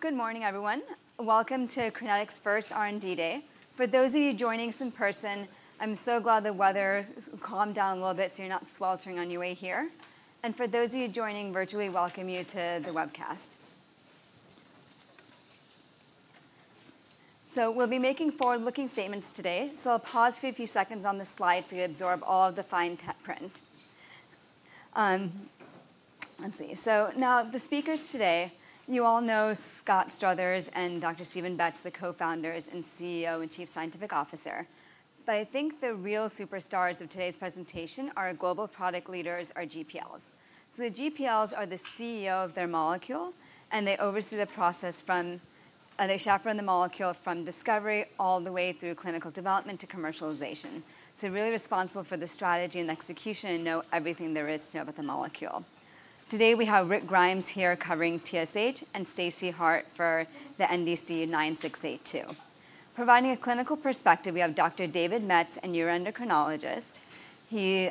Good morning, everyone. Welcome to Crinetics Pharma's R&D Day. For those of you joining us in person, I'm so glad the weather has calmed down a little bit so you're not sweltering on your way here. For those of you joining virtually, welcome to the webcast. We will be making forward-looking statements today, so I'll pause for a few seconds on the slide for you to absorb all of the fine print. Let's see. The speakers today, you all know Scott Struthers and Dr. Stephen Betz, the co-founders and CEO and Chief Scientific Officer. I think the real superstars of today's presentation are our global product leaders, our GPLs. The GPLs are the CEO of their molecule, and they oversee the process from they chaperone the molecule from discovery all the way through clinical development to commercialization. They are really responsible for the strategy and execution and know everything there is to know about the molecule. Today we have Rick Grimes here covering TSH and Stacey Harte for the NDC 9682. Providing a clinical perspective, we have Dr. David Metz, a neuroendocrinologist. He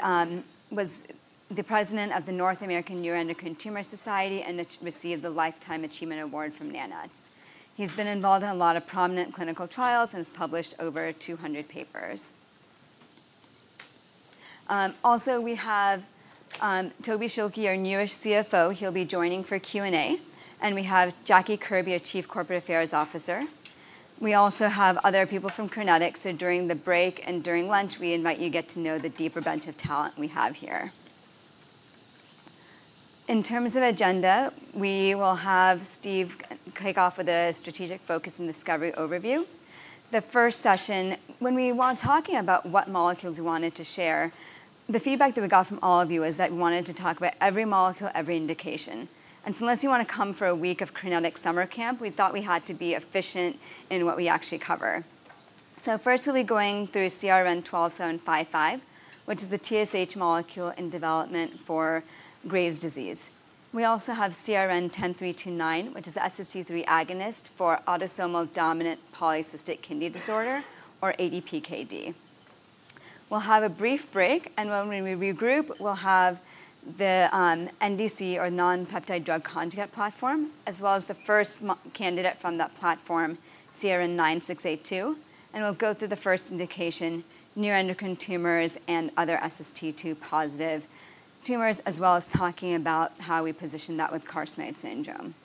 was the president of the North American Neuroendocrine Tumor Society and received the Lifetime Achievement Award from NANETS. He has been involved in a lot of prominent clinical trials and has published over 200 papers. Also, we have Toby Schilke, our newest CFO. He will be joining for Q&A. We have Jackie Kirby, our Chief Corporate Affairs Officer. We also have other people from Crinetics. During the break and during lunch, we invite you to get to know the deeper bench of talent we have here. In terms of agenda, we will have Steve kick off with a strategic focus and discovery overview. The first session, when we were talking about what molecules we wanted to share, the feedback that we got from all of you is that we wanted to talk about every molecule, every indication. Unless you want to come for a week of Crinetics summer camp, we thought we had to be efficient in what we actually cover. First, we'll be going through CRN12755, which is the TSH molecule in development for Graves' disease. We also have CRN10329, which is the SST3 agonist for autosomal dominant polycystic kidney disease, or ADPKD. We'll have a brief break, and when we regroup, we'll have the NDC, or Non-Peptide Drug Conjugate platform, as well as the first candidate from that platform, CRN9682. We will go through the first indication, neuroendocrine tumors and other SST2 positive tumors, as well as talking about how we position that with carcinoid syndrome.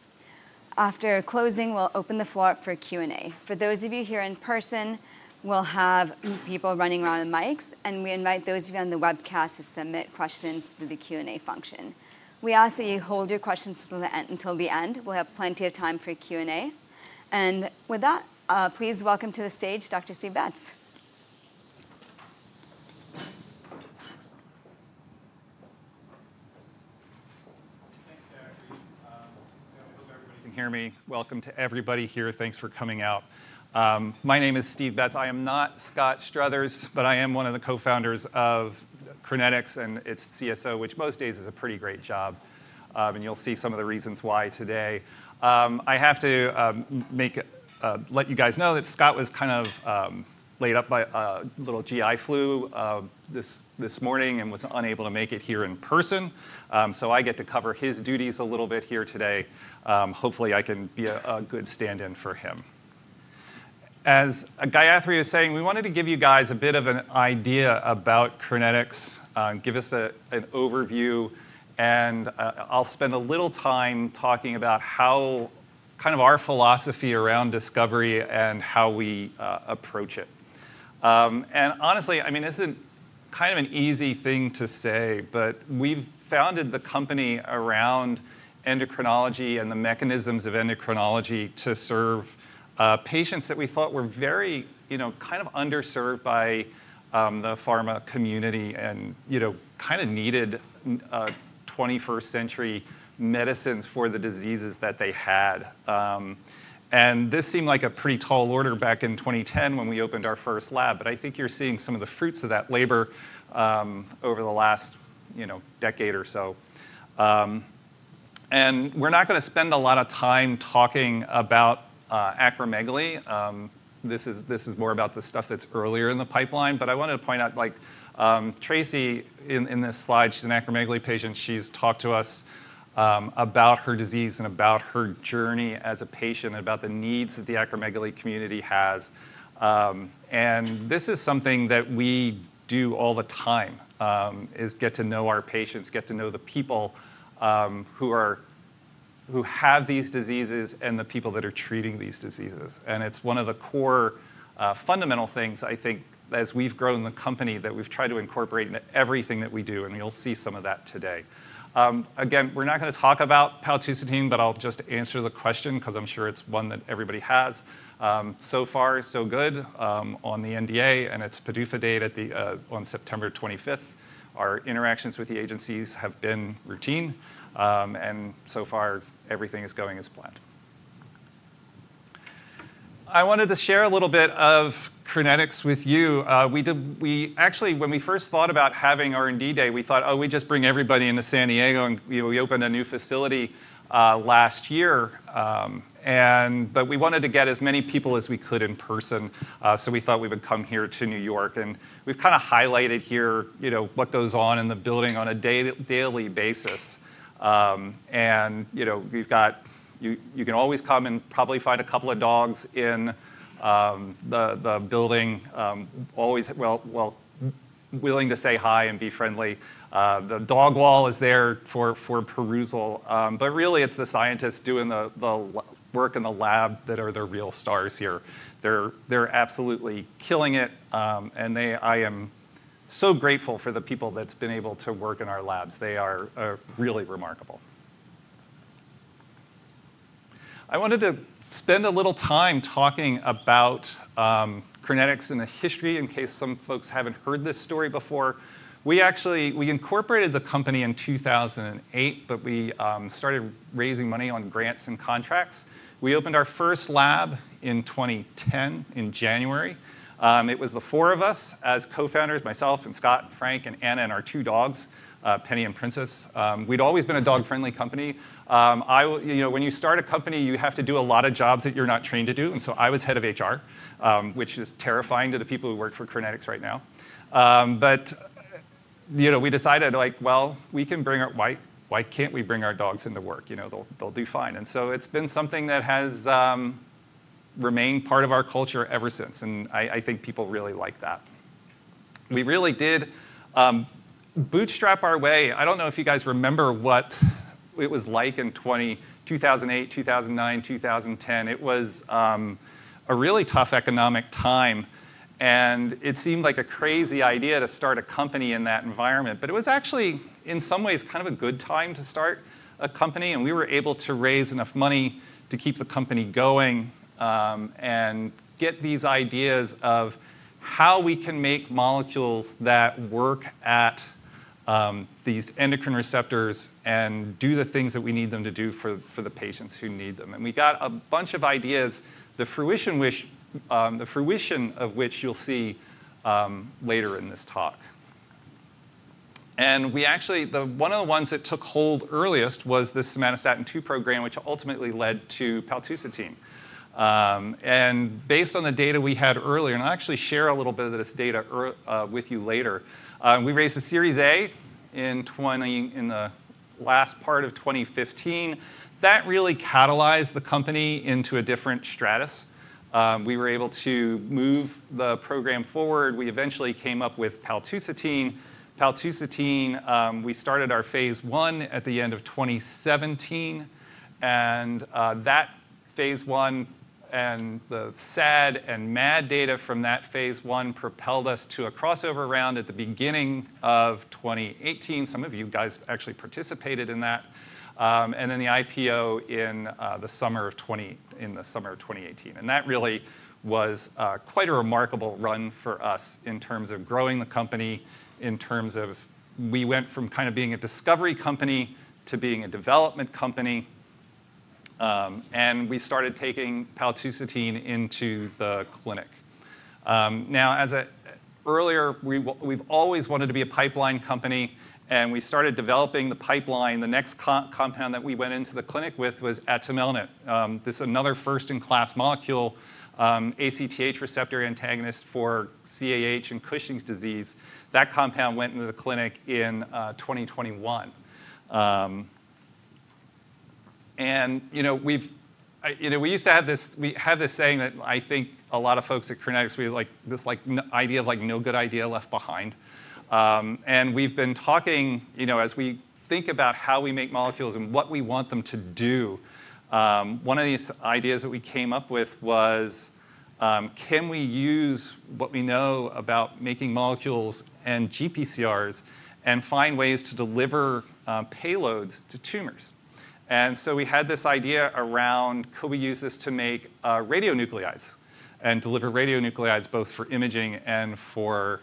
After closing, we will open the floor up for Q&A. For those of you here in person, we will have people running around the mics, and we invite those of you on the webcast to submit questions through the Q&A function. We ask that you hold your questions until the end. We will have plenty of time for Q&A. With that, please welcome to the stage Dr. Steve Betz. I hope everybody can hear me. Welcome to everybody here. Thanks for coming out. My name is Steve Betz. I am not Scott Struthers, but I am one of the co-founders of Crinetics and its CSO, which most days is a pretty great job. You will see some of the reasons why today. I have to let you guys know that Scott was kind of laid up by a little GI flu this morning and was unable to make it here in person. I get to cover his duties a little bit here today. Hopefully, I can be a good stand-in for him. As Gayathri was saying, we wanted to give you guys a bit of an idea about Crinetics, give us an overview, and I will spend a little time talking about kind of our philosophy around discovery and how we approach it. Honestly, I mean, this is not kind of an easy thing to say, but we founded the company around endocrinology and the mechanisms of endocrinology to serve patients that we thought were very kind of underserved by the pharma community and kind of needed 21st-century medicines for the diseases that they had. This seemed like a pretty tall order back in 2010 when we opened our first lab, but I think you are seeing some of the fruits of that labor over the last decade or so. We are not going to spend a lot of time talking about acromegaly. This is more about the stuff that is earlier in the pipeline. I wanted to point out, like Tracy in this slide, she is an acromegaly patient. She has talked to us about her disease and about her journey as a patient and about the needs that the acromegaly community has. This is something that we do all the time, is get to know our patients, get to know the people who have these diseases and the people that are treating these diseases. It is one of the core fundamental things, I think, as we have grown the company that we have tried to incorporate into everything that we do. You will see some of that today. Again, we are not going to talk about paltusotine, but I will just answer the question because I am sure it is one that everybody has. So far, so good on the NDA, and its PDUFA date is on September 25th. Our interactions with the agencies have been routine, and so far, everything is going as planned. I wanted to share a little bit of Crinetics with you. Actually, when we first thought about having R&D Day, we thought, oh, we just bring everybody into San Diego, and we opened a new facility last year. We wanted to get as many people as we could in person, so we thought we would come here to New York. We have kind of highlighted here what goes on in the building on a daily basis. You can always come and probably find a couple of dogs in the building, always willing to say hi and be friendly. The dog wall is there for perusal. Really, it is the scientists doing the work in the lab that are the real stars here. They are absolutely killing it. I am so grateful for the people that have been able to work in our labs. They are really remarkable. I wanted to spend a little time talking about Crinetics and the history in case some folks have not heard this story before. We incorporated the company in 2008, but we started raising money on grants and contracts. We opened our first lab in 2010 in January. It was the four of us as co-founders, myself and Scott and Frank and Anna and our two dogs, Penny and Princess. We had always been a dog-friendly company. When you start a company, you have to do a lot of jobs that you are not trained to do. I was head of HR, which is terrifying to the people who work for Crinetics right now. We decided, like, well, we can bring our—why cannot we bring our dogs into work? They will do fine. It has been something that has remained part of our culture ever since. I think people really like that. We really did bootstrap our way. I do not know if you guys remember what it was like in 2008, 2009, 2010. It was a really tough economic time. It seemed like a crazy idea to start a company in that environment. It was actually, in some ways, kind of a good time to start a company. We were able to raise enough money to keep the company going and get these ideas of how we can make molecules that work at these endocrine receptors and do the things that we need them to do for the patients who need them. We got a bunch of ideas, the fruition of which you will see later in this talk. One of the ones that took hold earliest was the somatostatin II program, which ultimately led to paltusotine. Based on the data we had earlier, and I'll actually share a little bit of this data with you later, we raised a Series A in the last part of 2015. That really catalyzed the company into a different stratus. We were able to move the program forward. We eventually came up with paltusotine. Paltusotine, we started our phase I at the end of 2017. That phase I and the SAD and MAD data from that phase I propelled us to a crossover round at the beginning of 2018. Some of you guys actually participated in that. The IPO in the summer of 2018 really was quite a remarkable run for us in terms of growing the company, in terms of we went from kind of being a discovery company to being a development company. We started taking paltusotine into the clinic. Now, earlier, we've always wanted to be a pipeline company. We started developing the pipeline. The next compound that we went into the clinic with was atumelnant. This is another first-in-class molecule, ACTH receptor antagonist for CAH and Cushing's disease. That compound went into the clinic in 2021. We used to have this saying that I think a lot of folks at Crinetics, this idea of no good idea left behind. We've been talking, as we think about how we make molecules and what we want them to do, one of these ideas that we came up with was, can we use what we know about making molecules and GPCRs and find ways to deliver payloads to tumors? We had this idea around, could we use this to make radionuclides and deliver radionuclides, both for imaging and for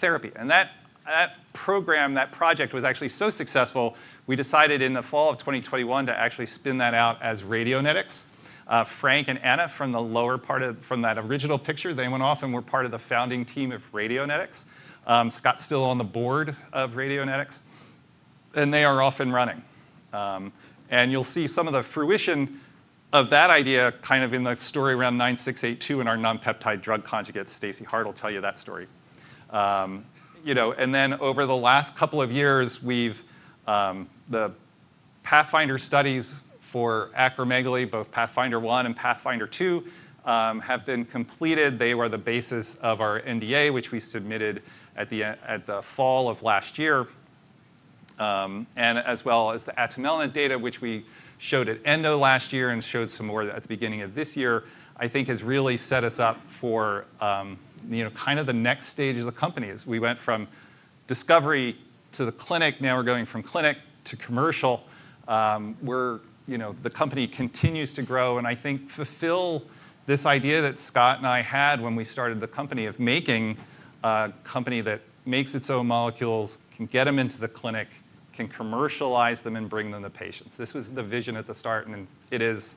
therapy? That program, that project was actually so successful, we decided in the fall of 2021 to actually spin that out as Radionetics. Frank and Anna from the lower part of that original picture, they went off and were part of the founding team of Radionetics. Scott is still on the board of Radionetics. They are off and running. You will see some of the fruition of that idea kind of in the story around 9682 and our non-peptide drug conjugates. Stacey Harte will tell you that story. Over the last couple of years, the Pathfinder studies for acromegaly, both Pathfinder I and Pathfinder II, have been completed. They were the basis of our NDA, which we submitted at the fall of last year. As well as the atumelnant data, which we showed at ENDO last year and showed some more at the beginning of this year, I think has really set us up for kind of the next stage of the company. As we went from discovery to the clinic, now we're going from clinic to commercial, the company continues to grow. I think fulfill this idea that Scott and I had when we started the company of making a company that makes its own molecules, can get them into the clinic, can commercialize them, and bring them to patients. This was the vision at the start. It is,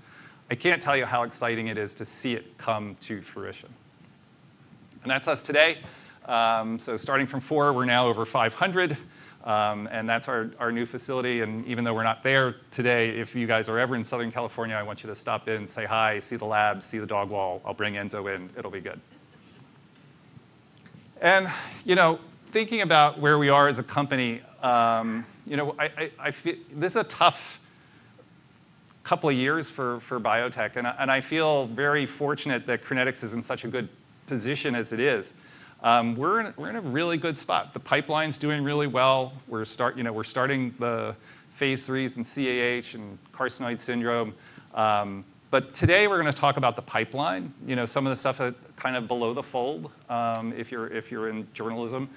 I can't tell you how exciting it is to see it come to fruition. That's us today. Starting from four, we're now over 500. That's our new facility. Even though we're not there today, if you guys are ever in Southern California, I want you to stop in, say hi, see the lab, see the dog wall. I'll bring Enzo in. It'll be good. Thinking about where we are as a company, this is a tough couple of years for biotech. I feel very fortunate that Crinetics is in such a good position as it is. We're in a really good spot. The pipeline's doing really well. We're starting the phase III's in CAH and carcinoid syndrome. Today, we're going to talk about the pipeline, some of the stuff kind of below the fold if you're in journalism.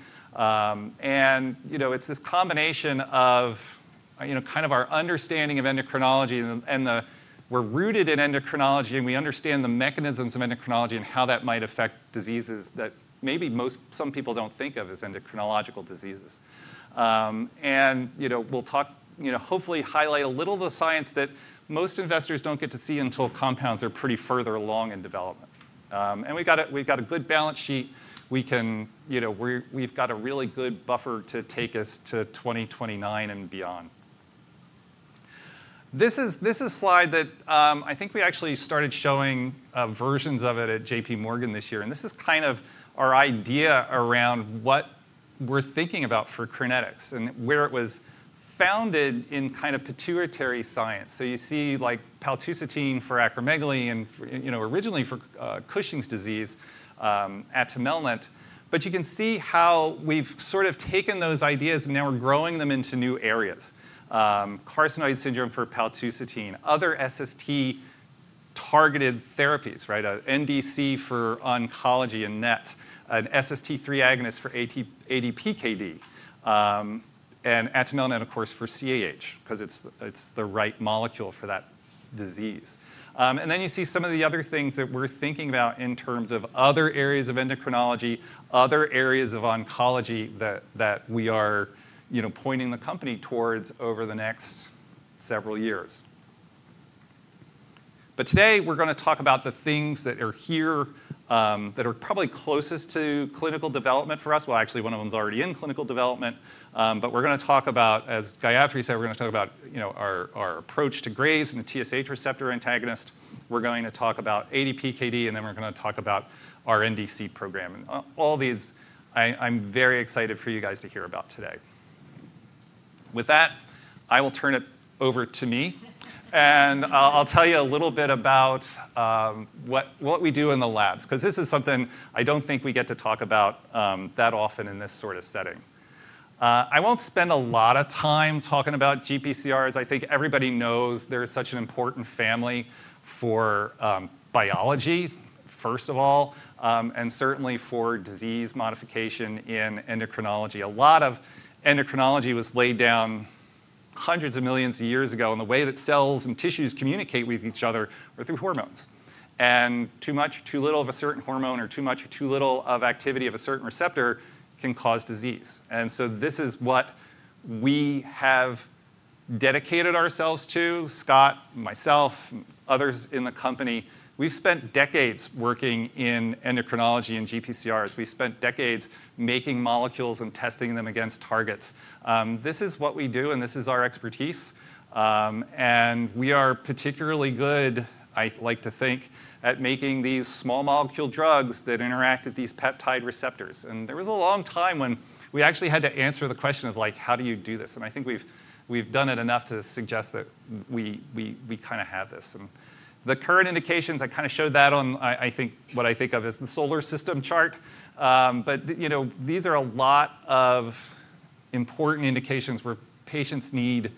It's this combination of kind of our understanding of endocrinology. We're rooted in endocrinology, and we understand the mechanisms of endocrinology and how that might affect diseases that maybe some people don't think of as endocrinological diseases. We'll talk, hopefully, highlight a little of the science that most investors don't get to see until compounds are pretty further along in development. We've got a good balance sheet. We've got a really good buffer to take us to 2029 and beyond. This is a slide that I think we actually started showing versions of at JPMorgan this year. This is kind of our idea around what we're thinking about for Crinetics and where it was founded in kind of pituitary science. You see paltusotine for acromegaly and originally for Cushing's disease, atumelnant. You can see how we've sort of taken those ideas and now we're growing them into new areas. Carcinoid syndrome for paltusotine, other SST-targeted therapies, NDC for oncology and NET, an SST3 agonist for ADPKD, and atumelnant, of course, for CAH because it's the right molecule for that disease. You see some of the other things that we're thinking about in terms of other areas of endocrinology, other areas of oncology that we are pointing the company towards over the next several years. Today, we're going to talk about the things that are here that are probably closest to clinical development for us. Actually, one of them is already in clinical development. We're going to talk about, as Gayathri said, our approach to Graves and the TSH receptor antagonist. We're going to talk about ADPKD, and then we're going to talk about our NDC program. All these, I'm very excited for you guys to hear about today. With that, I will turn it over to me. And I'll tell you a little bit about what we do in the labs because this is something I don't think we get to talk about that often in this sort of setting. I won't spend a lot of time talking about GPCRs. I think everybody knows they're such an important family for biology, first of all, and certainly for disease modification in endocrinology. A lot of endocrinology was laid down hundreds of millions of years ago. And the way that cells and tissues communicate with each other are through hormones. And too much or too little of a certain hormone or too much or too little of activity of a certain receptor can cause disease. And so this is what we have dedicated ourselves to, Scott, myself, others in the company. We've spent decades working in endocrinology and GPCRs. We've spent decades making molecules and testing them against targets. This is what we do, and this is our expertise. We are particularly good, I like to think, at making these small molecule drugs that interact with these peptide receptors. There was a long time when we actually had to answer the question of, like, how do you do this? I think we've done it enough to suggest that we kind of have this. The current indications, I kind of showed that on, I think, what I think of as the solar system chart. These are a lot of important indications where patients need,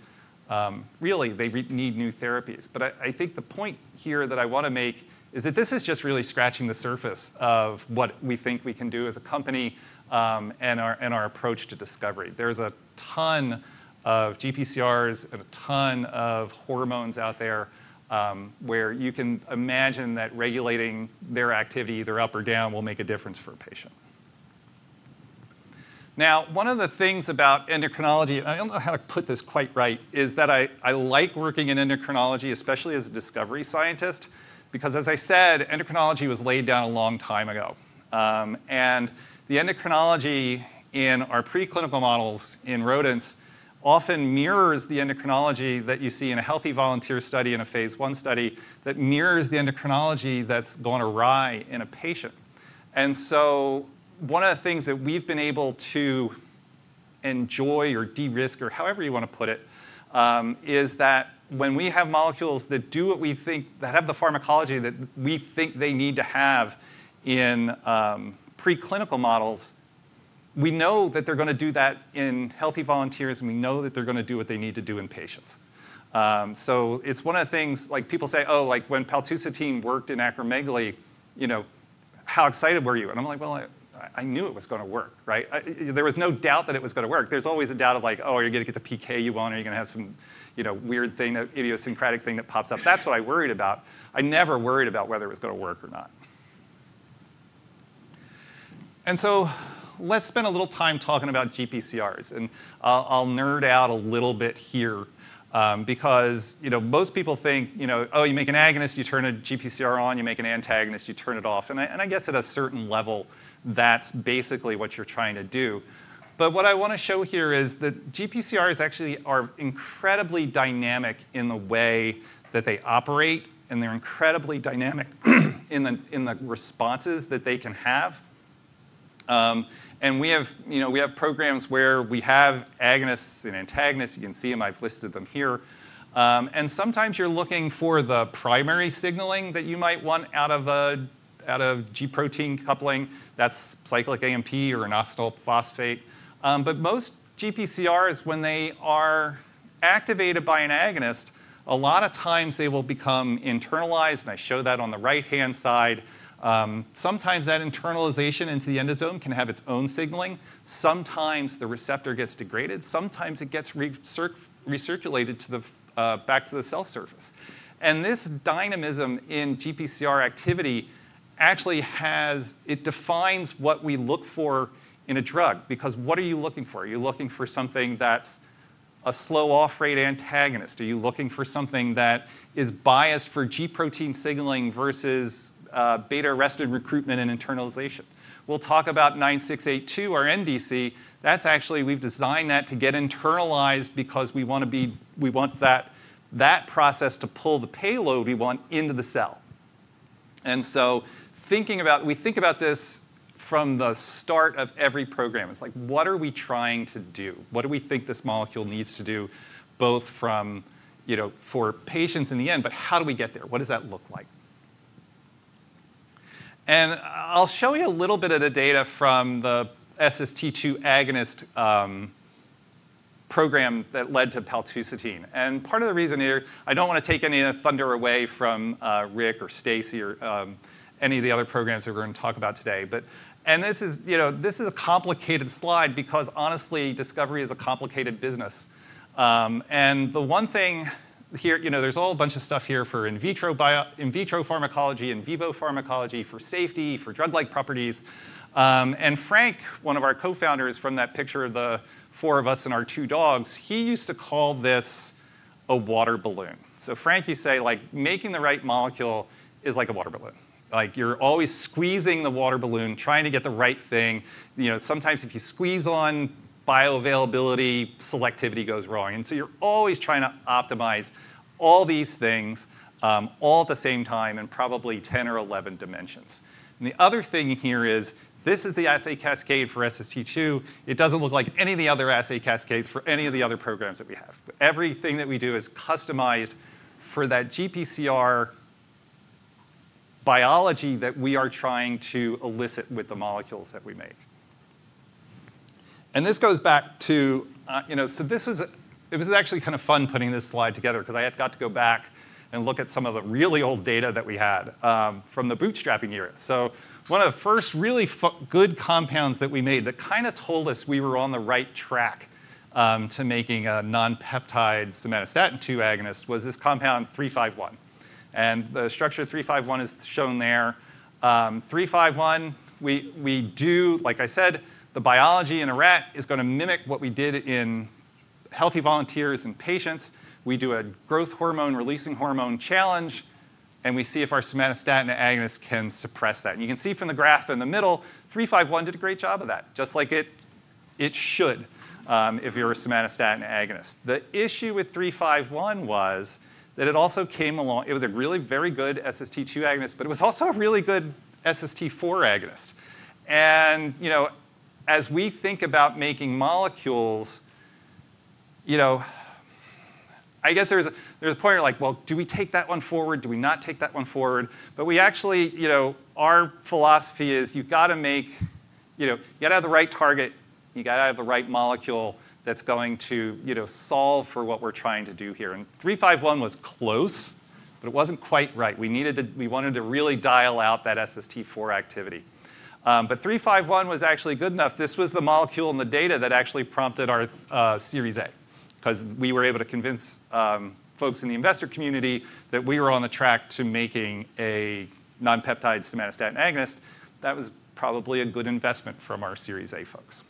really, they need new therapies. I think the point here that I want to make is that this is just really scratching the surface of what we think we can do as a company and our approach to discovery. There's a ton of GPCRs and a ton of hormones out there where you can imagine that regulating their activity, either up or down, will make a difference for a patient. Now, one of the things about endocrinology, I don't know how to put this quite right, is that I like working in endocrinology, especially as a discovery scientist, because, as I said, endocrinology was laid down a long time ago. The endocrinology in our preclinical models in rodents often mirrors the endocrinology that you see in a healthy volunteer study and a phase I study that mirrors the endocrinology that's going to arrive in a patient. One of the things that we've been able to enjoy or de-risk, or however you want to put it, is that when we have molecules that do what we think, that have the pharmacology that we think they need to have in preclinical models, we know that they're going to do that in healthy volunteers, and we know that they're going to do what they need to do in patients. It's one of the things, like, people say, oh, like, when paltusotine worked in acromegaly, how excited were you? I'm like, well, I knew it was going to work. There was no doubt that it was going to work. There's always a doubt of, like, oh, you're going to get the PKU one, or you're going to have some weird thing, idiosyncratic thing that pops up. That's what I worried about. I never worried about whether it was going to work or not. Let's spend a little time talking about GPCRs. I'll nerd out a little bit here because most people think, oh, you make an agonist, you turn a GPCR on. You make an antagonist, you turn it off. I guess at a certain level, that's basically what you're trying to do. What I want to show here is that GPCRs actually are incredibly dynamic in the way that they operate, and they're incredibly dynamic in the responses that they can have. We have programs where we have agonists and antagonists. You can see them. I've listed them here. Sometimes you're looking for the primary signaling that you might want out of G protein coupling. That's cyclic AMP or inositol phosphate. Most GPCRs, when they are activated by an agonist, a lot of times they will become internalized. I show that on the right-hand side. Sometimes that internalization into the endosome can have its own signaling. Sometimes the receptor gets degraded. Sometimes it gets recirculated back to the cell surface. This dynamism in GPCR activity actually defines what we look for in a drug because what are you looking for? Are you looking for something that's a slow-off rate antagonist? Are you looking for something that is biased for G protein signaling versus beta-arrestin recruitment and internalization? We'll talk about 9682, our NDC. That's actually, we've designed that to get internalized because we want that process to pull the payload we want into the cell. We think about this from the start of every program. It's like, what are we trying to do? What do we think this molecule needs to do, both for patients in the end, but how do we get there? What does that look like? I'll show you a little bit of the data from the SST2 agonist program that led to paltusotine. Part of the reason here, I don't want to take any of the thunder away from Rick or Stacey or any of the other programs we're going to talk about today. This is a complicated slide because, honestly, discovery is a complicated business. The one thing here, there's a whole bunch of stuff here for in vitro pharmacology, in vivo pharmacology, for safety, for drug-like properties. Frank, one of our co-founders from that picture of the four of us and our two dogs, he used to call this a water balloon. Frank, he'd say, like, making the right molecule is like a water balloon. Like, you're always squeezing the water balloon, trying to get the right thing. Sometimes if you squeeze on bioavailability, selectivity goes wrong. You're always trying to optimize all these things all at the same time in probably 10 or 11 dimensions. The other thing here is this is the assay cascade for SST2. It doesn't look like any of the other assay cascades for any of the other programs that we have. Everything that we do is customized for that GPCR biology that we are trying to elicit with the molecules that we make. This goes back to, so this was actually kind of fun putting this slide together because I got to go back and look at some of the really old data that we had from the bootstrapping era. One of the first really good compounds that we made that kind of told us we were on the right track to making a non-peptide somatostatin-2 agonist was this compound 351. The structure of 351 is shown there. 351, we do, like I said, the biology in a rat is going to mimic what we did in healthy volunteers and patients. We do a growth hormone-releasing hormone challenge, and we see if our somatostatin agonist can suppress that. You can see from the graph in the middle, 351 did a great job of that, just like it should if you are a somatostatin agonist. The issue with 351 was that it also came along, it was a really very good SST2 agonist, but it was also a really good SST4 agonist. As we think about making molecules, I guess there's a point where, like, do we take that one forward? Do we not take that one forward? We actually, our philosophy is you've got to make, you've got to have the right target. You've got to have the right molecule that's going to solve for what we're trying to do here. 351 was close, but it wasn't quite right. We wanted to really dial out that SST4 activity. 351 was actually good enough. This was the molecule in the data that actually prompted our Series A because we were able to convince folks in the investor community that we were on the track to making a non-peptide somatostatin agonist. That was probably a good investment from our Series A folks.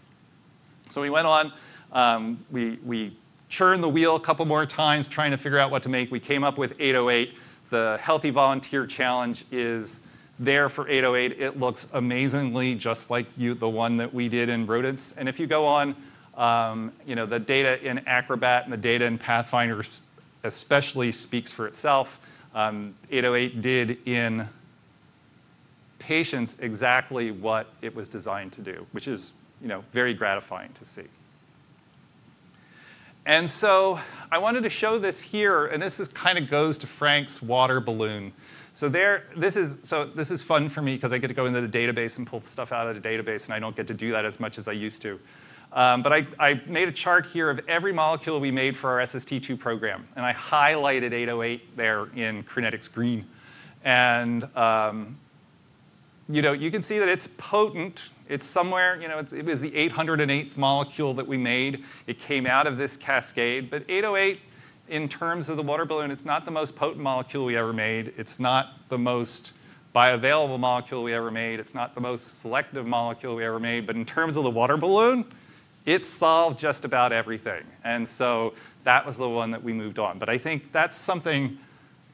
We went on. We churned the wheel a couple more times trying to figure out what to make. We came up with 808. The healthy volunteer challenge is there for 808. It looks amazingly just like the one that we did in rodents. If you go on, the data in Acrobat and the data in Pathfinders especially speaks for itself. 808 did in patients exactly what it was designed to do, which is very gratifying to see. I wanted to show this here. This kind of goes to Frank's water balloon. This is fun for me because I get to go into the database and pull stuff out of the database, and I do not get to do that as much as I used to. I made a chart here of every molecule we made for our SST2 program. I highlighted 808 there in Crinetics Green. You can see that it's potent. It's somewhere, it was the 808th molecule that we made. It came out of this cascade. 808, in terms of the water balloon, it's not the most potent molecule we ever made. It's not the most bioavailable molecule we ever made. It's not the most selective molecule we ever made. In terms of the water balloon, it solved just about everything. That was the one that we moved on. I think that's something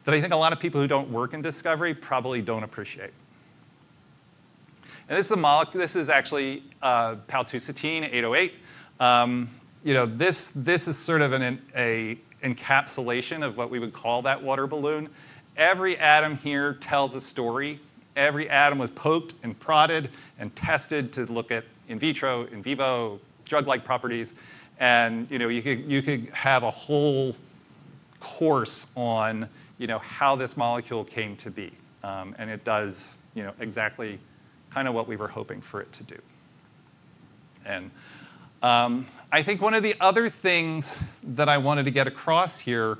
that I think a lot of people who don't work in discovery probably don't appreciate. This is actually paltusotine 808. This is sort of an encapsulation of what we would call that water balloon. Every atom here tells a story. Every atom was poked and prodded and tested to look at in vitro, in vivo, drug-like properties. You could have a whole course on how this molecule came to be. It does exactly kind of what we were hoping for it to do. I think one of the other things that I wanted to get across here,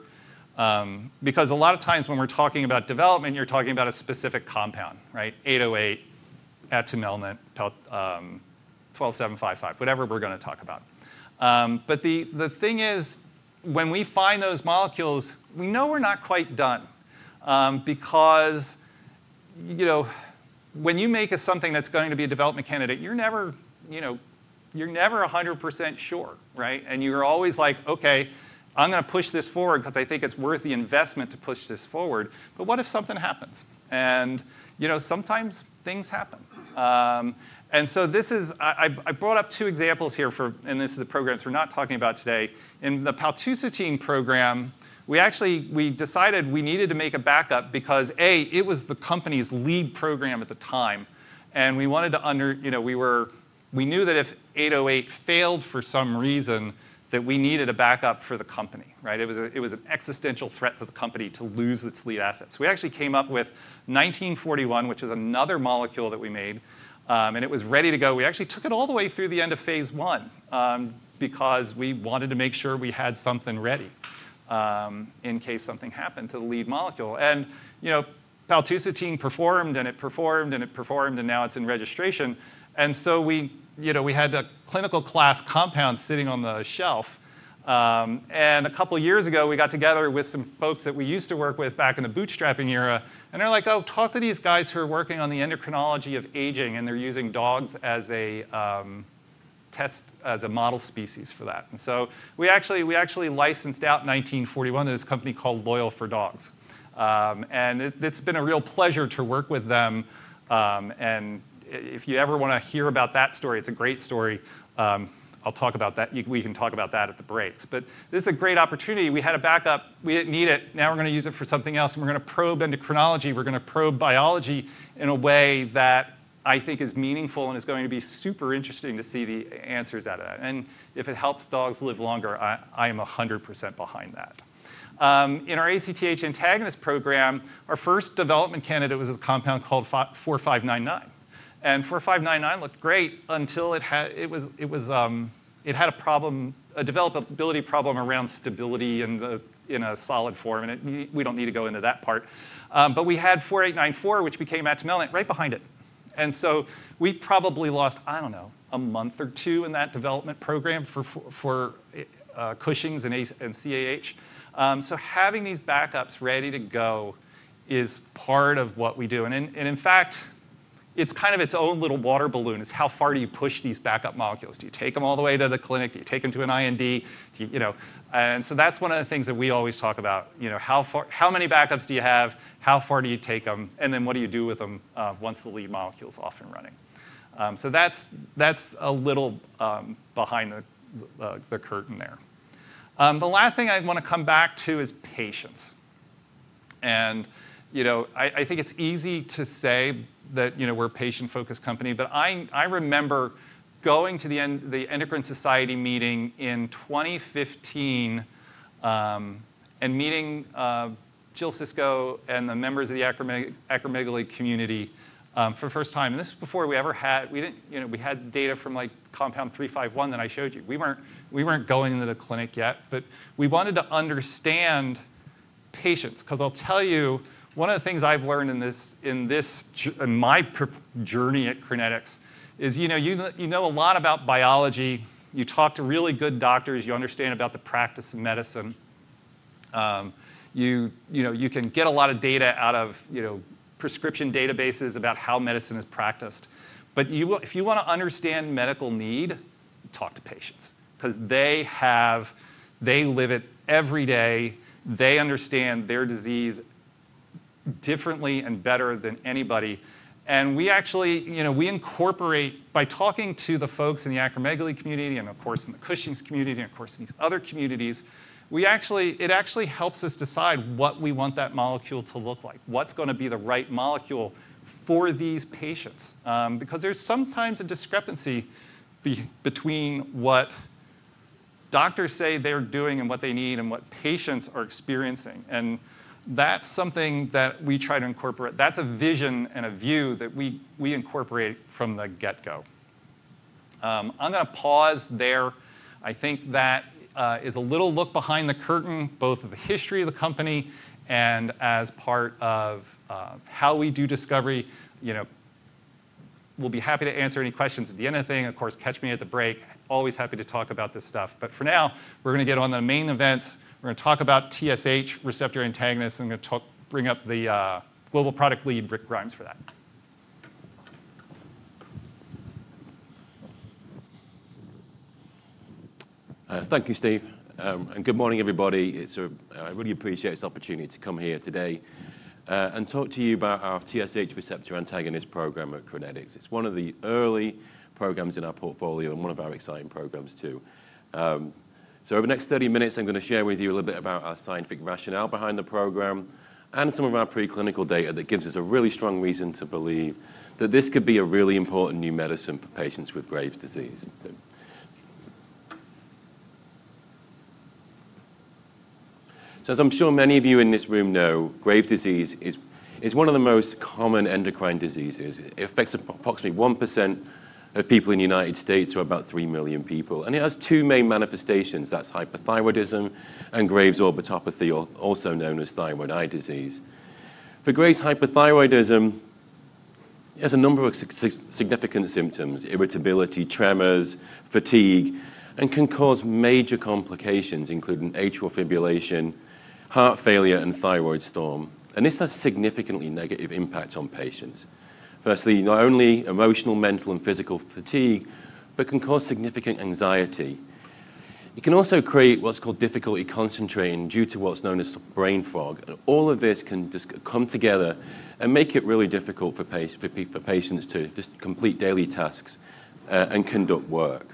because a lot of times when we're talking about development, you're talking about a specific compound, right? 808, ethylamine, 12755, whatever we're going to talk about. The thing is, when we find those molecules, we know we're not quite done because when you make something that's going to be a development candidate, you're never 100% sure, right? You're always like, OK, I'm going to push this forward because I think it's worth the investment to push this forward. What if something happens? Sometimes things happen. I brought up two examples here, and this is the program we're not talking about today. In the paltusotine program, we decided we needed to make a backup because, A, it was the company's lead program at the time. We wanted to, we knew that if 808 failed for some reason, that we needed a backup for the company, right? It was an existential threat to the company to lose its lead assets. We actually came up with 1941, which is another molecule that we made. It was ready to go. We actually took it all the way through the end of phase I because we wanted to make sure we had something ready in case something happened to the lead molecule. Paltusotine performed, and it performed, and it performed, and now it's in registration. We had a clinical class compound sitting on the shelf. A couple of years ago, we got together with some folks that we used to work with back in the bootstrapping era. They're like, oh, talk to these guys who are working on the endocrinology of aging, and they're using dogs as a model species for that. We actually licensed out 1941 to this company called Loyal for dogs. It's been a real pleasure to work with them. If you ever want to hear about that story, it's a great story. I'll talk about that. We can talk about that at the breaks. This is a great opportunity. We had a backup. We didn't need it. Now we're going to use it for something else. We're going to probe endocrinology. We're going to probe biology in a way that I think is meaningful and is going to be super interesting to see the answers out of that. If it helps dogs live longer, I am 100% behind that. In our ACTH antagonist program, our first development candidate was a compound called 4599. 4599 looked great until it had a problem, a developability problem around stability in a solid form. We do not need to go into that part. We had 4894, which became atumelnant, right behind it. We probably lost, I do not know, a month or two in that development program for Cushing's and CAH. Having these backups ready to go is part of what we do. In fact, it is kind of its own little water balloon. It is how far do you push these backup molecules? Do you take them all the way to the clinic? Do you take them to an IND? That is one of the things that we always talk about. How many backups do you have? How far do you take them? What do you do with them once the lead molecule is off and running? That is a little behind the curtain there. The last thing I want to come back to is patients. I think it is easy to say that we are a patient-focused company. I remember going to the Endocrine Society meeting in 2015 and meeting Jill Sisco and the members of the acromegaly community for the first time. This was before we ever had, we had data from compound 351 that I showed you. We were not going into the clinic yet. We wanted to understand patients because I'll tell you, one of the things I've learned in my journey at Crinetics is you know a lot about biology. You talk to really good doctors. You understand about the practice of medicine. You can get a lot of data out of prescription databases about how medicine is practiced. If you want to understand medical need, talk to patients because they live it every day. They understand their disease differently and better than anybody. We incorporate, by talking to the folks in the acromegaly community and, of course, in the Cushing's community and, of course, in these other communities, it actually helps us decide what we want that molecule to look like, what's going to be the right molecule for these patients. Because there's sometimes a discrepancy between what doctors say they're doing and what they need and what patients are experiencing. That's something that we try to incorporate. That's a vision and a view that we incorporate from the get-go. I'm going to pause there. I think that is a little look behind the curtain, both of the history of the company and as part of how we do discovery. We'll be happy to answer any questions at the end of the thing. Of course, catch me at the break. Always happy to talk about this stuff. For now, we're going to get on the main events. We're going to talk about TSH receptor antagonist. I'm going to bring up the Global Product Lead, Rick Grimes, for that. Thank you, Steve. Good morning, everybody. I really appreciate this opportunity to come here today and talk to you about our TSH receptor antagonist program at Crinetics. It's one of the early programs in our portfolio and one of our exciting programs, too. Over the next 30 minutes, I'm going to share with you a little bit about our scientific rationale behind the program and some of our preclinical data that gives us a really strong reason to believe that this could be a really important new medicine for patients with Graves' disease. As I'm sure many of you in this room know, Graves' disease is one of the most common endocrine diseases. It affects approximately 1% of people in the United States, or about 3 million people. It has two main manifestations. That's hyperthyroidism and Graves' orbitopathy, also known as thyroid eye disease. For Graves' hypothyroidism, there's a number of significant symptoms: irritability, tremors, fatigue, and can cause major complications, including atrial fibrillation, heart failure, and thyroid storm. This has significantly negative impacts on patients. Firstly, not only emotional, mental, and physical fatigue, but can cause significant anxiety. It can also create what's called difficulty concentrating due to what's known as brain fog. All of this can come together and make it really difficult for patients to just complete daily tasks and conduct work.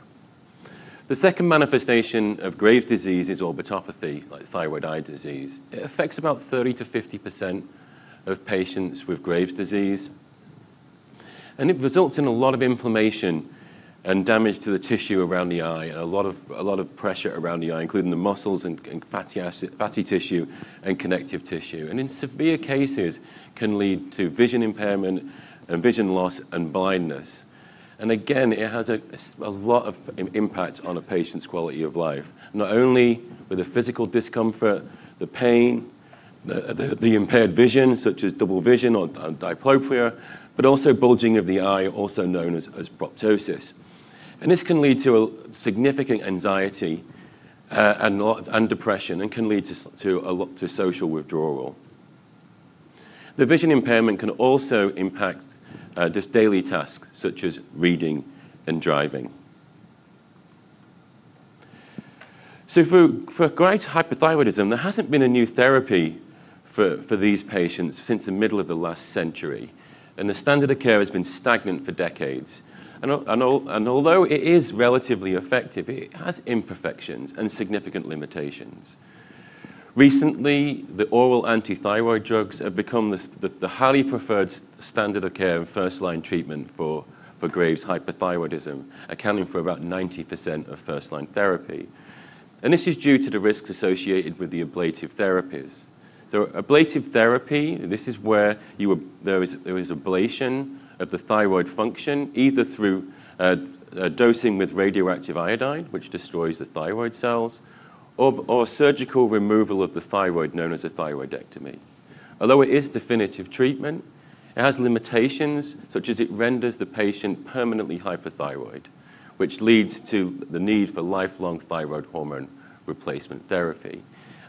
The second manifestation of Graves' disease is orbitopathy, like thyroid eye disease. It affects about 30%-50% of patients with Graves' disease. It results in a lot of inflammation and damage to the tissue around the eye and a lot of pressure around the eye, including the muscles and fatty tissue and connective tissue. In severe cases, it can lead to vision impairment and vision loss and blindness. It has a lot of impact on a patient's quality of life, not only with the physical discomfort, the pain, the impaired vision, such as double vision or diplopia, but also bulging of the eye, also known as proptosis. This can lead to significant anxiety and depression and can lead to a lot of social withdrawal. The vision impairment can also impact just daily tasks, such as reading and driving. For Graves' hypothyroidism, there has not been a new therapy for these patients since the middle of the last century. The standard of care has been stagnant for decades. Although it is relatively effective, it has imperfections and significant limitations. Recently, the oral antithyroid drugs have become the highly preferred standard of care and first-line treatment for Graves' hypothyroidism, accounting for about 90% of first-line therapy. This is due to the risks associated with the ablative therapies. Ablative therapy is where there is ablation of the thyroid function, either through dosing with radioactive iodine, which destroys the thyroid cells, or surgical removal of the thyroid, known as a thyroidectomy. Although it is definitive treatment, it has limitations, such as it renders the patient permanently hypothyroid, which leads to the need for lifelong thyroid hormone replacement therapy.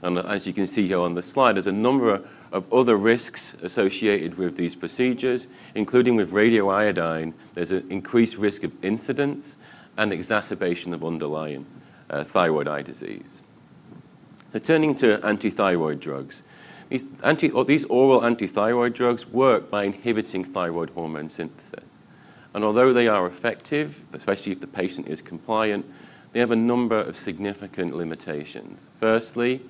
As you can see here on the slide, there are a number of other risks associated with these procedures, including with radioiodine. There is an increased risk of incidence and exacerbation of underlying thyroid eye disease. Turning to antithyroid drugs, these oral antithyroid drugs work by inhibiting thyroid hormone synthesis. Although they are effective, especially if the patient is compliant, they have a number of significant limitations. Firstly,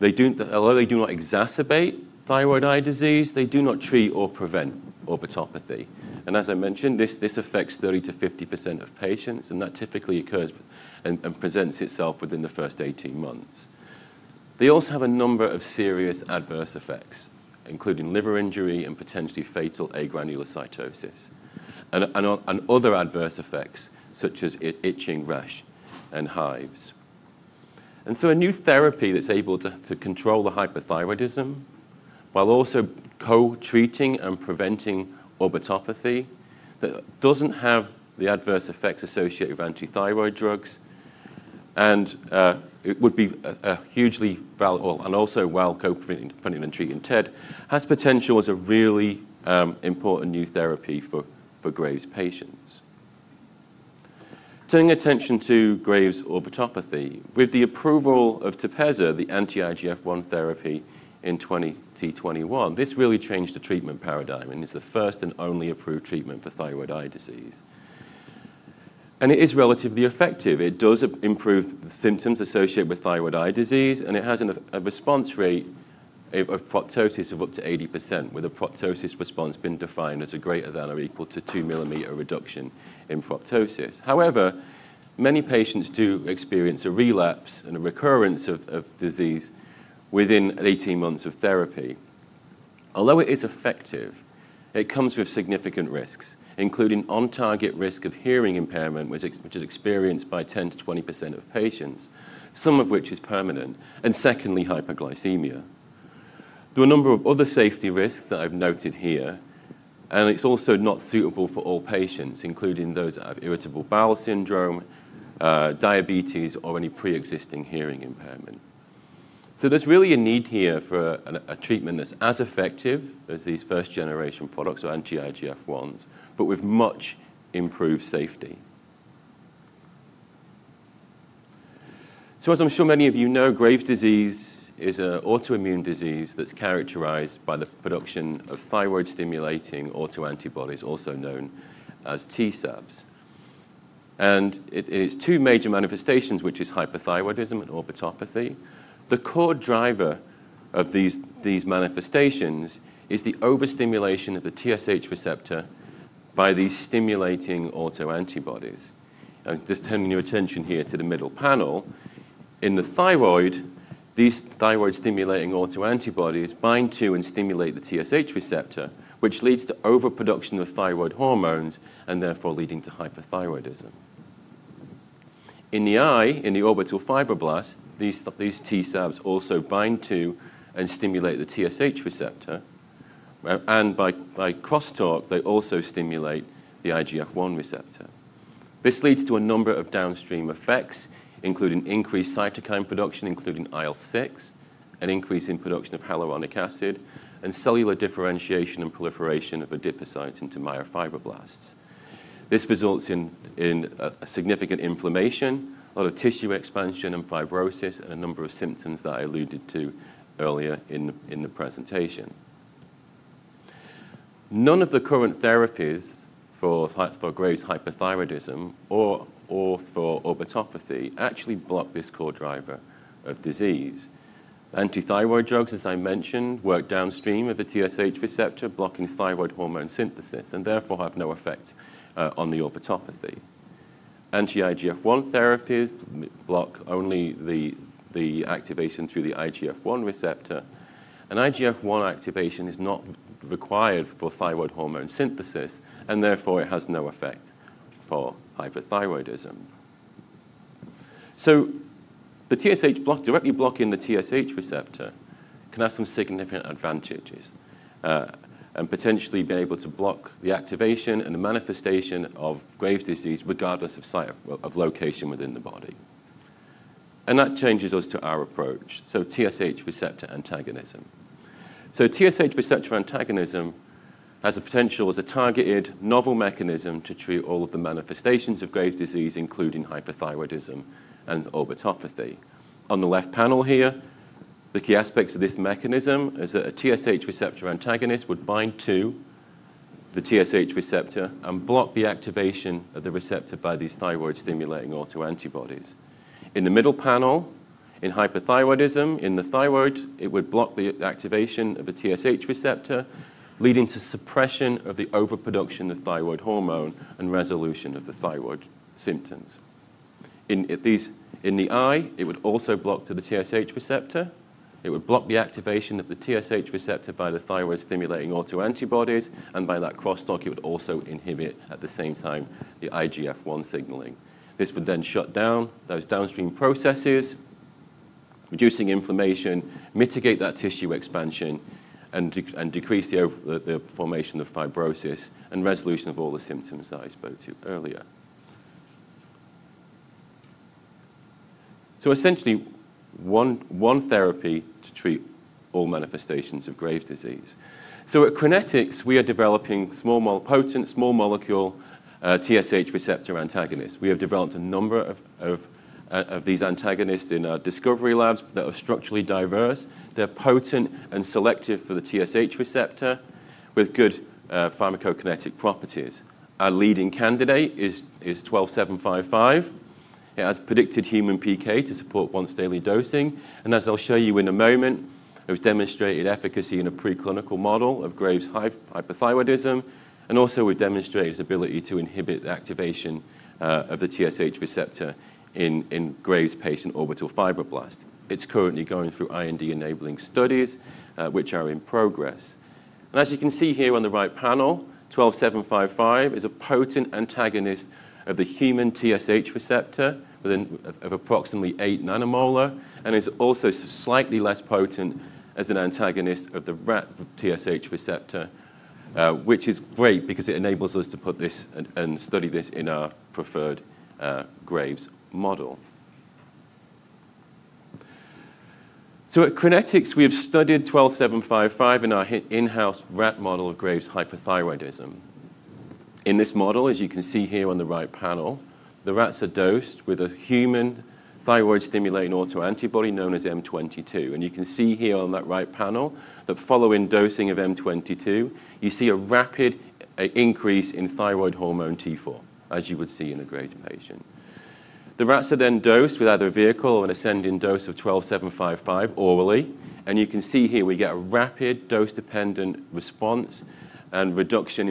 although they do not exacerbate thyroid eye disease, they do not treat or prevent orbitopathy. As I mentioned, this affects 30%-50% of patients. That typically occurs and presents itself within the first 18 months. They also have a number of serious adverse effects, including liver injury and potentially fatal agranulocytosis and other adverse effects, such as itching, rash, and hives. A new therapy that is able to control the hypothyroidism while also co-treating and preventing orbitopathy, that does not have the adverse effects associated with antithyroid drugs and would be hugely valuable and also well co-treated and treated in TED, has potential as a really important new therapy for Graves' patients. Turning attention to Graves' orbitopathy, with the approval of Tepezza, the anti-IGF-1 therapy in 2021, this really changed the treatment paradigm and is the first and only approved treatment for thyroid eye disease. It is relatively effective. It does improve the symptoms associated with thyroid eye disease. It has a response rate of proptosis of up to 80%, with a proptosis response being defined as a greater than or equal to 2 mm reduction in proptosis. However, many patients do experience a relapse and a recurrence of disease within 18 months of therapy. Although it is effective, it comes with significant risks, including on-target risk of hearing impairment, which is experienced by 10%-20% of patients, some of which is permanent, and secondly, hypoglycemia. There are a number of other safety risks that I've noted here. It is also not suitable for all patients, including those that have irritable bowel syndrome, diabetes, or any pre-existing hearing impairment. There is really a need here for a treatment that is as effective as these first-generation products or anti-IGF-1s, but with much improved safety. As I am sure many of you know, Graves' disease is an autoimmune disease that is characterized by the production of thyroid-stimulating autoantibodies, also known as TSAbs. It has two major manifestations, which are hypothyroidism and orbitopathy. The core driver of these manifestations is the overstimulation of the TSH receptor by these stimulating autoantibodies. Turning your attention here to the middle panel, in the thyroid, these thyroid-stimulating autoantibodies bind to and stimulate the TSH receptor, which leads to overproduction of thyroid hormones and therefore leading to hypothyroidism. In the eye, in the orbital fibroblast, these TSAbs also bind to and stimulate the TSH receptor. By crosstalk, they also stimulate the IGF-1 receptor. This leads to a number of downstream effects, including increased cytokine production, including IL-6, an increase in production of hyaluronic acid, and cellular differentiation and proliferation of adipocytes into myofibroblasts. This results in significant inflammation, a lot of tissue expansion and fibrosis, and a number of symptoms that I alluded to earlier in the presentation. None of the current therapies for Graves' hypothyroidism or for orbitopathy actually block this core driver of disease. Antithyroid drugs, as I mentioned, work downstream of the TSH receptor, blocking thyroid hormone synthesis and therefore have no effect on the orbitopathy. Anti-IGF-1 therapies block only the activation through the IGF-1 receptor. IGF-1 activation is not required for thyroid hormone synthesis. Therefore, it has no effect for hypothyroidism. The TSH directly blocking the TSH receptor can have some significant advantages and potentially be able to block the activation and the manifestation of Graves' disease regardless of location within the body. That changes us to our approach, so TSH receptor antagonism. TSH receptor antagonism has the potential as a targeted novel mechanism to treat all of the manifestations of Graves' disease, including hypothyroidism and orbitopathy. On the left panel here, the key aspects of this mechanism is that a TSH receptor antagonist would bind to the TSH receptor and block the activation of the receptor by these thyroid-stimulating autoantibodies. In the middle panel, in hypothyroidism, in the thyroid, it would block the activation of the TSH receptor, leading to suppression of the overproduction of thyroid hormone and resolution of the thyroid symptoms. In the eye, it would also block to the TSH receptor. It would block the activation of the TSH receptor by the thyroid-stimulating autoantibodies. By that crosstalk, it would also inhibit, at the same time, the IGF-1 signaling. This would then shut down those downstream processes, reducing inflammation, mitigate that tissue expansion, and decrease the formation of fibrosis and resolution of all the symptoms that I spoke to earlier. Essentially, one therapy to treat all manifestations of Graves' disease. At Crinetics, we are developing small molecule TSH receptor antagonists. We have developed a number of these antagonists in our discovery labs that are structurally diverse. They're potent and selective for the TSH receptor with good pharmacokinetic properties. Our leading candidate is 12755. It has predicted human PK to support once-daily dosing. As I'll show you in a moment, it was demonstrated efficacy in a preclinical model of Graves' hypothyroidism. We have demonstrated its ability to inhibit the activation of the TSH receptor in Graves' patient orbital fibroblast. It is currently going through IND-enabling studies, which are in progress. As you can see here on the right panel, 12755 is a potent antagonist of the human TSH receptor of approximately eight nanomolar. It is also slightly less potent as an antagonist of the TSH receptor, which is great because it enables us to put this and study this in our preferred Graves' model. At Crinetics, we have studied 12755 in our in-house rat model of Graves' hypothyroidism. In this model, as you can see here on the right panel, the rats are dosed with a human thyroid-stimulating autoantibody known as M22. You can see here on that right panel that following dosing of M22, you see a rapid increase in thyroid hormone T4, as you would see in a Graves' patient. The rats are then dosed with either a vehicle or an ascending dose of 12755 orally. You can see here we get a rapid dose-dependent response and reduction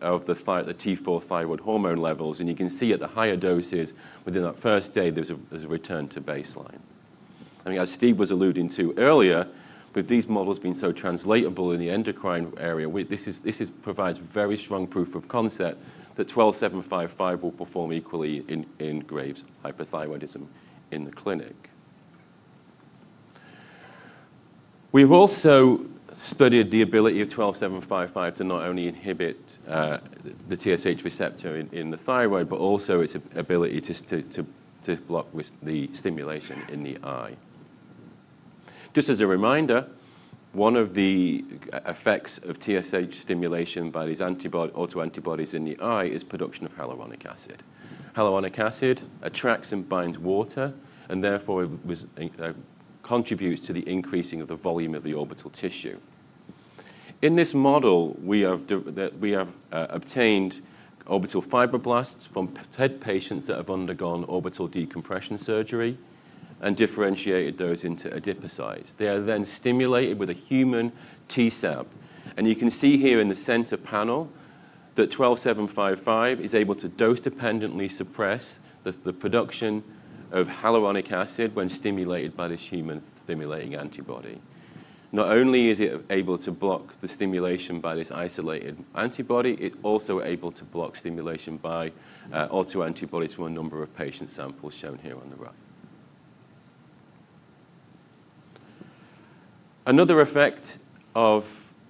of the T4 thyroid hormone levels. You can see at the higher doses, within that first day, there's a return to baseline. As Steve was alluding to earlier, with these models being so translatable in the endocrine area, this provides very strong proof of concept that 12755 will perform equally in Graves' hypothyroidism in the clinic. We have also studied the ability of 12755 to not only inhibit the TSH receptor in the thyroid, but also its ability to block the stimulation in the eye. Just as a reminder, one of the effects of TSH stimulation by these autoantibodies in the eye is production of hyaluronic acid. Hyaluronic acid attracts and binds water and therefore contributes to the increasing of the volume of the orbital tissue. In this model, we have obtained orbital fibroblasts from TED patients that have undergone orbital decompression surgery and differentiated those into adipocytes. They are then stimulated with a human TSAb. You can see here in the center panel that 12755 is able to dose-dependently suppress the production of hyaluronic acid when stimulated by this human-stimulating antibody. Not only is it able to block the stimulation by this isolated antibody, it is also able to block stimulation by autoantibodies from a number of patient samples shown here on the right. Another effect of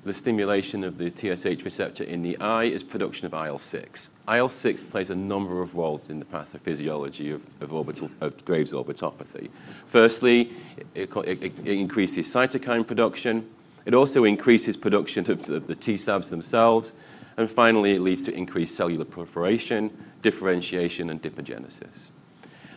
the stimulation of the TSH receptor in the eye is production of IL-6. IL-6 plays a number of roles in the pathophysiology of Graves' orbitopathy. Firstly, it increases cytokine production. It also increases production of the TSAPs themselves. Finally, it leads to increased cellular proliferation, differentiation, and adipogenesis.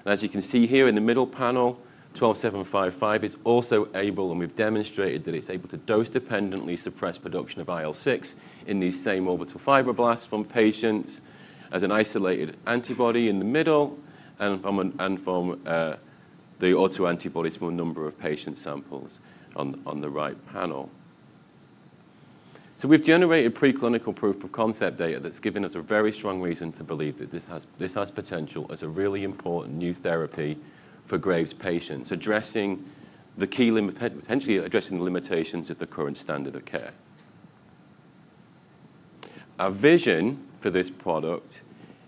As you can see here in the middle panel, 12755 is also able, and we've demonstrated that it's able to dose-dependently suppress production of IL-6 in these same orbital fibroblasts from patients as an isolated antibody in the middle and from the autoantibodies from a number of patient samples on the right panel. We've generated preclinical proof of concept data that's given us a very strong reason to believe that this has potential as a really important new therapy for Graves' patients, potentially addressing the limitations of the current standard of care. Our vision for this product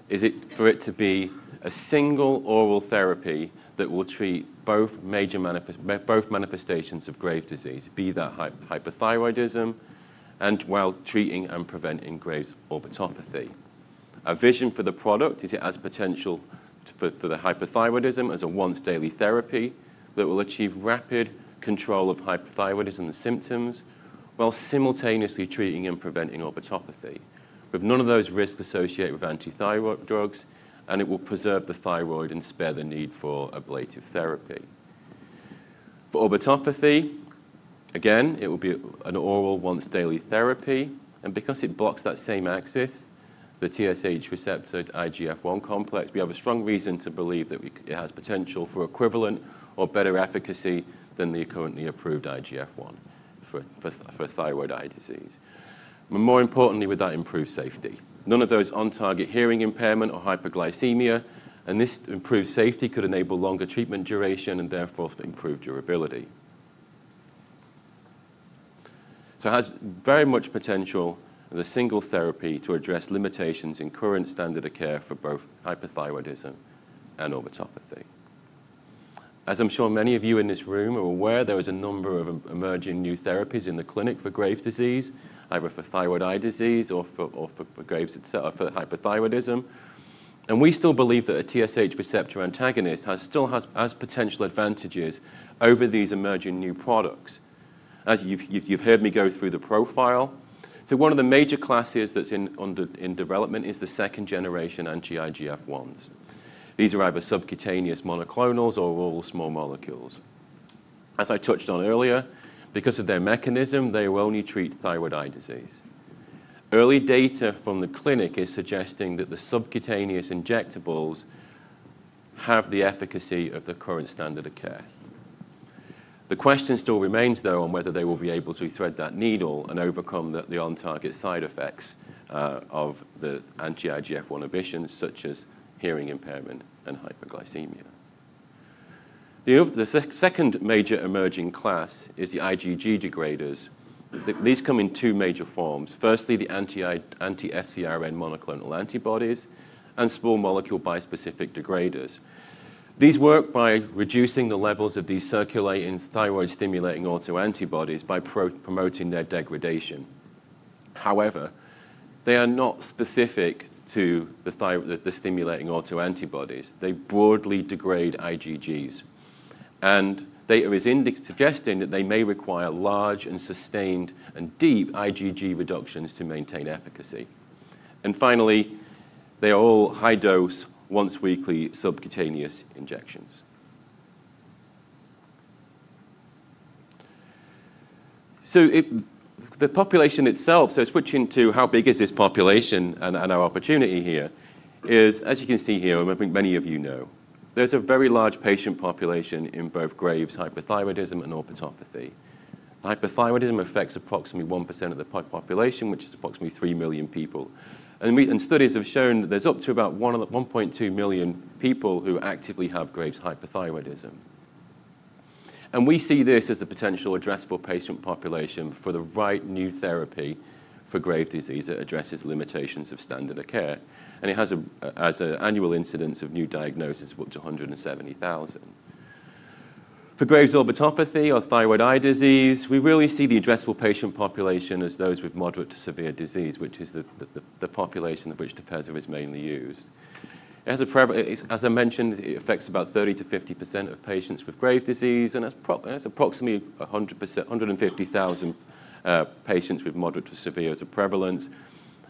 is for it to be a single oral therapy that will treat both manifestations of Graves' disease, be that hypothyroidism and while treating and preventing Graves' orbitopathy. Our vision for the product is it has potential for the hypothyroidism as a once-daily therapy that will achieve rapid control of hypothyroidism symptoms while simultaneously treating and preventing orbitopathy with none of those risks associated with anti-thyroid drugs. It will preserve the thyroid and spare the need for ablative therapy. For orbitopathy, again, it will be an oral once-daily therapy. Because it blocks that same axis, the TSH receptor IGF-1 complex, we have a strong reason to believe that it has potential for equivalent or better efficacy than the currently approved IGF-1 for thyroid eye disease. More importantly, with that improved safety. None of those on-target hearing impairment or hypoglycemia. This improved safety could enable longer treatment duration and therefore improved durability. It has very much potential as a single therapy to address limitations in current standard of care for both hypothyroidism and orbitopathy. As I'm sure many of you in this room are aware, there is a number of emerging new therapies in the clinic for Graves' disease, either for thyroid eye disease or for Graves' hypothyroidism. We still believe that a TSH receptor antagonist still has potential advantages over these emerging new products. As you've heard me go through the profile, one of the major classes that's in development is the second-generation anti-IGF-1s. These are either subcutaneous monoclonals or oral small molecules. As I touched on earlier, because of their mechanism, they will only treat thyroid eye disease. Early data from the clinic is suggesting that the subcutaneous injectables have the efficacy of the current standard of care. The question still remains, though, on whether they will be able to thread that needle and overcome the on-target side effects of the anti-IGF-1 additions, such as hearing impairment and hypoglycemia. The second major emerging class is the IgG degraders. These come in two major forms. Firstly, the anti-FcRn monoclonal antibodies and small molecule bispecific degraders. These work by reducing the levels of these circulating thyroid-stimulating autoantibodies by promoting their degradation. However, they are not specific to the stimulating autoantibodies. They broadly degrade IgGs. Data is suggesting that they may require large and sustained and deep IgG reductions to maintain efficacy. Finally, they are all high-dose, once-weekly subcutaneous injections. The population itself, switching to how big is this population and our opportunity here, is, as you can see here, and I think many of you know, there's a very large patient population in both Graves' hypothyroidism and orbitopathy. Hypothyroidism affects approximately 1% of the population, which is approximately 3 million people. Studies have shown that there's up to about 1.2 million people who actively have Graves' hypothyroidism. We see this as the potential addressable patient population for the right new therapy for Graves' disease that addresses limitations of standard of care. It has an annual incidence of new diagnoses of up to 170,000. For Graves' orbitopathy or thyroid eye disease, we really see the addressable patient population as those with moderate to severe disease, which is the population of which Tepezza is mainly used. As I mentioned, it affects about 30%-50% of patients with Graves' disease. And it's approximately 150,000 patients with moderate to severe as a prevalence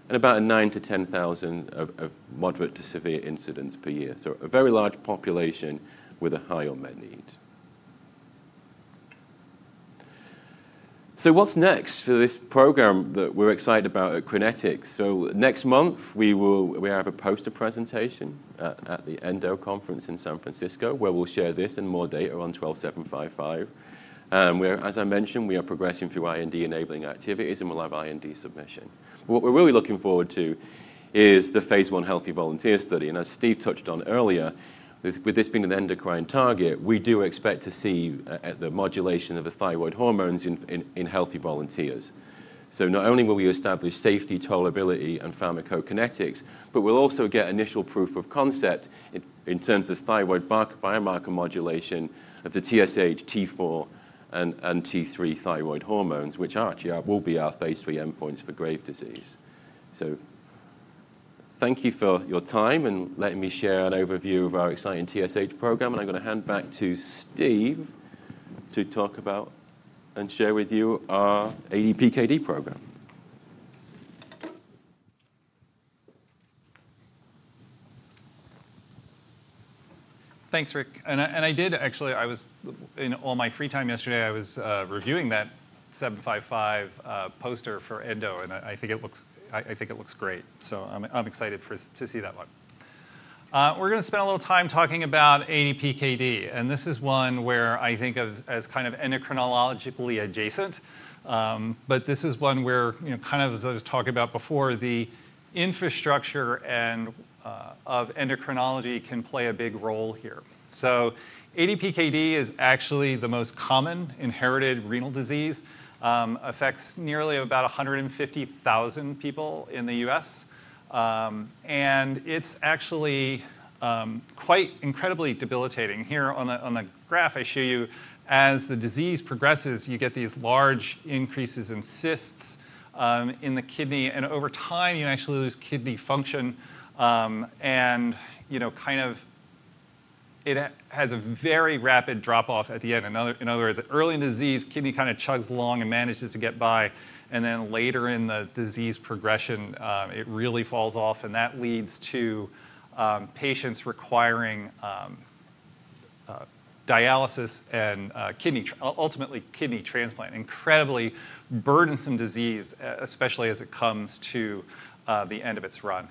and about 9,000-10,000 of moderate to severe incidents per year. A very large population with a high or met need. What's next for this program that we're excited about at Crinetics? Next month, we have a poster presentation at the ENDO Conference in San Francisco, where we'll share this and more data on 12755. As I mentioned, we are progressing through IND-enabling activities, and we'll have IND submission. What we're really looking forward to is the phase I healthy volunteer study. As Steve touched on earlier, with this being the endocrine target, we do expect to see the modulation of the thyroid hormones in healthy volunteers. Not only will we establish safety, tolerability, and pharmacokinetics, but we'll also get initial proof of concept in terms of thyroid biomarker modulation of the TSH, T4, and T3 thyroid hormones, which actually will be our phase III endpoints for Graves' disease. Thank you for your time and letting me share an overview of our exciting TSH program. I'm going to hand back to Steve to talk about and share with you our ADPKD program. Thanks, Rick. I did, actually, in all my free time yesterday, I was reviewing that 755 poster for ENDO. I think it looks great. I'm excited to see that one. We're going to spend a little time talking about ADPKD. This is one where I think of as kind of endocrinologically adjacent. This is one where, kind of as I was talking about before, the infrastructure of endocrinology can play a big role here. ADPKD is actually the most common inherited renal disease. It affects nearly about 150,000 people in the U.S. It is actually quite incredibly debilitating. Here on the graph I show you, as the disease progresses, you get these large increases in cysts in the kidney. Over time, you actually lose kidney function. It has a very rapid drop-off at the end. In other words, early in disease, the kidney kind of chugs along and manages to get by. Later in the disease progression, it really falls off. That leads to patients requiring dialysis and ultimately kidney transplant. Incredibly burdensome disease, especially as it comes to the end of its run.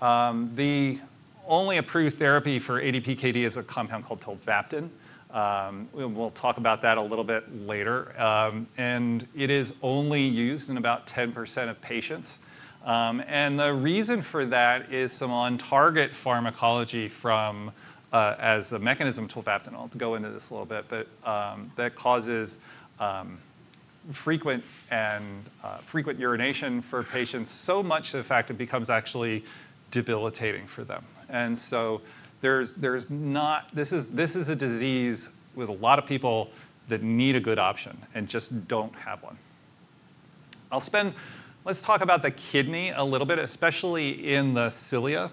The only approved therapy for ADPKD is a compound called tolvaptan. We'll talk about that a little bit later. It is only used in about 10% of patients. The reason for that is some on-target pharmacology as a mechanism, tolvaptan. I'll go into this a little bit. That causes frequent urination for patients, so much to the fact it becomes actually debilitating for them. This is a disease with a lot of people that need a good option and just don't have one. Let's talk about the kidney a little bit, especially in the cilia.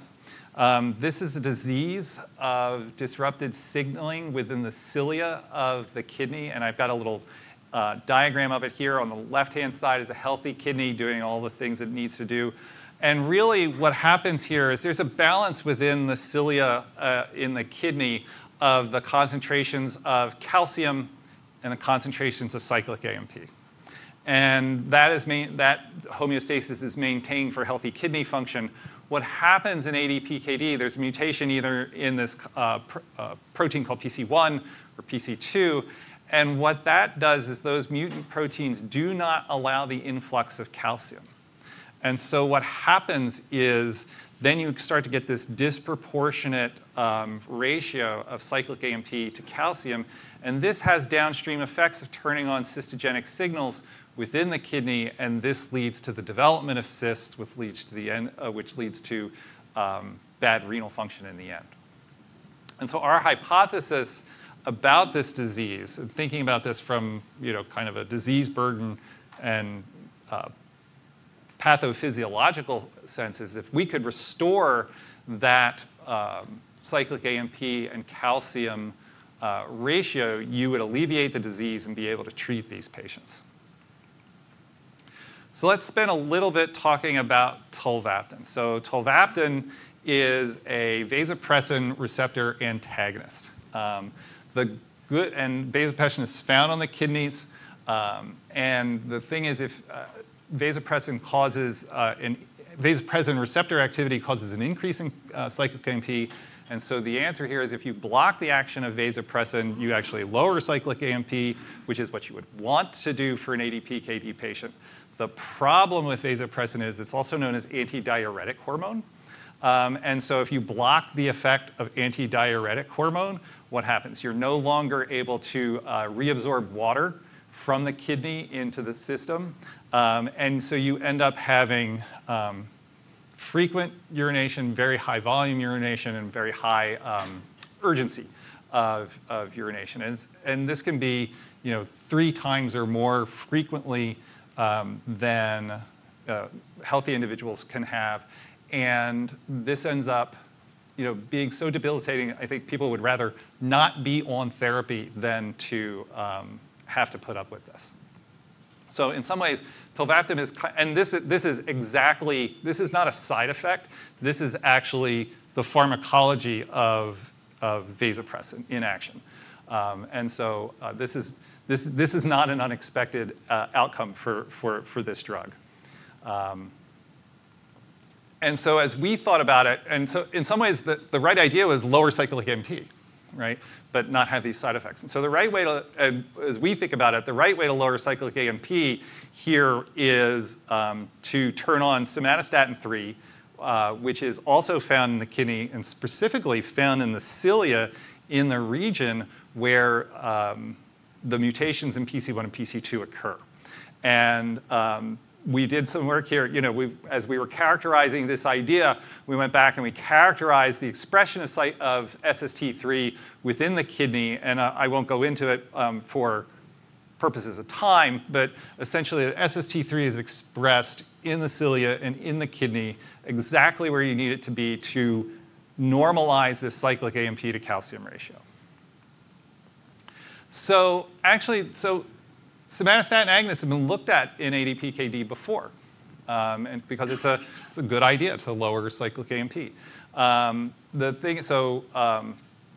This is a disease of disrupted signaling within the cilia of the kidney. I've got a little diagram of it here. On the left-hand side is a healthy kidney doing all the things it needs to do. What happens here is there's a balance within the cilia in the kidney of the concentrations of calcium and the concentrations of cyclic AMP. That homeostasis is maintained for healthy kidney function. What happens in ADPKD, there's a mutation either in this protein called PC1 or PC2. What that does is those mutant proteins do not allow the influx of calcium. What happens is then you start to get this disproportionate ratio of cyclic AMP to calcium. This has downstream effects of turning on cystogenic signals within the kidney. This leads to the development of cysts, which leads to bad renal function in the end. Our hypothesis about this disease, thinking about this from kind of a disease burden and pathophysiological sense, is if we could restore that cyclic AMP and calcium ratio, you would alleviate the disease and be able to treat these patients. Let's spend a little bit talking about tolvaptan. Tolvaptan is a vasopressin receptor antagonist. Vasopressin is found on the kidneys. The thing is, vasopressin receptor activity causes an increase in cyclic AMP. The answer here is if you block the action of vasopressin, you actually lower cyclic AMP, which is what you would want to do for an ADPKD patient. The problem with vasopressin is it's also known as antidiuretic hormone. If you block the effect of antidiuretic hormone, what happens? You're no longer able to reabsorb water from the kidney into the system. You end up having frequent urination, very high volume urination, and very high urgency of urination. This can be 3x or more frequently than healthy individuals can have. This ends up being so debilitating, I think people would rather not be on therapy than to have to put up with this. In some ways, tolvaptan is, and this is not a side effect. This is actually the pharmacology of vasopressin in action. This is not an unexpected outcome for this drug. As we thought about it, in some ways, the right idea was lower cyclic AMP, but not have these side effects. The right way to, as we think about it, the right way to lower cyclic AMP here is to turn on somatostatin III, which is also found in the kidney and specifically found in the cilia in the region where the mutations in PC1 and PC2 occur. We did some work here. As we were characterizing this idea, we went back and we characterized the expression of SST3 within the kidney. I will not go into it for purposes of time. Essentially, SST3 is expressed in the cilia and in the kidney exactly where you need it to be to normalize this cyclic AMP to calcium ratio. Somatostatin agonists have been looked at in ADPKD before, because it is a good idea to lower cyclic AMP.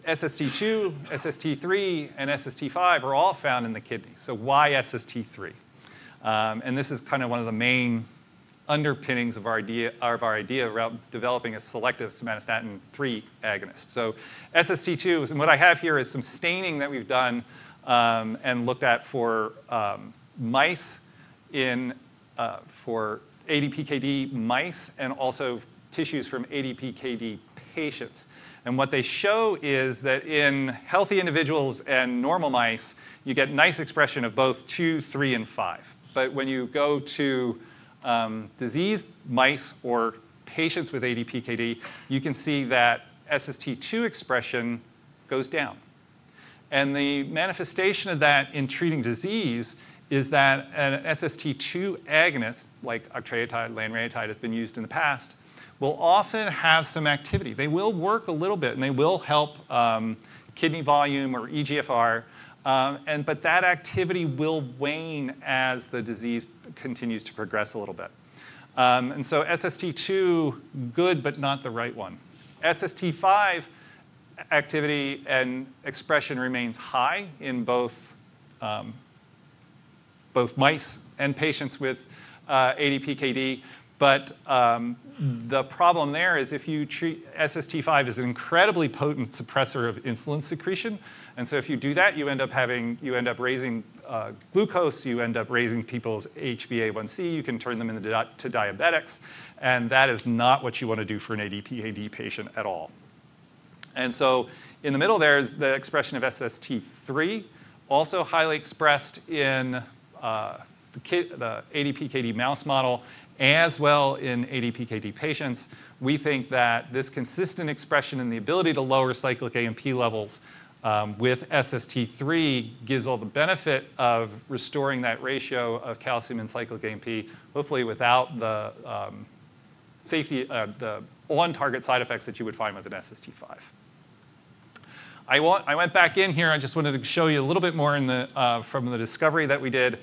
SST2, SST3, and SST5 are all found in the kidney. Why SST3? This is kind of one of the main underpinnings of our idea of developing a selective somatostatin III agonist. SST2, what I have here is some staining that we have done and looked at for ADPKD mice and also tissues from ADPKD patients. What they show is that in healthy individuals and normal mice, you get nice expression of both two, three, and five. When you go to disease mice or patients with ADPKD, you can see that SST2 expression goes down. The manifestation of that in treating disease is that an SST2 agonist, like octreotide and lanreotide, has been used in the past, will often have some activity. They will work a little bit, and they will help kidney volume or eGFR. That activity will wane as the disease continues to progress a little bit. SST2, good, but not the right one. SST5 activity and expression remains high in both mice and patients with ADPKD. The problem there is if you treat SST5, it is an incredibly potent suppressor of insulin secretion. If you do that, you end up raising glucose. You end up raising people's HbA1c. You can turn them into diabetics. That is not what you want to do for an ADPKD patient at all. In the middle there is the expression of SST3, also highly expressed in the ADPKD mouse model as well as in ADPKD patients. We think that this consistent expression and the ability to lower cyclic AMP levels with SST3 gives all the benefit of restoring that ratio of calcium and cyclic AMP, hopefully without the on-target side effects that you would find with an SST5. I went back in here. I just wanted to show you a little bit more from the discovery that we did.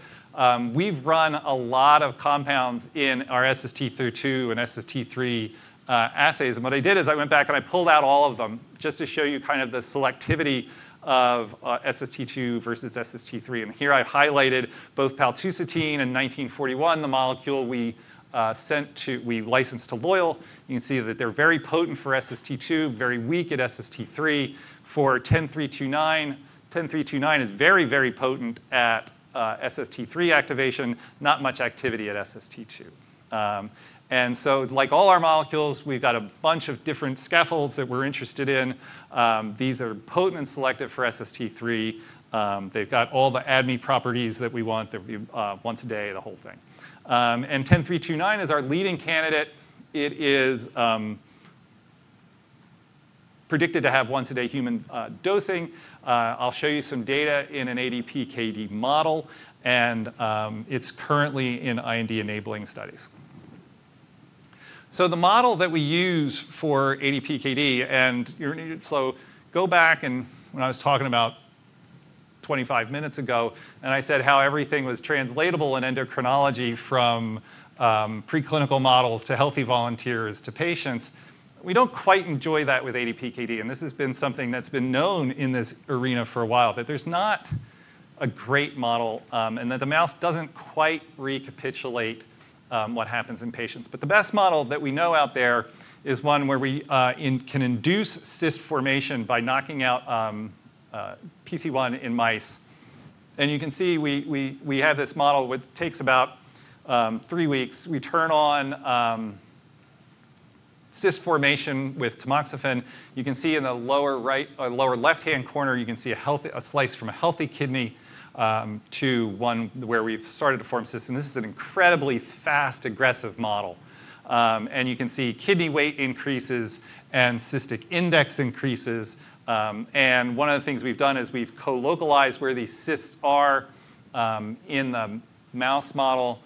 We've run a lot of compounds in our SST2 and SST3 assays. What I did is I went back and I pulled out all of them just to show you kind of the selectivity of SST2 versus SST3. Here I highlighted both paltusotine and 1941, the molecule we licensed to Loyal. You can see that they're very potent for SST2, very weak at SST3. For 10329, 10329 is very, very potent at SST3 activation, not much activity at SST2. Like all our molecules, we've got a bunch of different scaffolds that we're interested in. These are potent and selective for SST3. They've got all the ADME properties that we want, the once a day, the whole thing. 10329 is our leading candidate. It is predicted to have once a day human dosing. I'll show you some data in an ADPKD model. It is currently in IND-enabling studies. The model that we use for ADPKD, and go back to when I was talking about 25 minutes ago, I said how everything was translatable in endocrinology from preclinical models to healthy volunteers to patients. We don't quite enjoy that with ADPKD. This has been something that's been known in this arena for a while, that there's not a great model and that the mouse doesn't quite recapitulate what happens in patients. The best model that we know out there is one where we can induce cyst formation by knocking out PC1 in mice. You can see we have this model which takes about three weeks. We turn on cyst formation with tamoxifen. You can see in the lower left-hand corner, you can see a slice from a healthy kidney to one where we've started to form cysts. This is an incredibly fast, aggressive model. You can see kidney weight increases and cystic index increases. One of the things we've done is we've co-localized where these cysts are in the mouse model.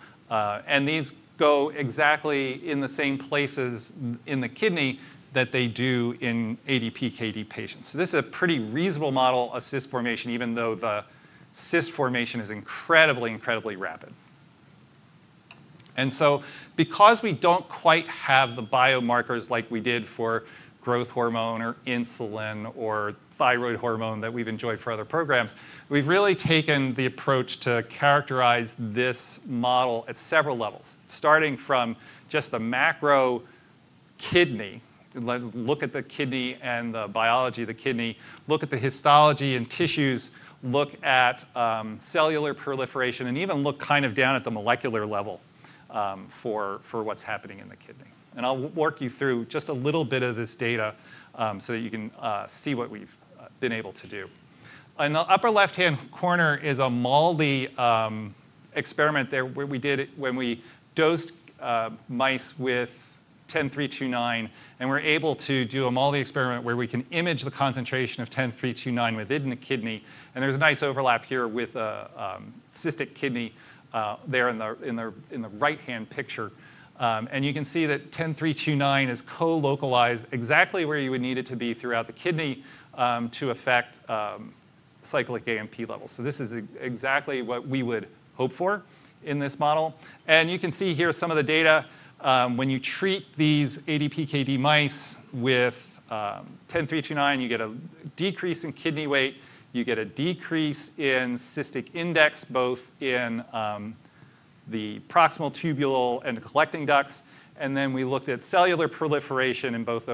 These go exactly in the same places in the kidney that they do in ADPKD patients. This is a pretty reasonable model of cyst formation, even though the cyst formation is incredibly, incredibly rapid. Because we don't quite have the biomarkers like we did for growth hormone or insulin or thyroid hormone that we've enjoyed for other programs, we've really taken the approach to characterize this model at several levels, starting from just the macro kidney. Look at the kidney and the biology of the kidney. Look at the histology and tissues. Look at cellular proliferation. Even look kind of down at the molecular level for what's happening in the kidney. I'll walk you through just a little bit of this data so that you can see what we've been able to do. In the upper left-hand corner is a MALDI experiment where we did it when we dosed mice with 10329. We're able to do a MALDI experiment where we can image the concentration of 10329 within the kidney. There's a nice overlap here with a cystic kidney in the right-hand picture. You can see that 10329 is co-localized exactly where you would need it to be throughout the kidney to affect cyclic AMP levels. This is exactly what we would hope for in this model. You can see here some of the data. When you treat these ADPKD mice with 10329, you get a decrease in kidney weight. You get a decrease in cystic index, both in the proximal tubule and collecting ducts. We looked at cellular proliferation in both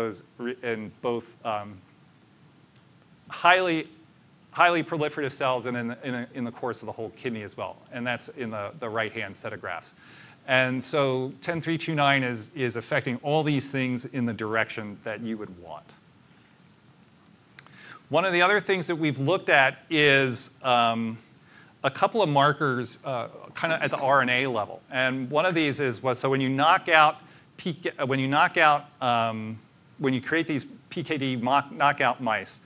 highly proliferative cells and in the course of the whole kidney as well. That is in the right-hand set of graphs. 10329 is affecting all these things in the direction that you would want. One of the other things that we have looked at is a couple of markers kind of at the RNA level. One of these is, when you knock out, when you create these PKD knockout mice,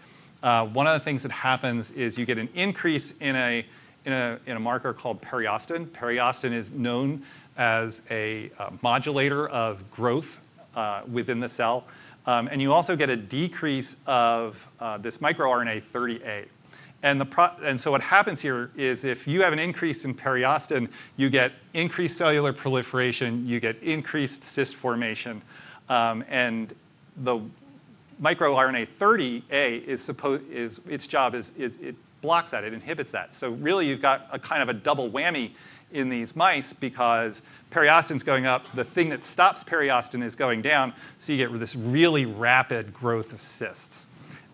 one of the things that happens is you get an increase in a marker called periostin. Periostin is known as a modulator of growth within the cell. You also get a decrease of this microRNA-30a. What happens here is if you have an increase in periostin, you get increased cellular proliferation. You get increased cyst formation. The microRNA-30a, its job is it blocks that. It inhibits that. Really, you've got kind of a double whammy in these mice because periostin's going up. The thing that stops periostin is going down. You get this really rapid growth of cysts.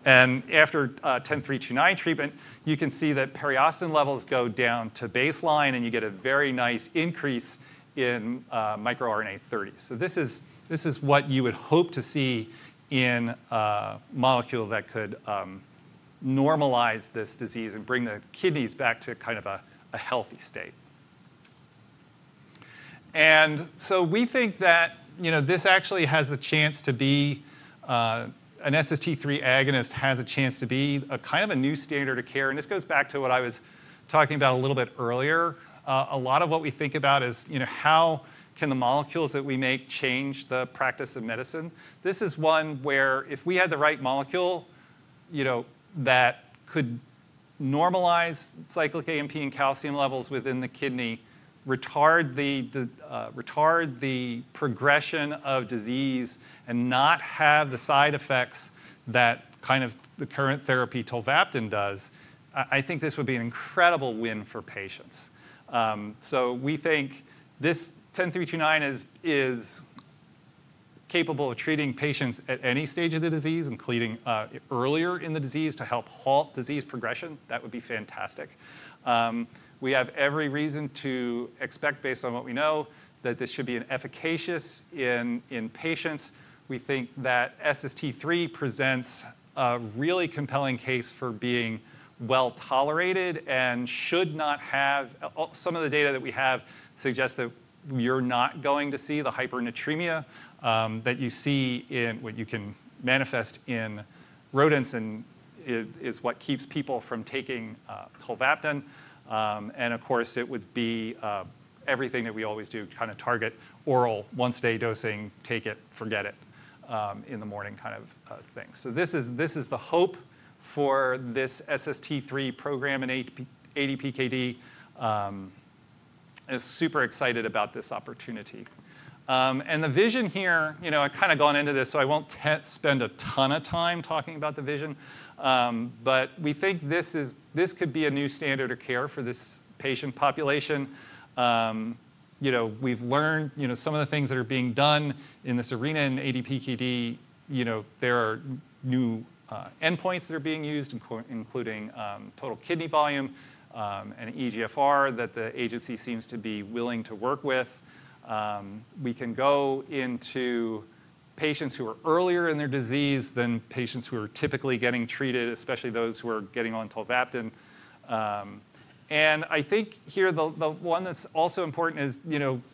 After 10329 treatment, you can see that periostin levels go down to baseline. You get a very nice increase in microRNA-30. This is what you would hope to see in a molecule that could normalize this disease and bring the kidneys back to kind of a healthy state. We think that this actually has the chance to be, an SST3 agonist has a chance to be, kind of a new standard of care. This goes back to what I was talking about a little bit earlier. A lot of what we think about is how can the molecules that we make change the practice of medicine. This is one where if we had the right molecule that could normalize cyclic AMP and calcium levels within the kidney, retard the progression of disease, and not have the side effects that kind of the current therapy tolvaptan does, I think this would be an incredible win for patients. We think this 10329 is capable of treating patients at any stage of the disease and clearing earlier in the disease to help halt disease progression. That would be fantastic. We have every reason to expect, based on what we know, that this should be efficacious in patients. We think that SST3 presents a really compelling case for being well tolerated and should not have some of the data that we have suggests that you're not going to see the hyponatremia that you see in what you can manifest in rodents and is what keeps people from taking tolvaptan. Of course, it would be everything that we always do, kind of target oral once a day dosing, take it, forget it in the morning kind of thing. This is the hope for this SST3 program in ADPKD. I'm super excited about this opportunity. The vision here, I've kind of gone into this, so I won't spend a ton of time talking about the vision. We think this could be a new standard of care for this patient population. We've learned some of the things that are being done in this arena in ADPKD. There are new endpoints that are being used, including total kidney volume and eGFR that the agency seems to be willing to work with. We can go into patients who are earlier in their disease than patients who are typically getting treated, especially those who are getting on tolvaptan. I think here the one that's also important is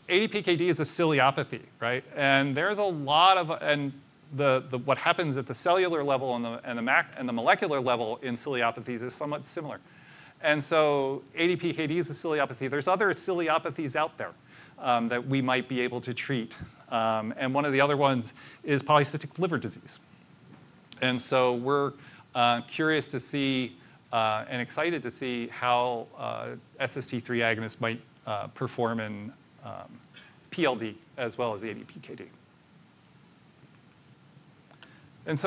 ADPKD is a ciliopathy. There is a lot of what happens at the cellular level and the molecular level in ciliopathies that is somewhat similar. ADPKD is a ciliopathy. There are other ciliopathies out there that we might be able to treat. One of the other ones is polycystic liver disease. We are curious to see and excited to see how SST3 agonists might perform in PLD as well as ADPKD.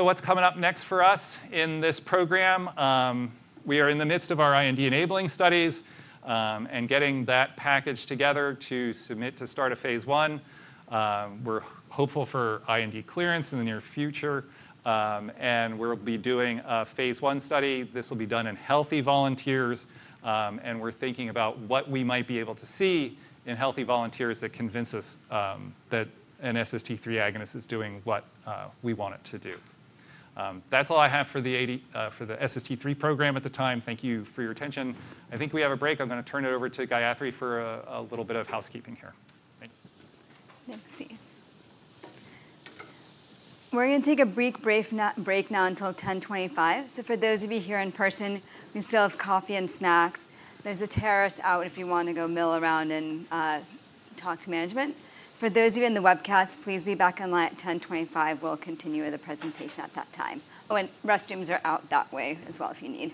What is coming up next for us in this program? We are in the midst of our IND-enabling studies and getting that package together to submit to start a phase I. We are hopeful for IND clearance in the near future. We will be doing a phase I study. This will be done in healthy volunteers. We are thinking about what we might be able to see in healthy volunteers that convince us that an SST3 agonist is doing what we want it to do. That is all I have for the SST3 program at the time. Thank you for your attention. I think we have a break. I am going to turn it over to Gayathri for a little bit of housekeeping here. Thanks. Thanks. We're going to take a brief break now until 10:25. For those of you here in person, we still have coffee and snacks. There's a terrace out if you want to go mill around and talk to management. For those of you in the webcast, please be back in line at 10:25. We'll continue with the presentation at that time. Oh, and restrooms are out that way as well if you need.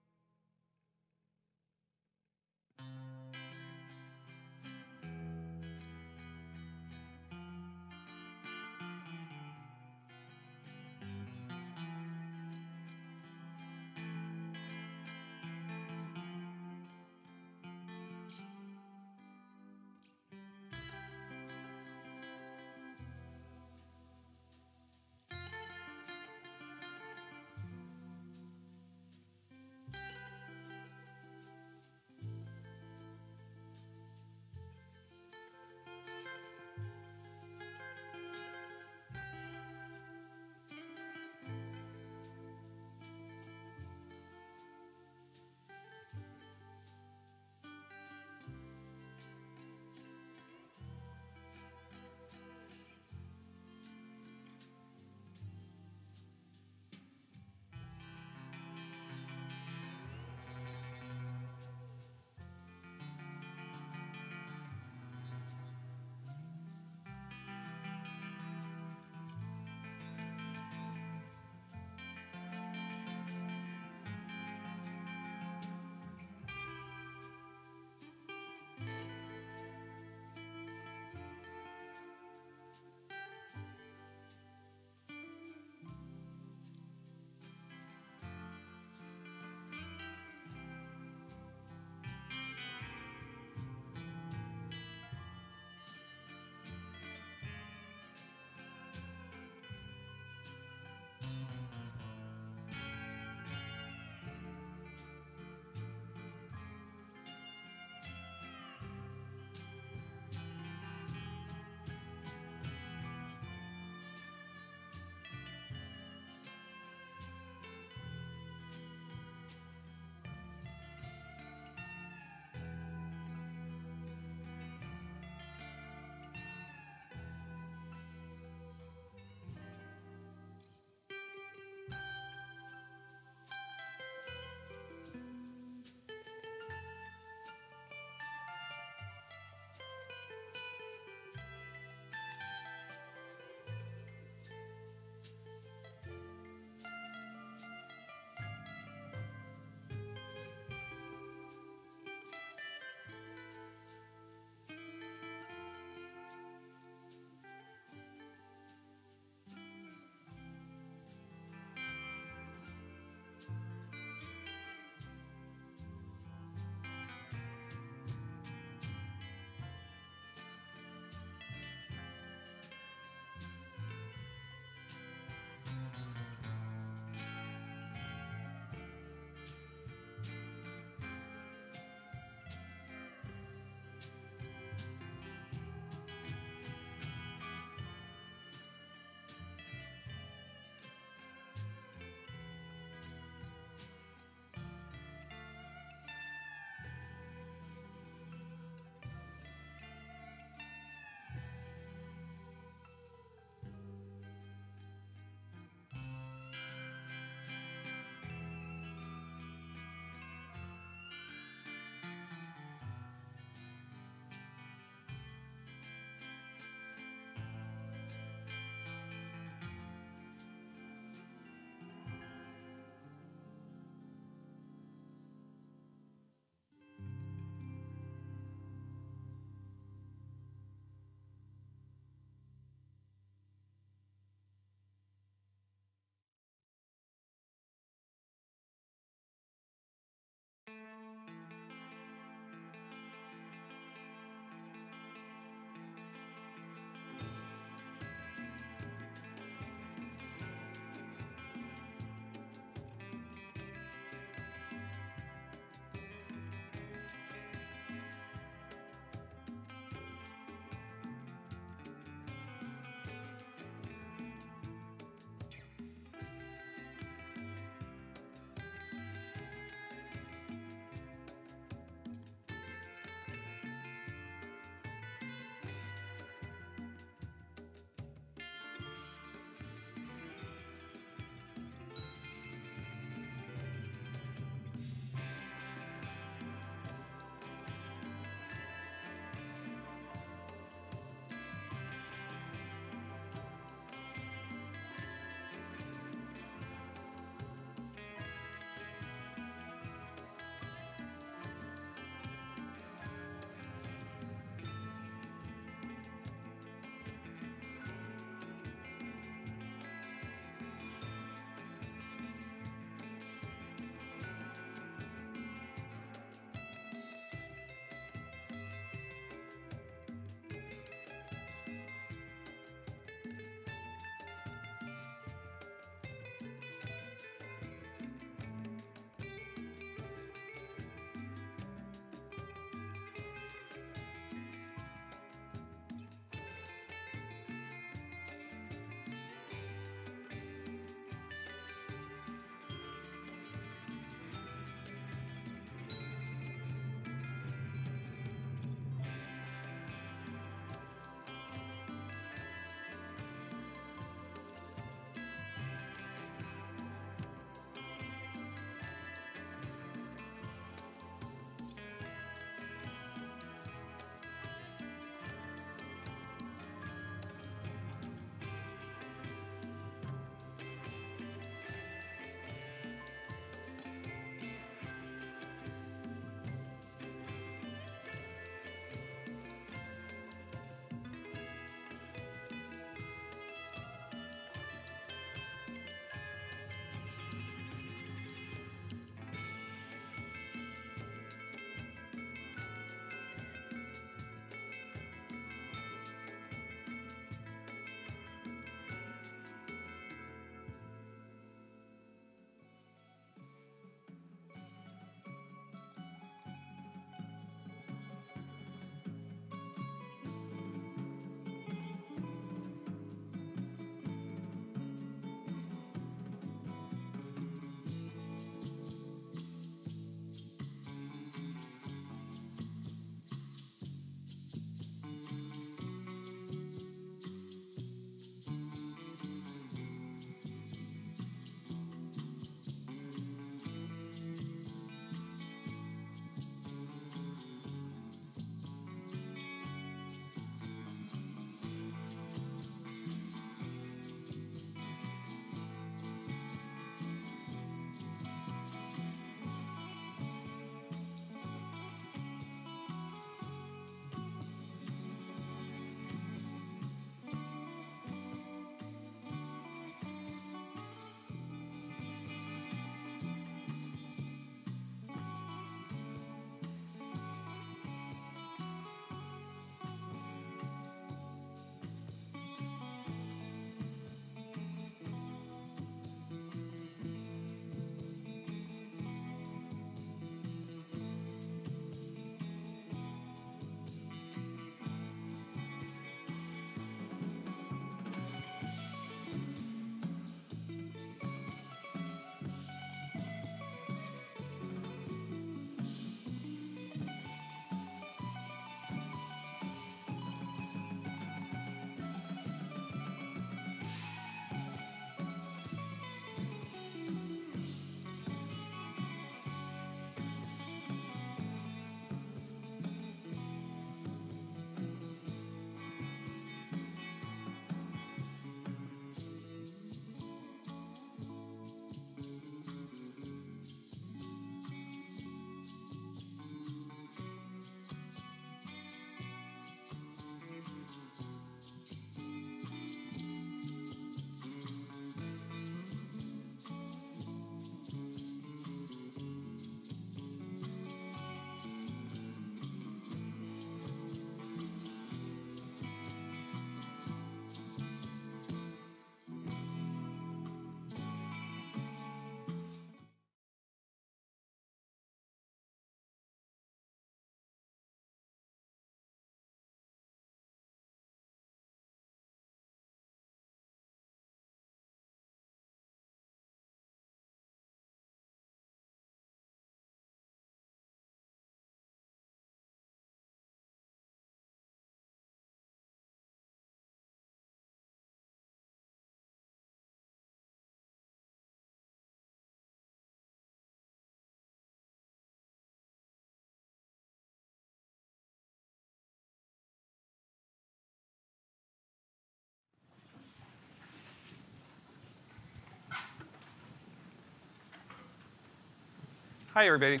Hi everybody.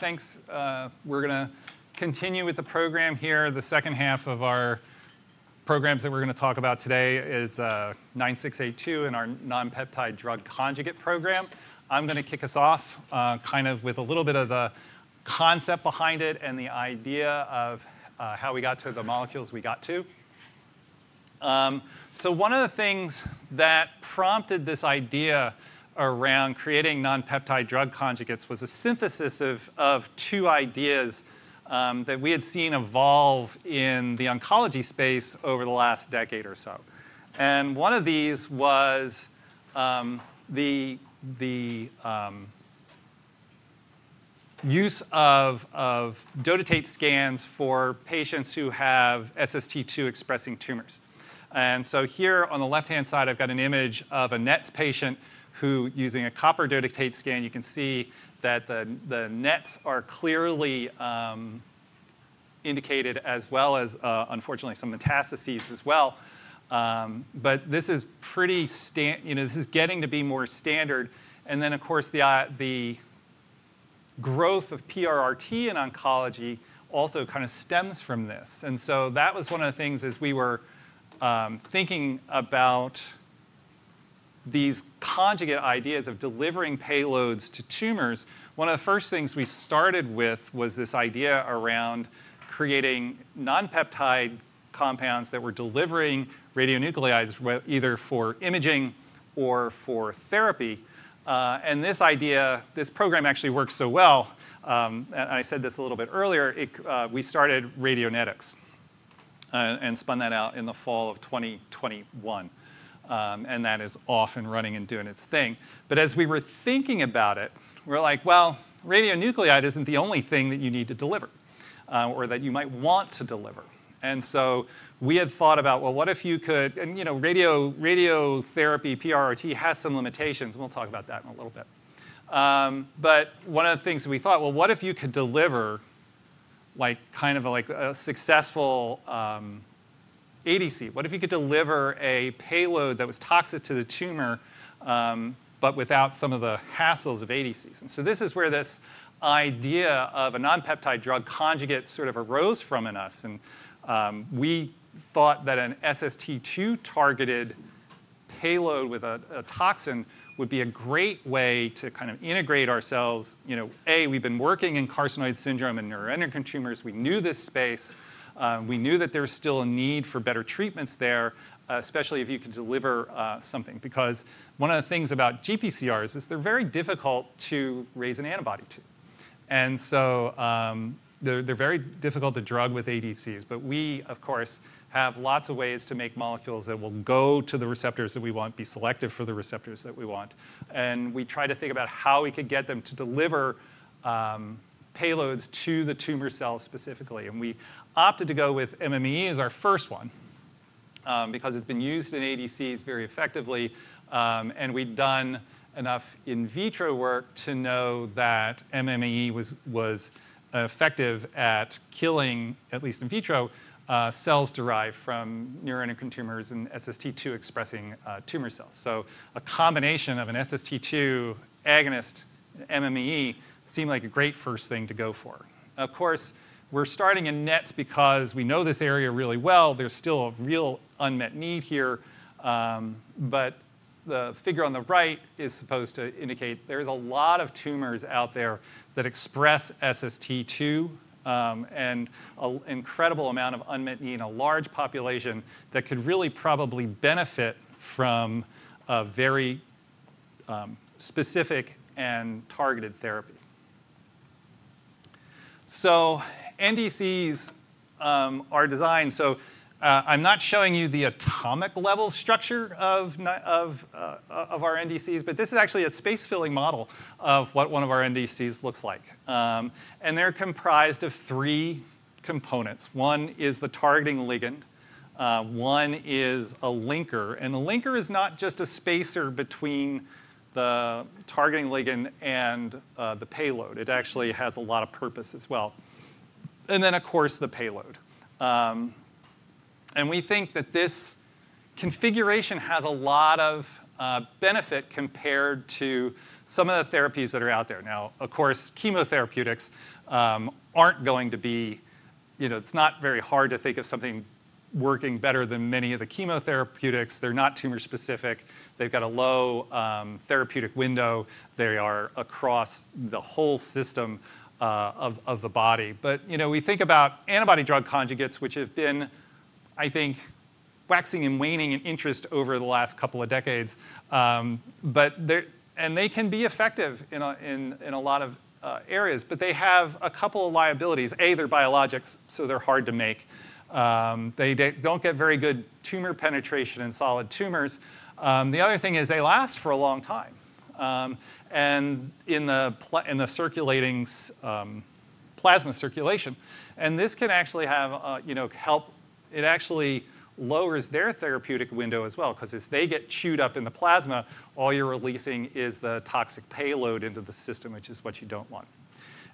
Thanks. We're going to continue with the program here. The second half of our programs that we're going to talk about today is 9682 and our non-peptide drug conjugate program. I'm going to kick us off kind of with a little bit of the concept behind it and the idea of how we got to the molecules we got to. One of the things that prompted this idea around creating Non-peptide Drug Conjugates was a synthesis of two ideas that we had seen evolve in the oncology space over the last decade or so. One of these was the use of dotatate scans for patients who have SST2 expressing tumors. Here on the left-hand side, I've got an image of a NETs patient who, using a copper dotatate scan, you can see that the NETs are clearly indicated, as well as, unfortunately, some metastases as well. This is pretty standard. This is getting to be more standard. Of course, the growth of PRRT in oncology also kind of stems from this. That was one of the things as we were thinking about these conjugate ideas of delivering payloads to tumors. One of the first things we started with was this idea around creating non-peptide compounds that were delivering radionuclides either for imaging or for therapy. This idea, this program actually works so well. I said this a little bit earlier. We started Radionetics and spun that out in the fall of 2021. That is off and running and doing its thing. As we were thinking about it, we were like, radionuclide is not the only thing that you need to deliver or that you might want to deliver. We had thought about, what if you could, and you know, radiotherapy PRRT has some limitations. We will talk about that in a little bit. One of the things we thought, what if you could deliver kind of like a successful ADC? What if you could deliver a payload that was toxic to the tumor but without some of the hassles of ADCs? This is where this idea of a non-peptide drug conjugate sort of arose from in us. We thought that an SST2 targeted payload with a toxin would be a great way to kind of integrate ourselves. We've been working in carcinoid syndrome and neuroendocrine tumors. We knew this space. We knew that there was still a need for better treatments there, especially if you could deliver something. Because one of the things about GPCRs is they're very difficult to raise an antibody to. They're very difficult to drug with ADCs. We, of course, have lots of ways to make molecules that will go to the receptors that we want, be selective for the receptors that we want. We tried to think about how we could get them to deliver payloads to the tumor cells specifically. We opted to go with MMAE as our first one because it's been used in ADCs very effectively. We'd done enough in vitro work to know that MMAE was effective at killing, at least in vitro, cells derived from neuroendocrine tumors and SST2 expressing tumor cells. A combination of an SST2 agonist and MMAE seemed like a great first thing to go for. Of course, we're starting in NETs because we know this area really well. There's still a real unmet need here. The figure on the right is supposed to indicate there is a lot of tumors out there that express SST2 and an incredible amount of unmet need in a large population that could really probably benefit from a very specific and targeted therapy. NDCs are designed. I'm not showing you the atomic level structure of our NDCs, but this is actually a space-filling model of what one of our NDCs looks like. They're comprised of three components. One is the targeting ligand. One is a linker. The linker is not just a spacer between the targeting ligand and the payload. It actually has a lot of purpose as well. Then, of course, the payload. We think that this configuration has a lot of benefit compared to some of the therapies that are out there. Now, of course, chemotherapeutics are not going to be, you know, it is not very hard to think of something working better than many of the chemotherapeutics. They are not tumor specific. They have a low therapeutic window. They are across the whole system of the body. You know, we think about antibody drug conjugates, which have been, I think, waxing and waning in interest over the last couple of decades. They can be effective in a lot of areas. They have a couple of liabilities. A, they're biologics, so they're hard to make. They don't get very good tumor penetration in solid tumors. The other thing is they last for a long time in the circulating plasma circulation. This can actually help. It actually lowers their therapeutic window as well because if they get chewed up in the plasma, all you're releasing is the toxic payload into the system, which is what you don't want.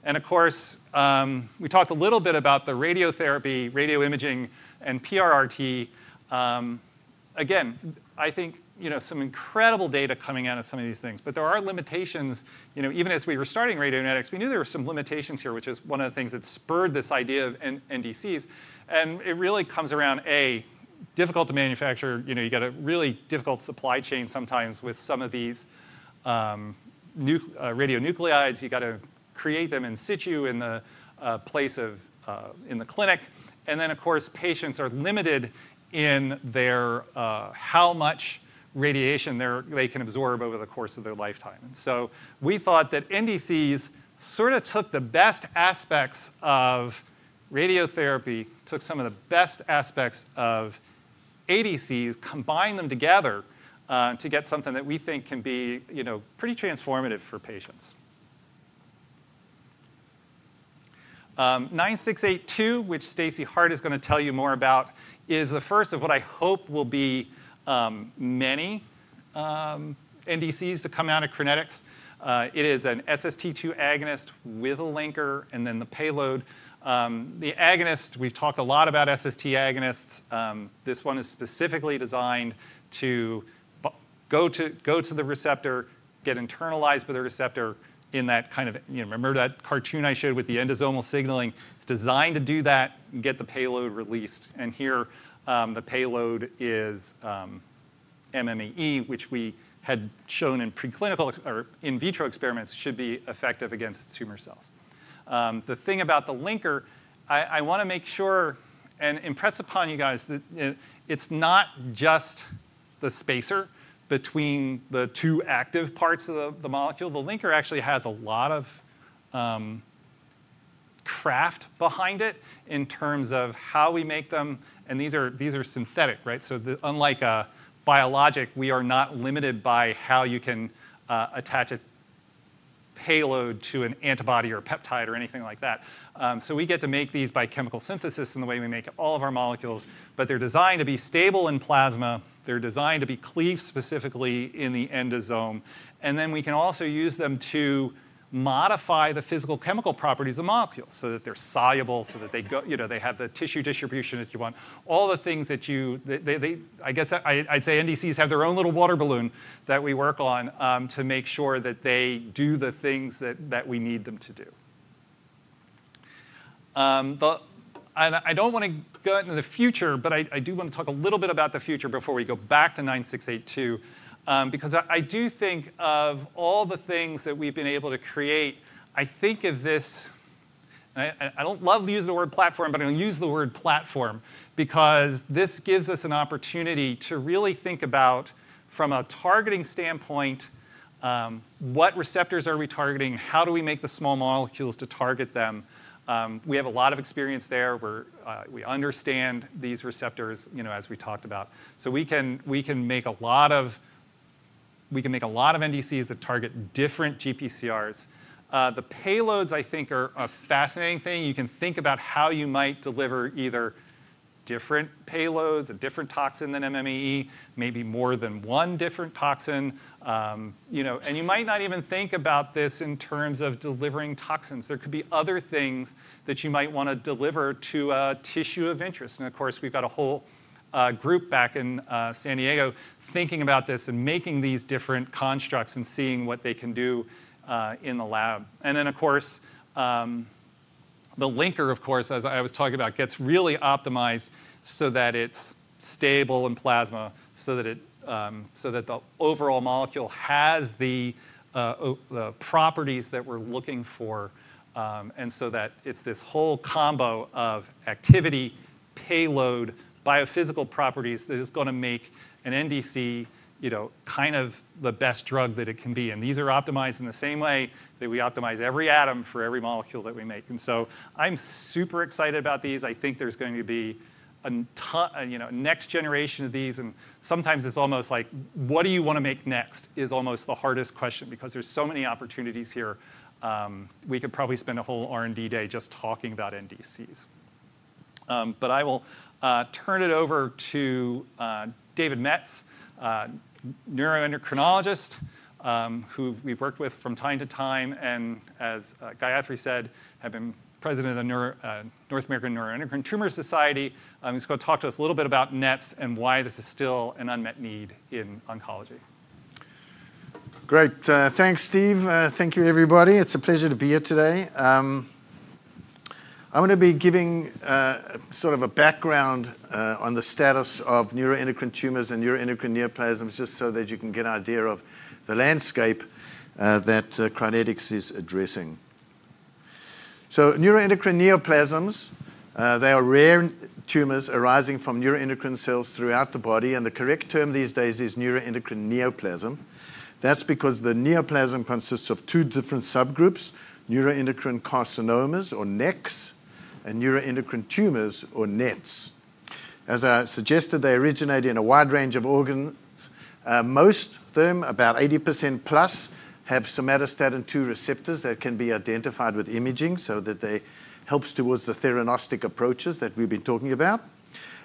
Of course, we talked a little bit about the radiotherapy, radio imaging, and PRRT. I think, you know, some incredible data coming out of some of these things. There are limitations. You know, even as we were starting Radionetics, we knew there were some limitations here, which is one of the things that spurred this idea of NDCs. It really comes around, A, difficult to manufacture. You know, you've got a really difficult supply chain sometimes with some of these radionuclides. You've got to create them in situ in the place of in the clinic. Of course, patients are limited in how much radiation they can absorb over the course of their lifetime. We thought that NDCs sort of took the best aspects of radiotherapy, took some of the best aspects of ADCs, combined them together to get something that we think can be pretty transformative for patients. 9682, which Stacey Harte is going to tell you more about, is the first of what I hope will be many NDCs to come out of Crinetics. It is an SST2 agonist with a linker and then the payload. The agonist, we've talked a lot about SST agonists. This one is specifically designed to go to the receptor, get internalized by the receptor in that kind of, you know, remember that cartoon I showed with the endosomal signaling? It is designed to do that and get the payload released. Here the payload is MMAE, which we had shown in preclinical or in vitro experiments should be effective against tumor cells. The thing about the linker, I want to make sure and impress upon you guys that it is not just the spacer between the two active parts of the molecule. The linker actually has a lot of craft behind it in terms of how we make them. These are synthetic, right? Unlike biologic, we are not limited by how you can attach a payload to an antibody or a peptide or anything like that. We get to make these by chemical synthesis in the way we make all of our molecules. They are designed to be stable in plasma. They are designed to be cleaved specifically in the endosome. We can also use them to modify the physical chemical properties of molecules so that they are soluble, so that they have the tissue distribution that you want. All the things that you, I guess I'd say NDCs have their own little water balloon that we work on to make sure that they do the things that we need them to do. I do not want to go into the future, but I do want to talk a little bit about the future before we go back to 9682. Because I do think of all the things that we've been able to create, I think of this, and I don't love to use the word platform, but I'll use the word platform because this gives us an opportunity to really think about, from a targeting standpoint, what receptors are we targeting? How do we make the small molecules to target them? We have a lot of experience there. We understand these receptors, you know, as we talked about. We can make a lot of NDCs that target different GPCRs. The payloads, I think, are a fascinating thing. You can think about how you might deliver either different payloads, a different toxin than MMAE, maybe more than one different toxin. You know, and you might not even think about this in terms of delivering toxins. There could be other things that you might want to deliver to a tissue of interest. Of course, we've got a whole group back in San Diego thinking about this and making these different constructs and seeing what they can do in the lab. The linker, as I was talking about, gets really optimized so that it's stable in plasma, so that the overall molecule has the properties that we're looking for. It's this whole combo of activity, payload, biophysical properties that is going to make an NDC, you know, kind of the best drug that it can be. These are optimized in the same way that we optimize every atom for every molecule that we make. I'm super excited about these. I think there's going to be a next generation of these. Sometimes it's almost like, what do you want to make next is almost the hardest question because there's so many opportunities here. We could probably spend a whole R&D day just talking about NDCs. I will turn it over to David Metz, neuroendocrinologist, who we've worked with from time to time. As Gayathri said, have been president of the North American Neuroendocrine Tumor Society. He's going to talk to us a little bit about NETs and why this is still an unmet need in oncology. Great. Thanks, Steve. Thank you, everybody. It's a pleasure to be here today. I'm going to be giving sort of a background on the status of neuroendocrine tumors and neuroendocrine neoplasms just so that you can get an idea of the landscape that Crinetics is addressing. Neuroendocrine neoplasms, they are rare tumors arising from neuroendocrine cells throughout the body. The correct term these days is neuroendocrine neoplasm. That's because the neoplasm consists of two different subgroups: neuroendocrine carcinomas or NECs and neuroendocrine tumors or NETs. As I suggested, they originate in a wide range of organs. Most of them, about 80%+, have somatostatin 2 receptors that can be identified with imaging so that they help towards the theranostic approaches that we've been talking about.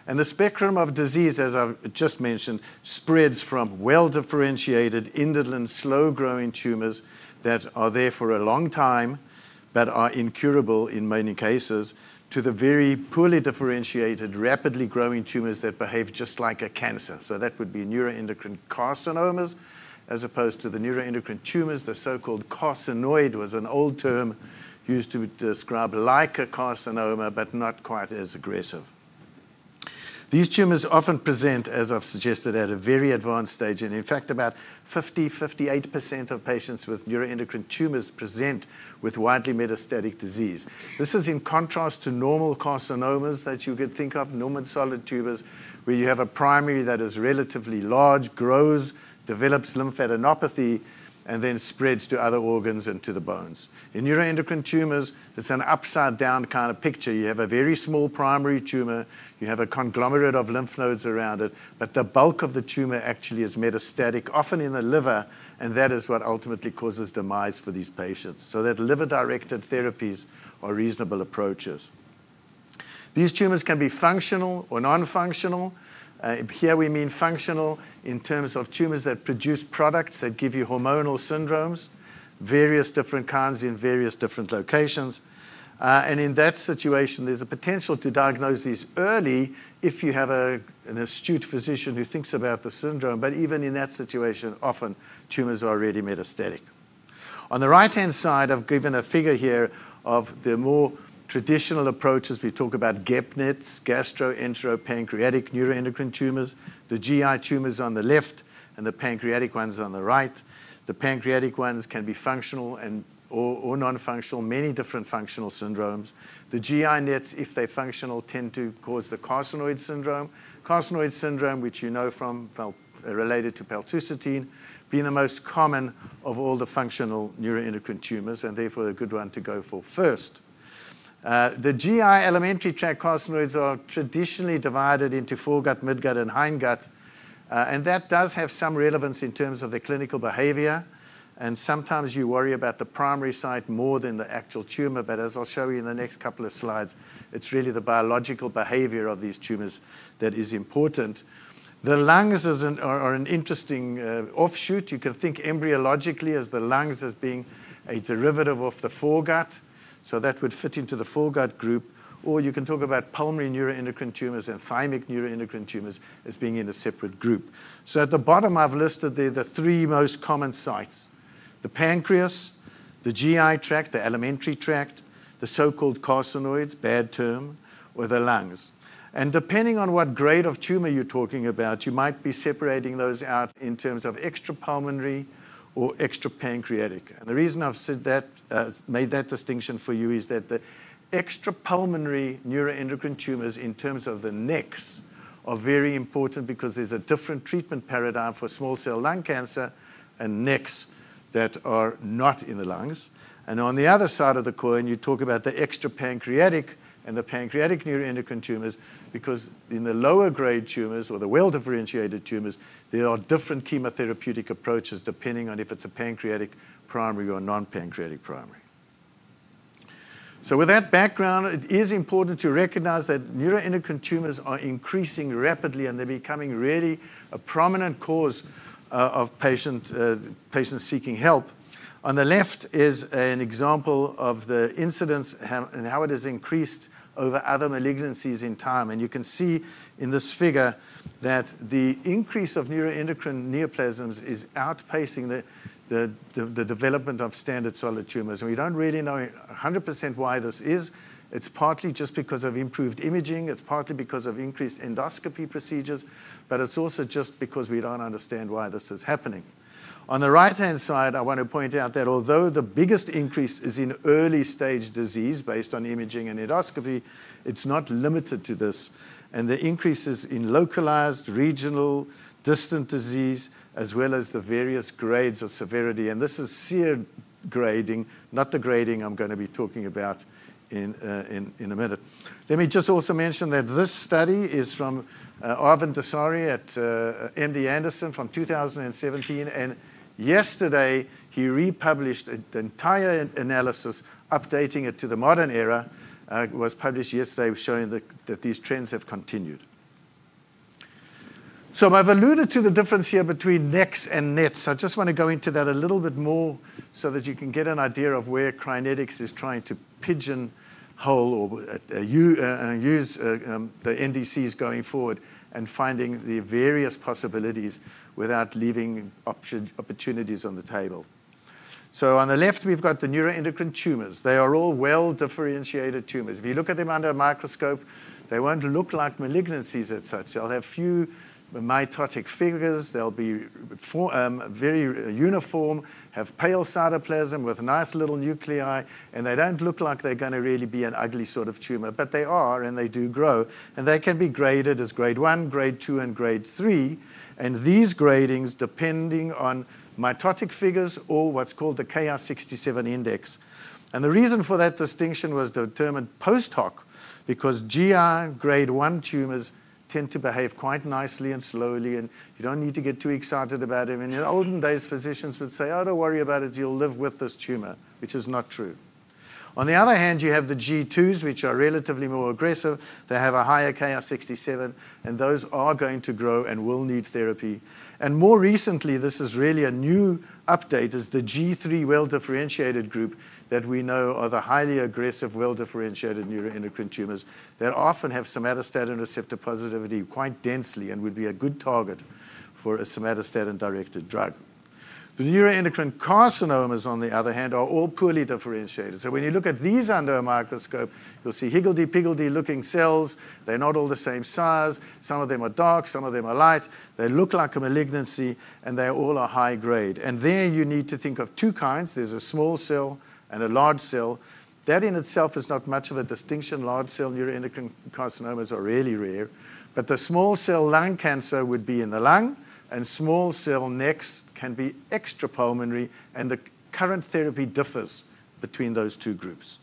The spectrum of disease, as I've just mentioned, spreads from well-differentiated indolent, slow-growing tumors that are there for a long time but are incurable in many cases to the very poorly differentiated, rapidly growing tumors that behave just like a cancer. That would be neuroendocrine carcinomas as opposed to the neuroendocrine tumors. The so-called carcinoid was an old term used to describe like a carcinoma but not quite as aggressive. These tumors often present, as I've suggested, at a very advanced stage. In fact, about 50%-58% of patients with neuroendocrine tumors present with widely metastatic disease. This is in contrast to normal carcinomas that you could think of, normal solid tumors, where you have a primary that is relatively large, grows, develops lymphadenopathy, and then spreads to other organs and to the bones. In neuroendocrine tumors, it's an upside-down kind of picture. You have a very small primary tumor. You have a conglomerate of lymph nodes around it. The bulk of the tumor actually is metastatic, often in the liver. That is what ultimately causes demise for these patients. Liver-directed therapies are reasonable approaches. These tumors can be functional or non-functional. Here we mean functional in terms of tumors that produce products that give you hormonal syndromes, various different kinds in various different locations. In that situation, there is a potential to diagnose these early if you have an astute physician who thinks about the syndrome. Even in that situation, often tumors are already metastatic. On the right-hand side, I have given a figure here of the more traditional approaches. We talk about GEPNETs, gastroenteropancreatic neuroendocrine tumors, the GI tumors on the left, and the pancreatic ones on the right. The pancreatic ones can be functional or non-functional, many different functional syndromes. The GI NETs, if they're functional, tend to cause the carcinoid syndrome. Carcinoid syndrome, which you know from related to paltusotine, being the most common of all the functional neuroendocrine tumors, and therefore a good one to go for first. The GI elementary tract carcinoids are traditionally divided into foregut, midgut, and hindgut. That does have some relevance in terms of the clinical behavior. Sometimes you worry about the primary site more than the actual tumor. As I'll show you in the next couple of slides, it's really the biological behavior of these tumors that is important. The lungs are an interesting offshoot. You can think embryologically as the lungs as being a derivative of the foregut. That would fit into the foregut group. You can talk about pulmonary neuroendocrine tumors and thymic neuroendocrine tumors as being in a separate group. At the bottom, I've listed the three most common sites: the pancreas, the GI tract, the alimentary tract, the so-called carcinoids, bad term, or the lungs. Depending on what grade of tumor you're talking about, you might be separating those out in terms of extrapulmonary or extrapancreatic. The reason I've made that distinction for you is that the extrapulmonary neuroendocrine tumors in terms of the NECs are very important because there's a different treatment paradigm for small cell lung cancer and NECs that are not in the lungs. On the other side of the coin, you talk about the extrapancreatic and the pancreatic neuroendocrine tumors because in the lower-grade tumors or the well-differentiated tumors, there are different chemotherapeutic approaches depending on if it's a pancreatic primary or non-pancreatic primary. With that background, it is important to recognize that neuroendocrine tumors are increasing rapidly, and they're becoming really a prominent cause of patients seeking help. On the left is an example of the incidence and how it has increased over other malignancies in time. You can see in this figure that the increase of neuroendocrine neoplasms is outpacing the development of standard solid tumors. We do not really know 100% why this is. It is partly just because of improved imaging. It is partly because of increased endoscopy procedures. It is also just because we do not understand why this is happening. On the right-hand side, I want to point out that although the biggest increase is in early-stage disease based on imaging and endoscopy, it's not limited to this. The increase is in localized, regional, distant disease, as well as the various grades of severity. This is SEER grading, not the grading I'm going to be talking about in a minute. Let me just also mention that this study is from Arvind Dasari at MD Anderson from 2017. Yesterday, he republished the entire analysis, updating it to the modern era. It was published yesterday, showing that these trends have continued. I've alluded to the difference here between NECs and NETs. I just want to go into that a little bit more so that you can get an idea of where Crinetics is trying to pigeonhole or use the NDCs going forward and finding the various possibilities without leaving opportunities on the table. On the left, we've got the neuroendocrine tumors. They are all well-differentiated tumors. If you look at them under a microscope, they won't look like malignancies as such. They'll have few mitotic figures. They'll be very uniform, have pale cytoplasm with nice little nuclei. They don't look like they're going to really be an ugly sort of tumor. They are, and they do grow. They can be graded as grade one, grade two, and grade three. These gradings, depending on mitotic figures or what's called the Ki-67 index. The reason for that distinction was determined post hoc because GI grade one tumors tend to behave quite nicely and slowly. You do not need to get too excited about them. In the olden days, physicians would say, oh, do not worry about it. You will live with this tumor, which is not true. On the other hand, you have the G2s, which are relatively more aggressive. They have a higher Ki-67. Those are going to grow and will need therapy. More recently, this is really a new update, is the G3 well-differentiated group that we know are the highly aggressive, well-differentiated neuroendocrine tumors that often have somatostatin receptor positivity quite densely and would be a good target for a somatostatin-directed drug. The neuroendocrine carcinomas, on the other hand, are all poorly differentiated. When you look at these under a microscope, you will see higgledy-piggledy looking cells. They're not all the same size. Some of them are dark. Some of them are light. They look like a malignancy. They all are high grade. There you need to think of two kinds. There's a small cell and a large cell. That in itself is not much of a distinction. Large cell neuroendocrine carcinomas are really rare. The small cell lung cancer would be in the lung. Small cell NECs can be extrapulmonary. The current therapy differs between those two groups.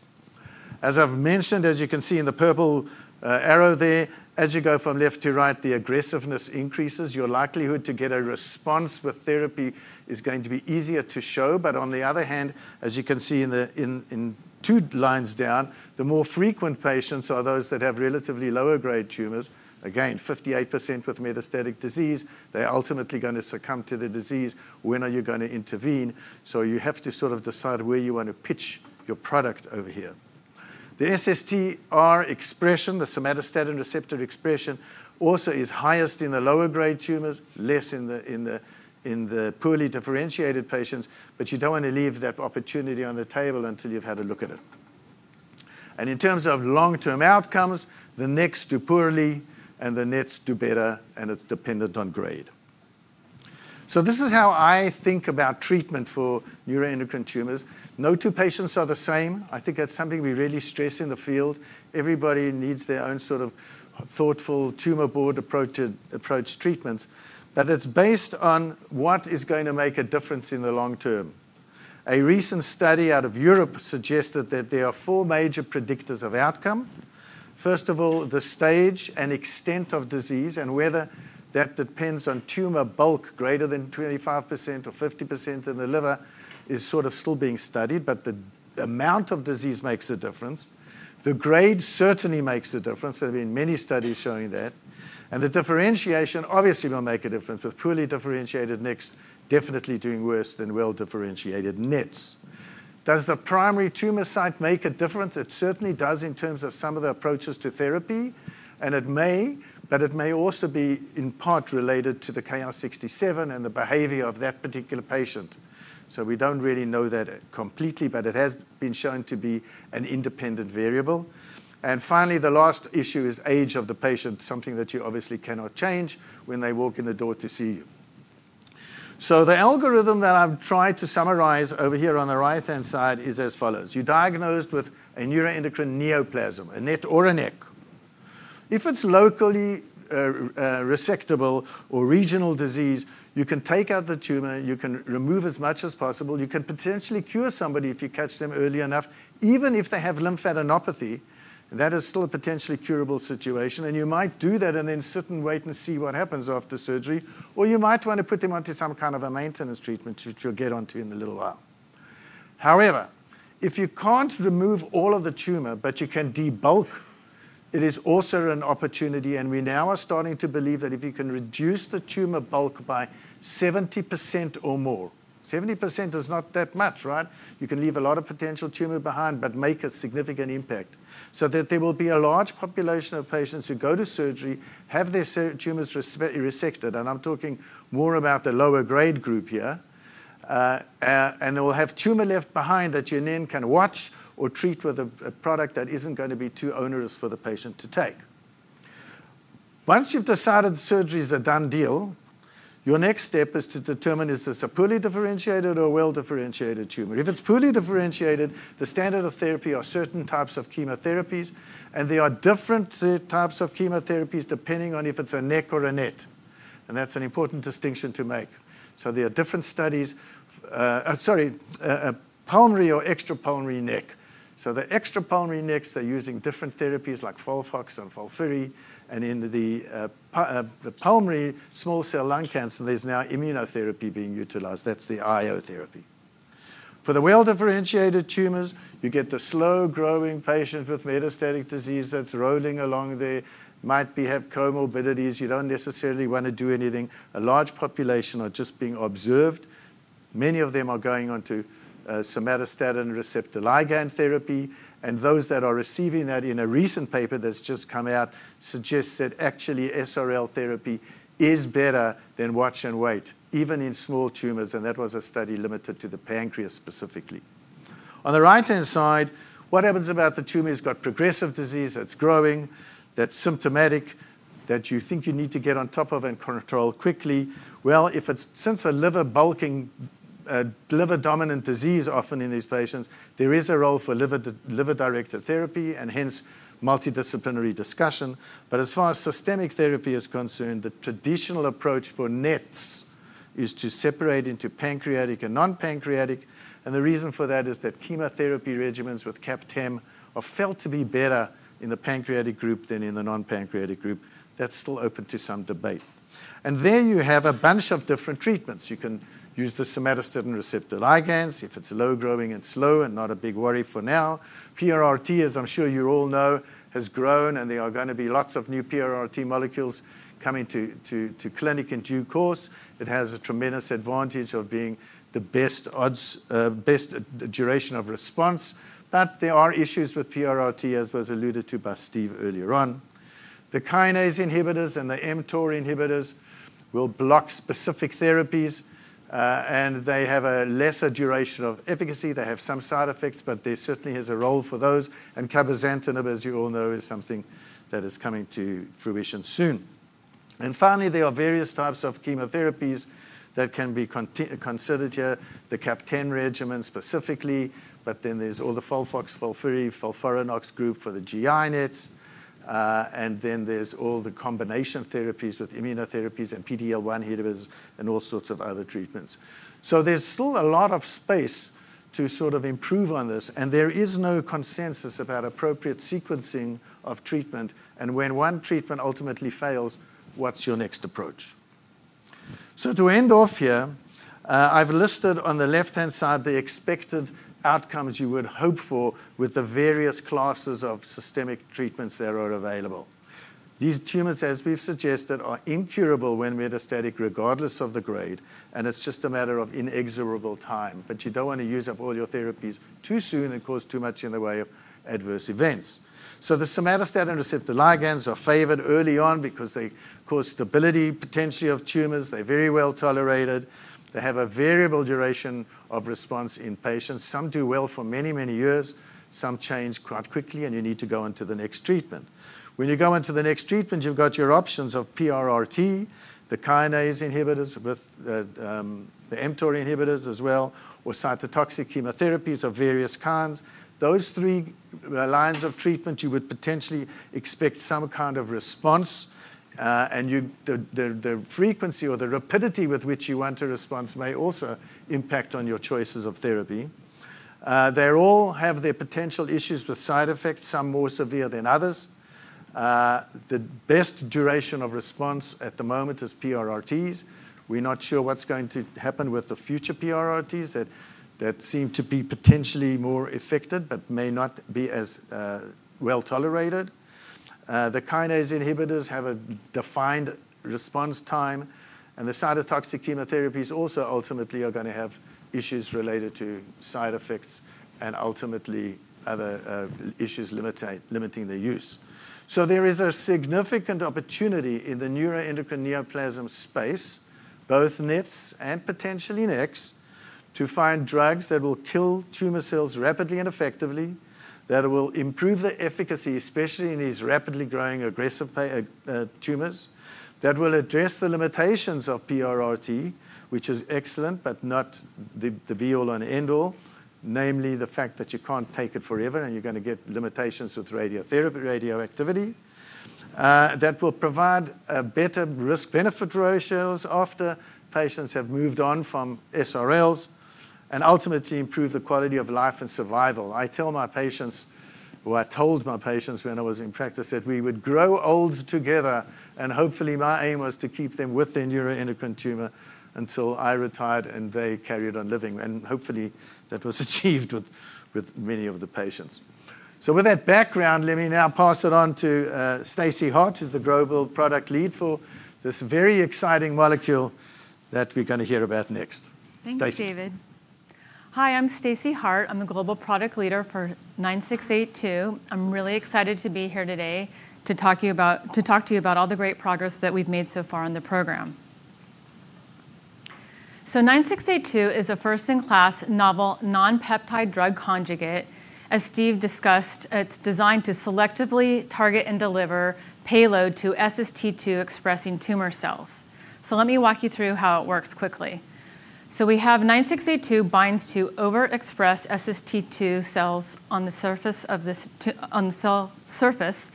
As I've mentioned, as you can see in the purple arrow there, as you go from left to right, the aggressiveness increases. Your likelihood to get a response with therapy is going to be easier to show. On the other hand, as you can see in two lines down, the more frequent patients are those that have relatively lower-grade tumors. Again, 58% with metastatic disease. They're ultimately going to succumb to the disease. When are you going to intervene? You have to sort of decide where you want to pitch your product over here. The SSTR expression, the somatostatin receptor expression, also is highest in the lower-grade tumors, less in the poorly differentiated patients. You don't want to leave that opportunity on the table until you've had a look at it. In terms of long-term outcomes, the NECs do poorly, and the NETs do better. It's dependent on grade. This is how I think about treatment for neuroendocrine tumors. No two patients are the same. I think that's something we really stress in the field. Everybody needs their own sort of thoughtful tumor board approach to approach treatments. It's based on what is going to make a difference in the long term. A recent study out of Europe suggested that there are four major predictors of outcome. First of all, the stage and extent of disease. Whether that depends on tumor bulk greater than 25% or 50% in the liver is sort of still being studied. The amount of disease makes a difference. The grade certainly makes a difference. There have been many studies showing that. The differentiation obviously will make a difference. Poorly differentiated NECs definitely do worse than well-differentiated NETs. Does the primary tumor site make a difference? It certainly does in terms of some of the approaches to therapy. It may, but it may also be in part related to the Ki-67 and the behavior of that particular patient. We do not really know that completely. It has been shown to be an independent variable. Finally, the last issue is age of the patient, something that you obviously cannot change when they walk in the door to see you. The algorithm that I've tried to summarize over here on the right-hand side is as follows. You're diagnosed with a neuroendocrine neoplasm, a NET or a NEC. If it's locally resectable or regional disease, you can take out the tumor. You can remove as much as possible. You can potentially cure somebody if you catch them early enough, even if they have lymphadenopathy. That is still a potentially curable situation. You might do that and then sit and wait and see what happens after surgery. You might want to put them onto some kind of a maintenance treatment, which you'll get onto in a little while. However, if you can't remove all of the tumor but you can debulk, it is also an opportunity. We now are starting to believe that if you can reduce the tumor bulk by 70% or more, 70% is not that much, right? You can leave a lot of potential tumor behind but make a significant impact. There will be a large population of patients who go to surgery, have their tumors resected. I'm talking more about the lower-grade group here. They will have tumor left behind that you then can watch or treat with a product that isn't going to be too onerous for the patient to take. Once you've decided the surgery is a done deal, your next step is to determine is this a poorly differentiated or well-differentiated tumor. If it's poorly differentiated, the standard of therapy are certain types of chemotherapies. There are different types of chemotherapies depending on if it's a NEC or a NET. That's an important distinction to make. There are different studies, sorry, pulmonary or extrapulmonary NEC. The extrapulmonary NECs, they're using different therapies like FOLFOX and FOLFIRI. In the pulmonary small cell lung cancer, there's now immunotherapy being utilized. That's the IO therapy. For the well-differentiated tumors, you get the slow-growing patient with metastatic disease that's rolling along there, might have comorbidities. You don't necessarily want to do anything. A large population are just being observed. Many of them are going onto somatostatin receptor ligand therapy. Those that are receiving that, in a recent paper that's just come out, suggests that actually SRL therapy is better than watch and wait, even in small tumors. That was a study limited to the pancreas specifically. On the right-hand side, what happens about the tumor? You've got progressive disease that's growing, that's symptomatic, that you think you need to get on top of and control quickly. Since liver bulking, liver-dominant disease often in these patients, there is a role for liver-directed therapy and hence multidisciplinary discussion. As far as systemic therapy is concerned, the traditional approach for NETs is to separate into pancreatic and non-pancreatic. The reason for that is that chemotherapy regimens with CAPTEM are felt to be better in the pancreatic group than in the non-pancreatic group. That's still open to some debate. There you have a bunch of different treatments. You can use the somatostatin receptor ligands if it's low-growing and slow and not a big worry for now. PRRT, as I'm sure you all know, has grown. There are going to be lots of new PRRT molecules coming to clinic in due course. It has a tremendous advantage of being the best duration of response. There are issues with PRRT, as was alluded to by Steve earlier on. The kinase inhibitors and the mTOR inhibitors will block specific therapies. They have a lesser duration of efficacy. They have some side effects. There certainly is a role for those. Cabozantinib, as you all know, is something that is coming to fruition soon. Finally, there are various types of chemotherapies that can be considered here, the CAPTEM regimen specifically. There is also the FOLFOX, FOLFIRI, FOLFIRINOX group for the GI NETs. There are combination therapies with immunotherapies and PD-L1 inhibitors and all sorts of other treatments. There is still a lot of space to sort of improve on this. There is no consensus about appropriate sequencing of treatment. When one treatment ultimately fails, what's your next approach? To end off here, I've listed on the left-hand side the expected outcomes you would hope for with the various classes of systemic treatments that are available. These tumors, as we've suggested, are incurable when metastatic, regardless of the grade. It's just a matter of inexorable time. You don't want to use up all your therapies too soon and cause too much in the way of adverse events. The somatostatin receptor ligands are favored early on because they cause stability potentially of tumors. They're very well tolerated. They have a variable duration of response in patients. Some do well for many, many years. Some change quite quickly. You need to go on to the next treatment. When you go on to the next treatment, you've got your options of PRRT, the kinase inhibitors with the mTOR inhibitors as well, or cytotoxic chemotherapies of various kinds. Those three lines of treatment, you would potentially expect some kind of response. The frequency or the rapidity with which you want a response may also impact on your choices of therapy. They all have their potential issues with side effects, some more severe than others. The best duration of response at the moment is PRRTs. We're not sure what's going to happen with the future PRRTs. That seem to be potentially more effective but may not be as well tolerated. The kinase inhibitors have a defined response time. The cytotoxic chemotherapies also ultimately are going to have issues related to side effects and ultimately other issues limiting their use. There is a significant opportunity in the neuroendocrine neoplasm space, both NETs and potentially NECs, to find drugs that will kill tumor cells rapidly and effectively, that will improve the efficacy, especially in these rapidly growing aggressive tumors, that will address the limitations of PRRT, which is excellent but not the be-all and end-all, namely the fact that you cannot take it forever. You are going to get limitations with radioactivity. That will provide better risk-benefit ratios after patients have moved on from SRLs and ultimately improve the quality of life and survival. I tell my patients, or I told my patients when I was in practice, that we would grow old together. Hopefully, my aim was to keep them with the neuroendocrine tumor until I retired and they carried on living. Hopefully, that was achieved with many of the patients. With that background, let me now pass it on to Stacey Harte, who's the Global Product Lead for this very exciting molecule that we're going to hear about next. Thank you, David. Hi. I'm Stacey Harte. I'm the Global Product Lead for 9682. I'm really excited to be here today to talk to you about all the great progress that we've made so far in the program. 9682 is a first-in-class novel non-peptide drug conjugate. As Steve discussed, it's designed to selectively target and deliver payload to SST2-expressing tumor cells. Let me walk you through how it works quickly. 9682 binds to overexpressed SST2 cells on the cell surface.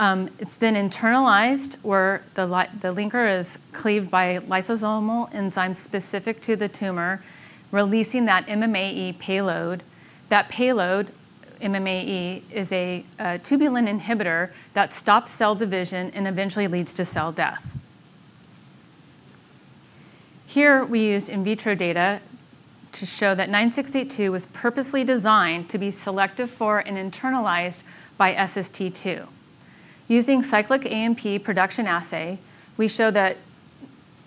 It's then internalized where the linker is cleaved by lysosomal enzymes specific to the tumor, releasing that MMAE payload. That payload, MMAE, is a tubulin inhibitor that stops cell division and eventually leads to cell death. Here, we use in vitro data to show that 9682 was purposely designed to be selective for and internalized by SST2. Using cyclic AMP production assay, we show that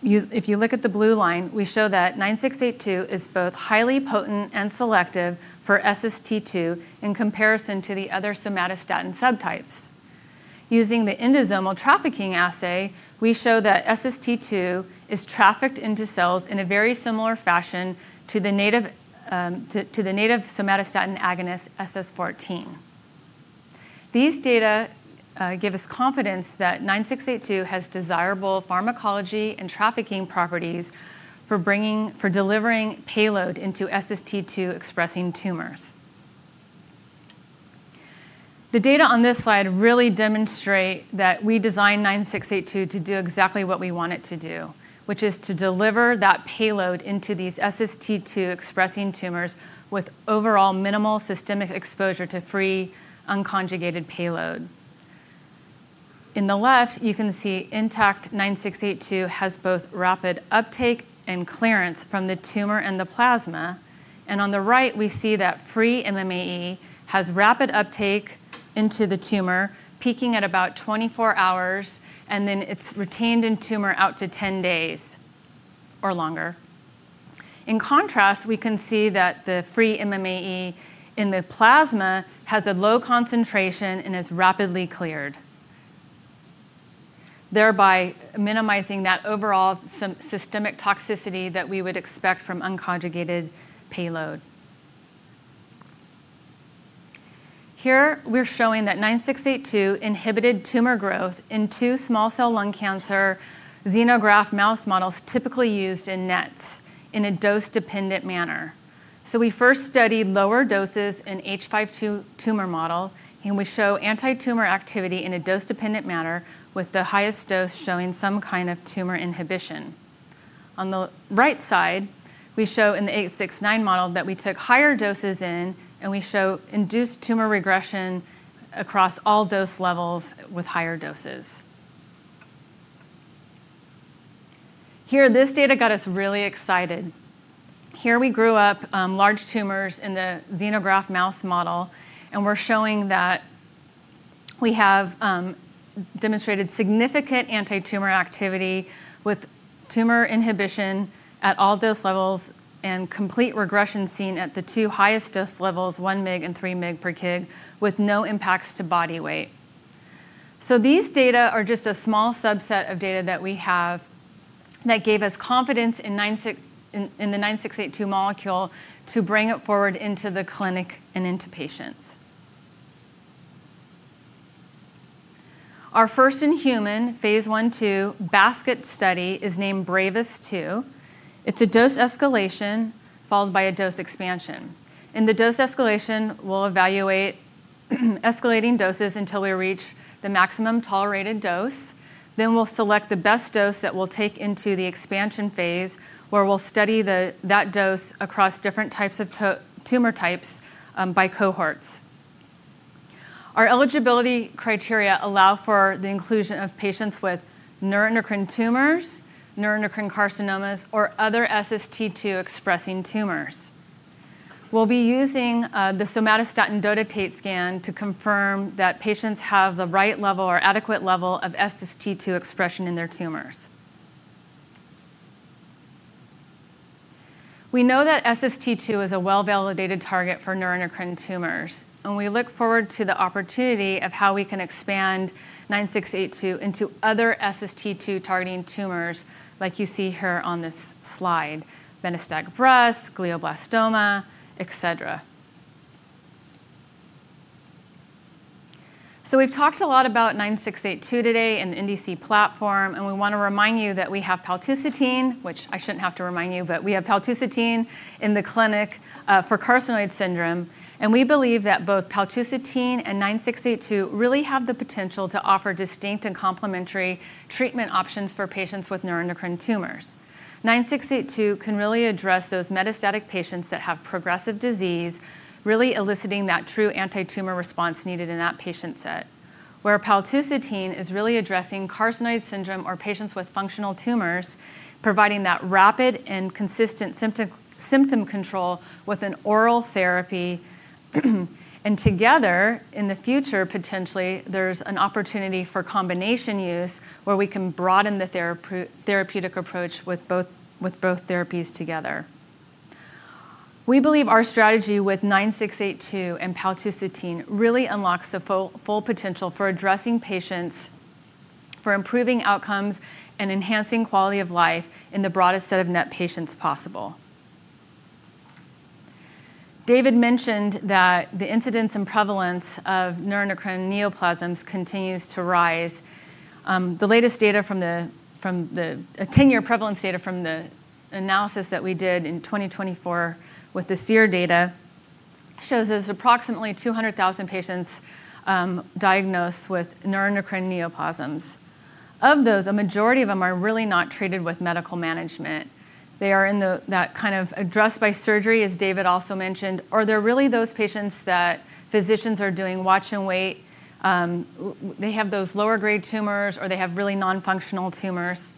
if you look at the blue line, we show that 9682 is both highly potent and selective for SST2 in comparison to the other somatostatin subtypes. Using the endosomal trafficking assay, we show that SST2 is trafficked into cells in a very similar fashion to the native somatostatin agonist SS14. These data give us confidence that 9682 has desirable pharmacology and trafficking properties for delivering payload into SST2-expressing tumors. The data on this slide really demonstrate that we designed 9682 to do exactly what we want it to do, which is to deliver that payload into these SST2-expressing tumors with overall minimal systemic exposure to free unconjugated payload. In the left, you can see intact 9682 has both rapid uptake and clearance from the tumor and the plasma. On the right, we see that free MMAE has rapid uptake into the tumor, peaking at about 24 hours. It is retained in tumor out to 10 days or longer. In contrast, we can see that the free MMAE in the plasma has a low concentration and is rapidly cleared, thereby minimizing that overall systemic toxicity that we would expect from unconjugated payload. Here, we're showing that 9682 inhibited tumor growth in two small cell lung cancer xenograft mouse models typically used in NETs in a dose-dependent manner. We first studied lower doses in the H5 tumor model. We show antitumor activity in a dose-dependent manner, with the highest dose showing some kind of tumor inhibition. On the right side, we show in the 869 model that we took higher doses in. We show induced tumor regression across all dose levels with higher doses. Here, this data got us really excited. Here, we grew up large tumors in the xenograft mouse model. We are showing that we have demonstrated significant antitumor activity with tumor inhibition at all dose levels and complete regression seen at the two highest dose levels, 1 mg and 3 mg per kg, with no impacts to body weight. These data are just a small subset of data that we have that gave us confidence in the 9682 molecule to bring it forward into the clinic and into patients. Our first in human phase I, II basket study is named [Bravus] 2. It is a dose escalation followed by a dose expansion. In the dose escalation, we will evaluate escalating doses until we reach the maximum tolerated dose. We will select the best dose that we will take into the expansion phase, where we will study that dose across different types of tumor types by cohorts. Our eligibility criteria allow for the inclusion of patients with neuroendocrine tumors, neuroendocrine carcinomas, or other SST2-expressing tumors. We will be using the somatostatin dotatate scan to confirm that patients have the right level or adequate level of SST2 expression in their tumors. We know that SST2 is a well-validated target for neuroendocrine tumors. We look forward to the opportunity of how we can expand 9682 into other SST2-targeting tumors, like you see here on this slide: metastatic breast, glioblastoma, et cetera. We have talked a lot about 9682 today in the NDC platform. We want to remind you that we have paltusotine, which I should not have to remind you. We have paltusotine in the clinic for carcinoid syndrome. We believe that both paltusotine and 9682 really have the potential to offer distinct and complementary treatment options for patients with neuroendocrine tumors. 9682 can really address those metastatic patients that have progressive disease, really eliciting that true antitumor response needed in that patient set, where paltusotine is really addressing carcinoid syndrome or patients with functional tumors, providing that rapid and consistent symptom control with an oral therapy. Together, in the future, potentially, there is an opportunity for combination use, where we can broaden the therapeutic approach with both therapies together. We believe our strategy with 9682 and paltusotine really unlocks the full potential for addressing patients, for improving outcomes, and enhancing quality of life in the broadest set of NET patients possible. David mentioned that the incidence and prevalence of neuroendocrine neoplasms continues to rise. The latest data from the 10-year prevalence data from the analysis that we did in 2024 with the SEER data shows us approximately 200,000 patients diagnosed with neuroendocrine neoplasms. Of those, a majority of them are really not treated with medical management. They are in that kind of addressed by surgery, as David also mentioned. They are really those patients that physicians are doing watch and wait. They have those lower-grade tumors, or they have really non-functional tumors.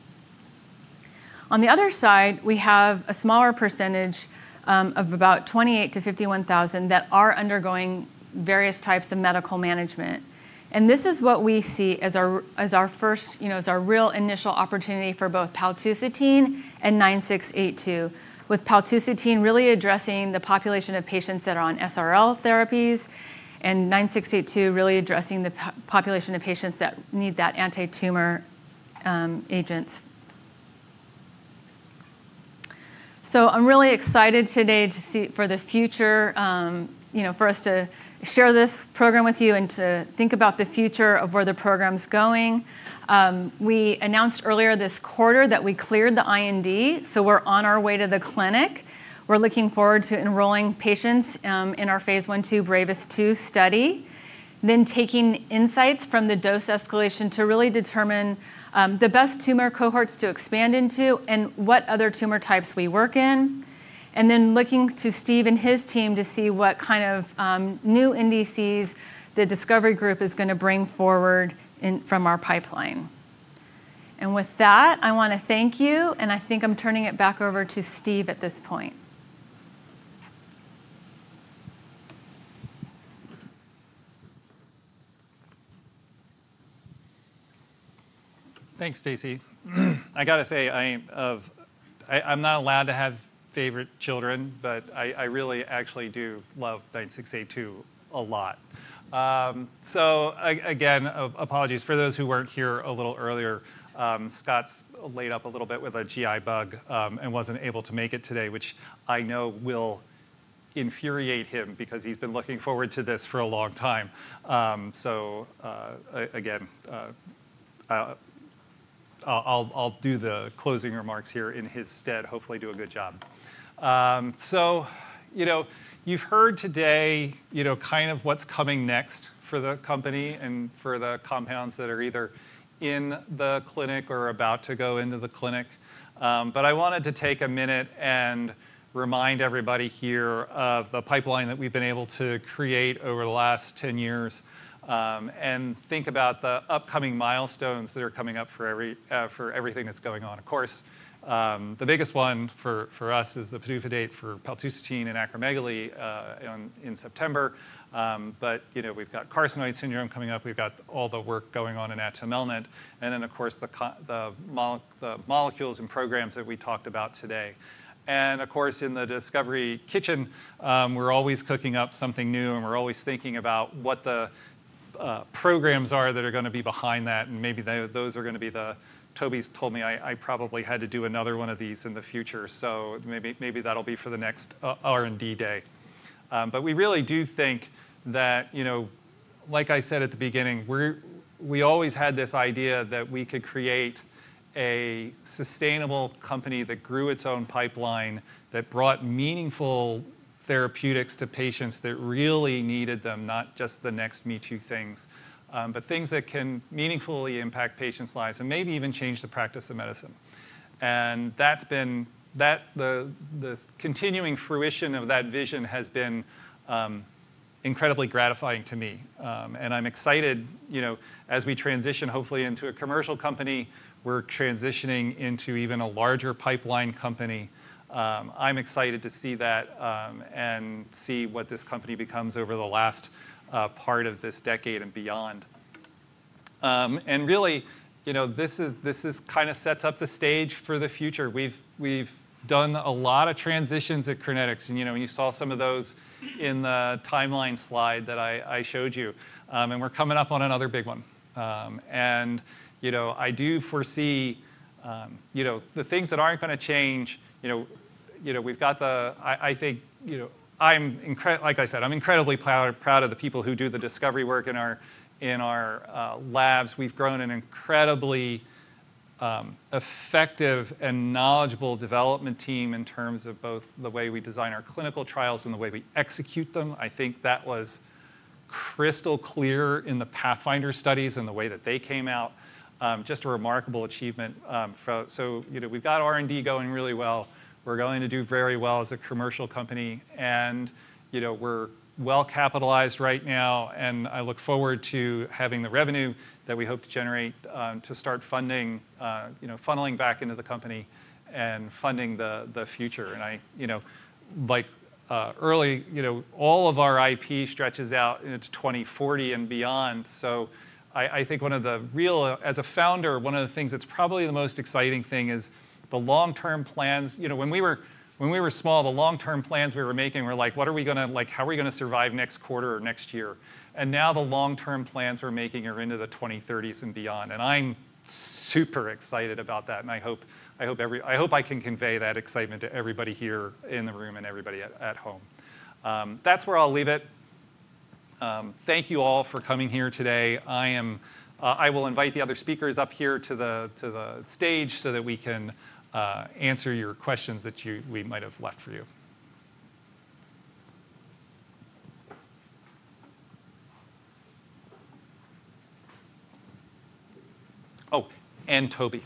On the other side, we have a smaller percentage of about 28,000-51,000 that are undergoing various types of medical management. This is what we see as our first, as our real initial opportunity for both paltusotine and 9682, with paltusotine really addressing the population of patients that are on SRL therapies and 9682 really addressing the population of patients that need that antitumor agents. I'm really excited today to see for the future, for us to share this program with you and to think about the future of where the program's going. We announced earlier this quarter that we cleared the IND. We're on our way to the clinic. We're looking forward to enrolling patients in our phase I, II [Bravus] 2 study, then taking insights from the dose escalation to really determine the best tumor cohorts to expand into and what other tumor types we work in, and then looking to Steve and his team to see what kind of new NDCs the discovery group is going to bring forward from our pipeline. With that, I want to thank you. I think I'm turning it back over to Steve at this point. Thanks, Stacey. I got to say, I'm not allowed to have favorite children. But I really actually do love 9682 a lot. Again, apologies. For those who were not here a little earlier, Scott's laid up a little bit with a GI bug and was not able to make it today, which I know will infuriate him because he's been looking forward to this for a long time. Again, I'll do the closing remarks here in his stead, hopefully do a good job. You've heard today kind of what's coming next for the company and for the compounds that are either in the clinic or about to go into the clinic. I wanted to take a minute and remind everybody here of the pipeline that we've been able to create over the last 10 years and think about the upcoming milestones that are coming up for everything that's going on. Of course, the biggest one for us is the brief date for paltusotine and acromegaly in September. We've got carcinoid syndrome coming up. We've got all the work going on in atumelnant. Of course, the molecules and programs that we talked about today. In the discovery kitchen, we're always cooking up something new. We're always thinking about what the programs are that are going to be behind that. Maybe those are going to be the ones Toby's told me I probably had to do another one of these in the future. Maybe that'll be for the next R&D day. We really do think that, like I said at the beginning, we always had this idea that we could create a sustainable company that grew its own pipeline, that brought meaningful therapeutics to patients that really needed them, not just the next me too things, but things that can meaningfully impact patients' lives and maybe even change the practice of medicine. That has been the continuing fruition of that vision, has been incredibly gratifying to me. I'm excited as we transition, hopefully, into a commercial company. We're transitioning into even a larger pipeline company. I'm excited to see that and see what this company becomes over the last part of this decade and beyond. This kind of sets up the stage for the future. We've done a lot of transitions at Crinetics. You saw some of those in the timeline slide that I showed you. We are coming up on another big one. I do foresee the things that are not going to change. We have the, I think, like I said, I am incredibly proud of the people who do the discovery work in our labs. We have grown an incredibly effective and knowledgeable development team in terms of both the way we design our clinical trials and the way we execute them. I think that was crystal clear in the Pathfinder studies and the way that they came out, just a remarkable achievement. We have R&D going really well. We are going to do very well as a commercial company. We are well capitalized right now. I look forward to having the revenue that we hope to generate to start funneling back into the company and funding the future. Like early, all of our IP stretches out into 2040 and beyond. I think one of the real, as a founder, one of the things that's probably the most exciting thing is the long-term plans. When we were small, the long-term plans we were making were like, what are we going to, how are we going to survive next quarter or next year? Now the long-term plans we're making are into the 2030s and beyond. I am super excited about that. I hope I can convey that excitement to everybody here in the room and everybody at home. That is where I will leave it. Thank you all for coming here today. I will invite the other speakers up here to the stage so that we can answer your questions that we might have left for you. Oh, and Toby.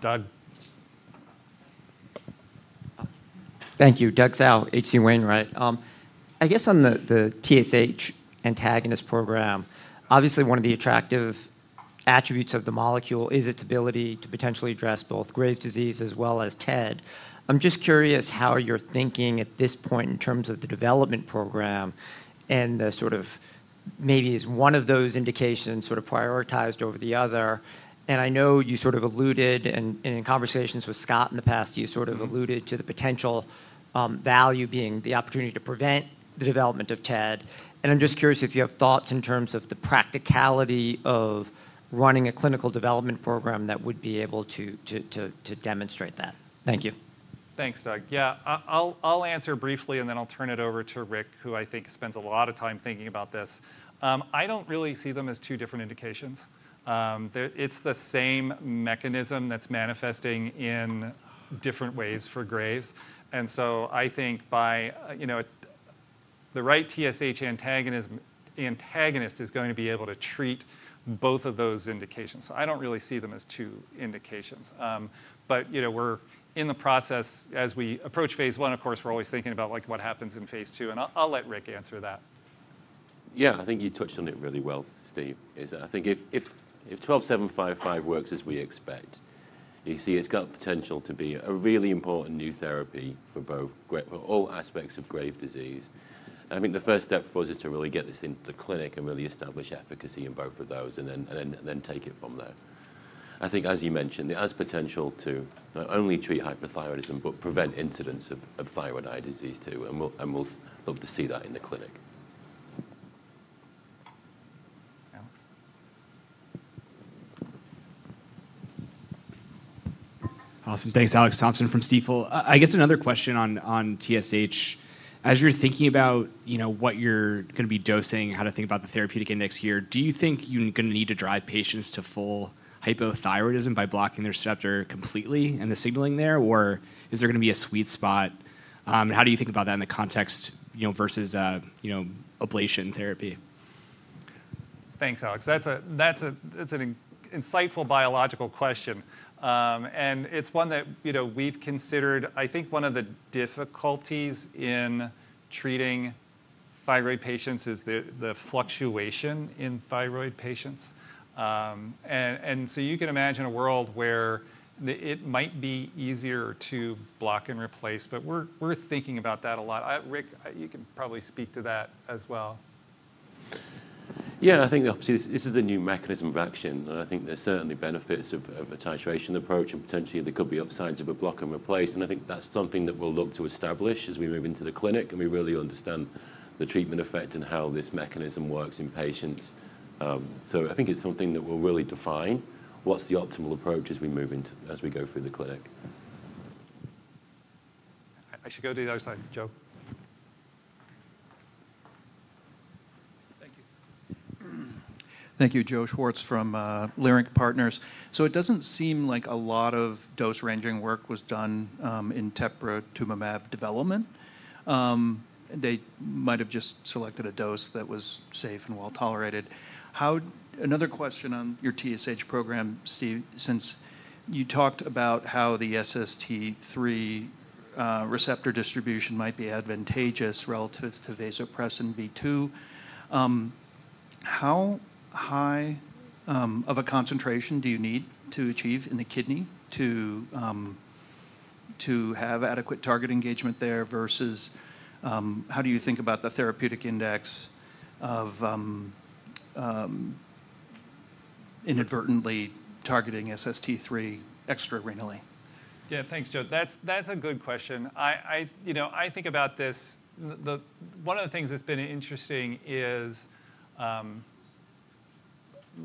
Doug. Thank you. Doug Tsao, H.C. Wainwright, right? I guess on the TSH antagonist program, obviously one of the attractive attributes of the molecule is its ability to potentially address both Graves' disease as well as TED. I'm just curious how you're thinking at this point in terms of the development program and the sort of maybe as one of those indications sort of prioritized over the other. I know you sort of alluded, and in conversations with Scott in the past, you sort of alluded to the potential value being the opportunity to prevent the development of TED. I'm just curious if you have thoughts in terms of the practicality of running a clinical development program that would be able to demonstrate that. Thank you. Thanks, Doug. Yeah, I'll answer briefly. Then I'll turn it over to Rick, who I think spends a lot of time thinking about this. I don't really see them as two different indications. It's the same mechanism that's manifesting in different ways for Graves. I think the right TSH antagonist is going to be able to treat both of those indications. I don't really see them as two indications. We're in the process, as we approach phase i, of course, we're always thinking about what happens in phase II. I'll let Rick answer that. Yeah, I think you touched on it really well, Steve. I think if 12755 works as we expect, you see it's got potential to be a really important new therapy for all aspects of Graves' disease. I think the first step for us is to really get this into the clinic and really establish efficacy in both of those and then take it from there. I think, as you mentioned, it has potential to not only treat hypothyroidism but prevent incidence of thyroid eye disease too. We will look to see that in the clinic. Alex. Awesome. Thanks, Alex Thompson from Stifel. I guess another question on TSH. As you're thinking about what you're going to be dosing, how to think about the therapeutic index here, do you think you're going to need to drive patients to full hypothyroidism by blocking their receptor completely and the signaling there? Or is there going to be a sweet spot? How do you think about that in the context versus ablation therapy? Thanks, Alex. That's an insightful biological question. It's one that we've considered. I think one of the difficulties in treating thyroid patients is the fluctuation in thyroid patients. You can imagine a world where it might be easier to block and replace. We're thinking about that a lot. Rick, you can probably speak to that as well. Yeah, I think obviously this is a new mechanism of action. I think there's certainly benefits of a titration approach. Potentially, there could be upsides of a block and replace. I think that's something that we'll look to establish as we move into the clinic. We really understand the treatment effect and how this mechanism works in patients. I think it's something that we'll really define, what's the optimal approach as we move into, as we go through the clinic. I should go to the other side, Joe. Thank you. Thank you, Joe Schwartz from Leerink Partners. It doesn't seem like a lot of dose ranging work was done in Tepezza development. They might have just selected a dose that was safe and well tolerated. Another question on your TSH program, Steve, since you talked about how the SST3 receptor distribution might be advantageous relative to vasopressin V2. How high of a concentration do you need to achieve in the kidney to have adequate target engagement there versus how do you think about the therapeutic index of inadvertently targeting SST3 extra-renally? Yeah, thanks, Joe. That's a good question. I think about this. One of the things that's been interesting is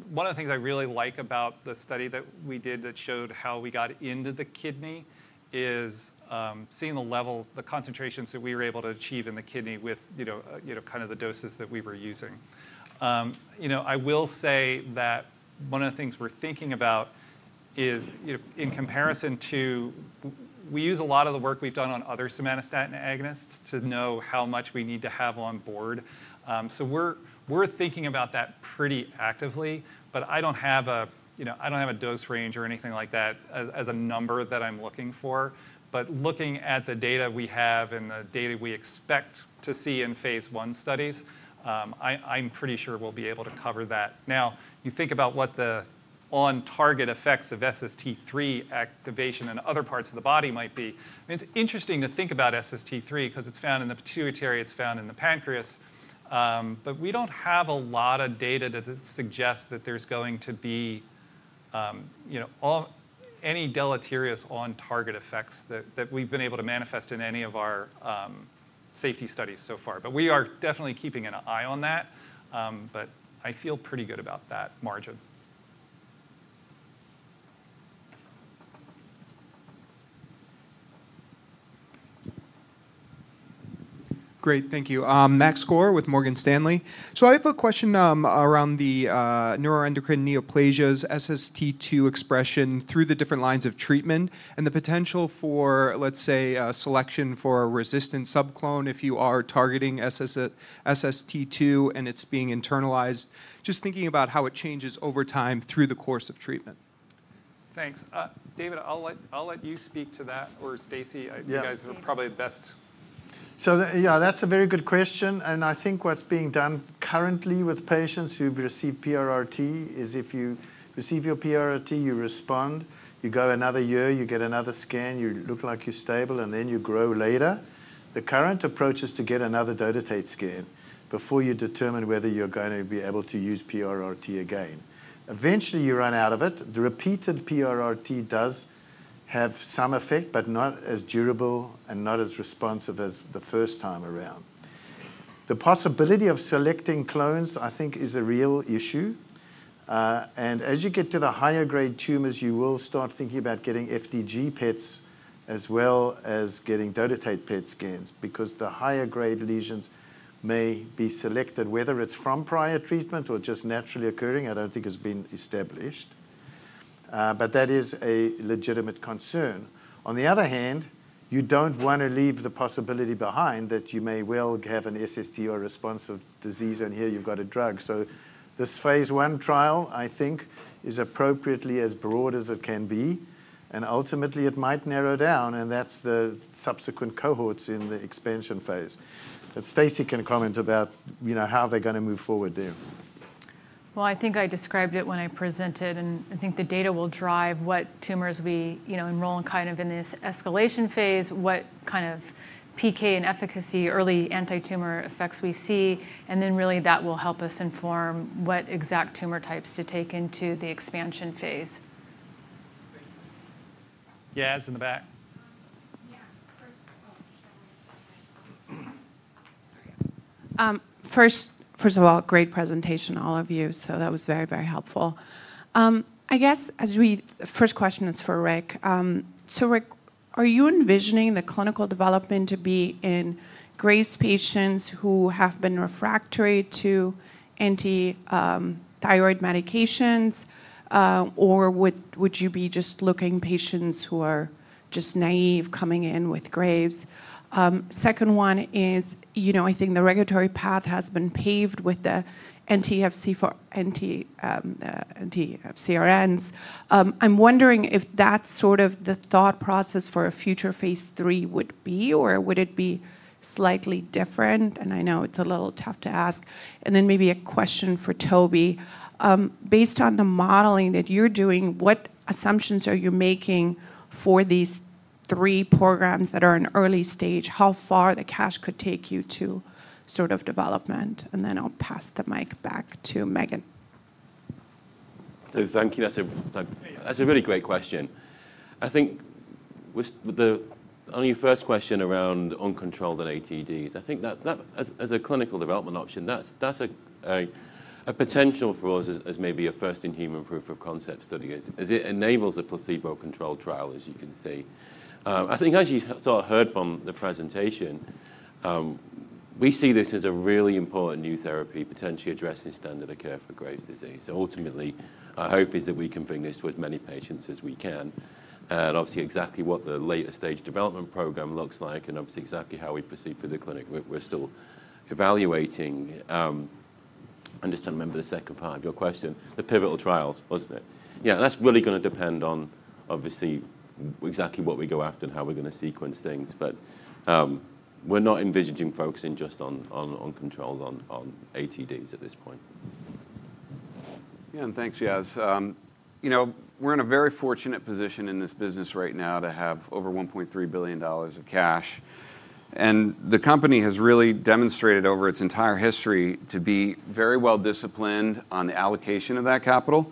one of the things I really like about the study that we did that showed how we got into the kidney is seeing the levels, the concentrations that we were able to achieve in the kidney with kind of the doses that we were using. I will say that one of the things we're thinking about is in comparison to we use a lot of the work we've done on other somatostatin agonists to know how much we need to have on board. So we're thinking about that pretty actively. I don't have a dose range or anything like that as a number that I'm looking for. Looking at the data we have and the data we expect to see in phase I studies, I'm pretty sure we'll be able to cover that. Now, you think about what the on-target effects of SST3 activation in other parts of the body might be. I mean, it's interesting to think about SST3 because it's found in the pituitary. It's found in the pancreas. We don't have a lot of data to suggest that there's going to be any deleterious on-target effects that we've been able to manifest in any of our safety studies so far. We are definitely keeping an eye on that. I feel pretty good about that margin. Great. Thank you. Max [Gore] with Morgan Stanley. I have a question around the neuroendocrine neoplasias' SST2 expression through the different lines of treatment and the potential for, let's say, selection for a resistant subclone if you are targeting SST2 and it is being internalized. Just thinking about how it changes over time through the course of treatment. Thanks. David, I'll let you speak to that. Or Stacey, you guys are probably best. Yeah, that's a very good question. I think what's being done currently with patients who've received PRRT is if you receive your PRRT, you respond. You go another year. You get another scan. You look like you're stable. You grow later. The current approach is to get another Dotatate scan before you determine whether you're going to be able to use PRRT again. Eventually, you run out of it. The repeated PRRT does have some effect but not as durable and not as responsive as the first time around. The possibility of selecting clones, I think, is a real issue. As you get to the higher-grade tumors, you will start thinking about getting FDG PETs as well as getting dotatate PET scans because the higher-grade lesions may be selected, whether it's from prior treatment or just naturally occurring. I don't think it's been established. That is a legitimate concern. On the other hand, you don't want to leave the possibility behind that you may well have an SST or a responsive disease. And here you've got a drug. This phase I trial, I think, is appropriately as broad as it can be. Ultimately, it might narrow down. That is the subsequent cohorts in the expansion phase. Stacey can comment about how they're going to move forward there. I think I described it when I presented. I think the data will drive what tumors we enroll in kind of in this escalation phase, what kind of PK and efficacy, early anti-tumor effects we see. That will help us inform what exact tumor types to take into the expansion phase. Yeah, Yaz in the back. First of all, great presentation, all of you. That was very, very helpful. I guess the first question is for Rick. Rick, are you envisioning the clinical development to be in Graves' patients who have been refractory to anti-thyroid medications? Or would you be just looking at patients who are just naive coming in with Graves'? The second one is I think the regulatory path has been paved with the NTFCRNs. I'm wondering if that's sort of the thought process for a future phase III would be. Or would it be slightly different? I know it's a little tough to ask. Maybe a question for Toby. Based on the modeling that you're doing, what assumptions are you making for these three programs that are in early stage? How far the cash could take you to sort of development? I'll pass the mic back to Megan. Thank you. That's a really great question. I think on your first question around uncontrolled and ATDs, I think that as a clinical development option, that's a potential for us as maybe a first-in-human proof of concept study as it enables a placebo-controlled trial, as you can see. I think as you sort of heard from the presentation, we see this as a really important new therapy potentially addressing standard of care for Graves' disease. Ultimately, our hope is that we can bring this to as many patients as we can. Obviously, exactly what the later-stage development program looks like and obviously exactly how we proceed for the clinic, we're still evaluating. I just don't remember the second part of your question. The pivotal trials, wasn't it? Yeah, that's really going to depend on obviously exactly what we go after and how we're going to sequence things. We're not envisioning focusing just on controls on ATDs at this point. Yeah, and thanks, Yaz. We're in a very fortunate position in this business right now to have over $1.3 billion of cash. The company has really demonstrated over its entire history to be very well disciplined on the allocation of that capital.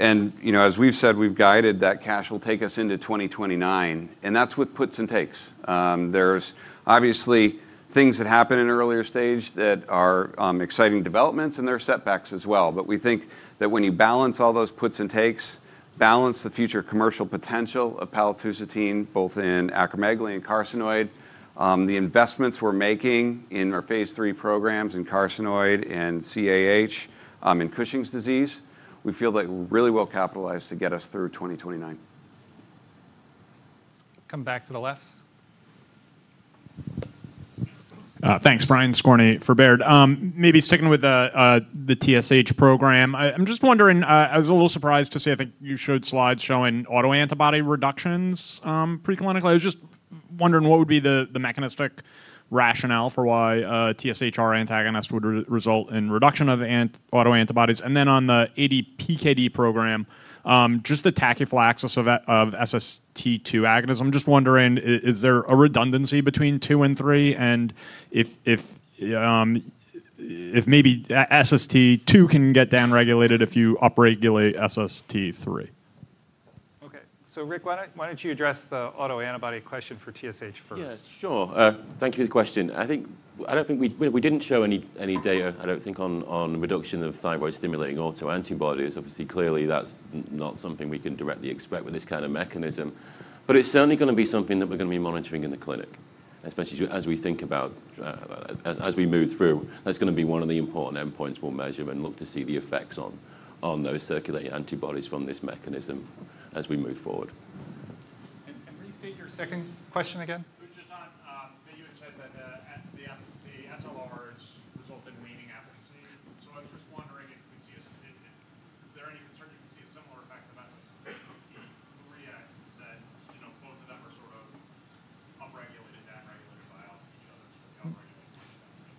As we've said, we've guided that cash will take us into 2029. That's with puts and takes. There are obviously things that happen in earlier stage that are exciting developments. There are setbacks as well. We think that when you balance all those puts and takes, balance the future commercial potential of paltusotine both in acromegaly and carcinoid, the investments we're making in our phase III programs in carcinoid and CAH in Cushing's disease, we feel that we really will capitalize to get us through 2029. Come back to the left. Thanks, Brian Skorney for Baird. Maybe sticking with the TSH program, I'm just wondering. I was a little surprised to see I think you showed slides showing autoantibody reductions preclinically. I was just wondering what would be the mechanistic rationale for why TSH receptor antagonist would result in reduction of autoantibodies. Then on the ADPKD program, just the tachyphylaxis of SST2 agonism, I'm just wondering, is there a redundancy between two and three? If maybe SST2 can get downregulated if you upregulate SST3. OK. Rick, why don't you address the autoantibody question for TSH first? Yeah, sure. Thank you for the question. I don't think we didn't show any data, I don't think, on reduction of thyroid-stimulating autoantibodies. Obviously, clearly, that's not something we can directly expect with this kind of mechanism. But it's certainly going to be something that we're going to be monitoring in the clinic, especially as we think about as we move through. That's going to be one of the important endpoints we'll measure and look to see the effects on those circulating antibodies from this mechanism as we move forward. You restate your second question again? It was just on that you had said that the SLRs result in waning efficacy. I was just wondering if you could see a, is there any concern you could see a similar effect of SST3 in ADPKD, that both of them are sort of upregulated, downregulated by each other?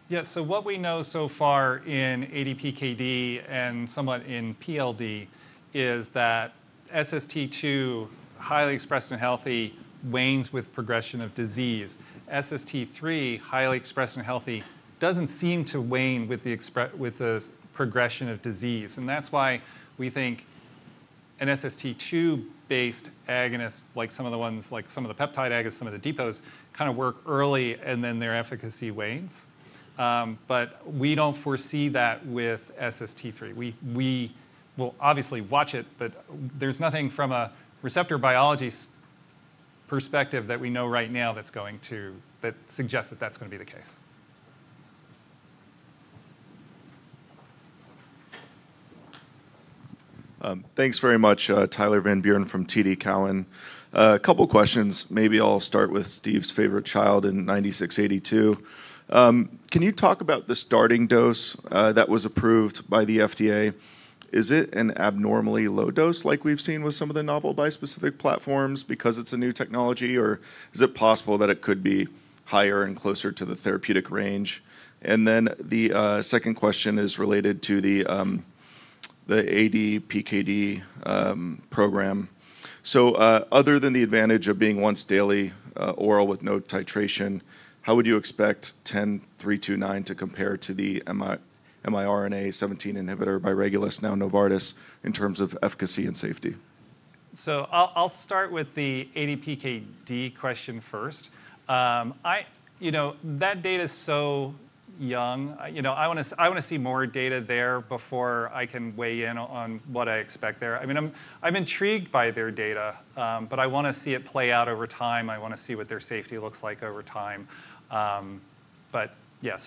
Yeah, so what we know so far in ADPKD and somewhat in PLD is that SST2, highly expressed and healthy, wanes with progression of disease. SST3, highly expressed and healthy, does not seem to wane with the progression of disease. That is why we think an SST2-based agonist like some of the ones like some of the peptide agonists, some of the depots, kind of work early. Then their efficacy wanes. We do not foresee that with SST3. We will obviously watch it. There is nothing from a receptor biology perspective that we know right now that is going to suggest that that is going to be the case. Thanks very much, Tyler Van Buren from TD Cowen. A couple of questions. Maybe I'll start with Steve's favorite child in 9682. Can you talk about the starting dose that was approved by the FDA? Is it an abnormally low dose like we've seen with some of the novel bispecific platforms because it's a new technology? Is it possible that it could be higher and closer to the therapeutic range? The second question is related to the ADPKD program. Other than the advantage of being once daily oral with no titration, how would you expect 10329 to compare to the mRNA-17 inhibitor by Regulus, now Novartis, in terms of efficacy and safety? I'll start with the ADPKD question first. That data is so young. I want to see more data there before I can weigh in on what I expect there. I mean, I'm intrigued by their data. I want to see it play out over time. I want to see what their safety looks like over time. Yeah,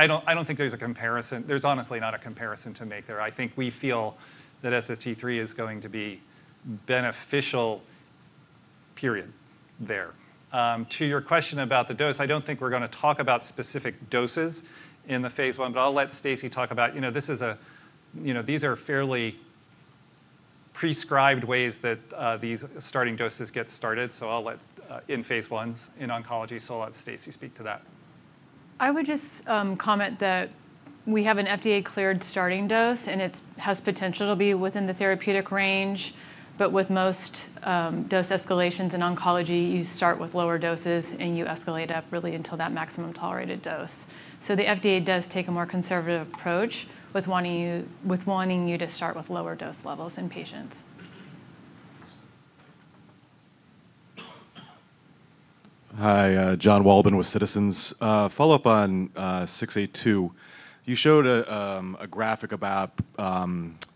I don't think there's a comparison. There's honestly not a comparison to make there. I think we feel that SST3 is going to be beneficial, period, there. To your question about the dose, I don't think we're going to talk about specific doses in the phase 1. I'll let Stacy talk about these are fairly prescribed ways that these starting doses get started. I'll let in phase Is in oncology. I'll let Stacey speak to that. I would just comment that we have an FDA-cleared starting dose. It has potential to be within the therapeutic range. With most dose escalations in oncology, you start with lower doses. You escalate up really until that maximum tolerated dose. The FDA does take a more conservative approach with wanting you to start with lower dose levels in patients. Hi, John Walburn with Citizens. Follow up on 9682. You showed a graphic about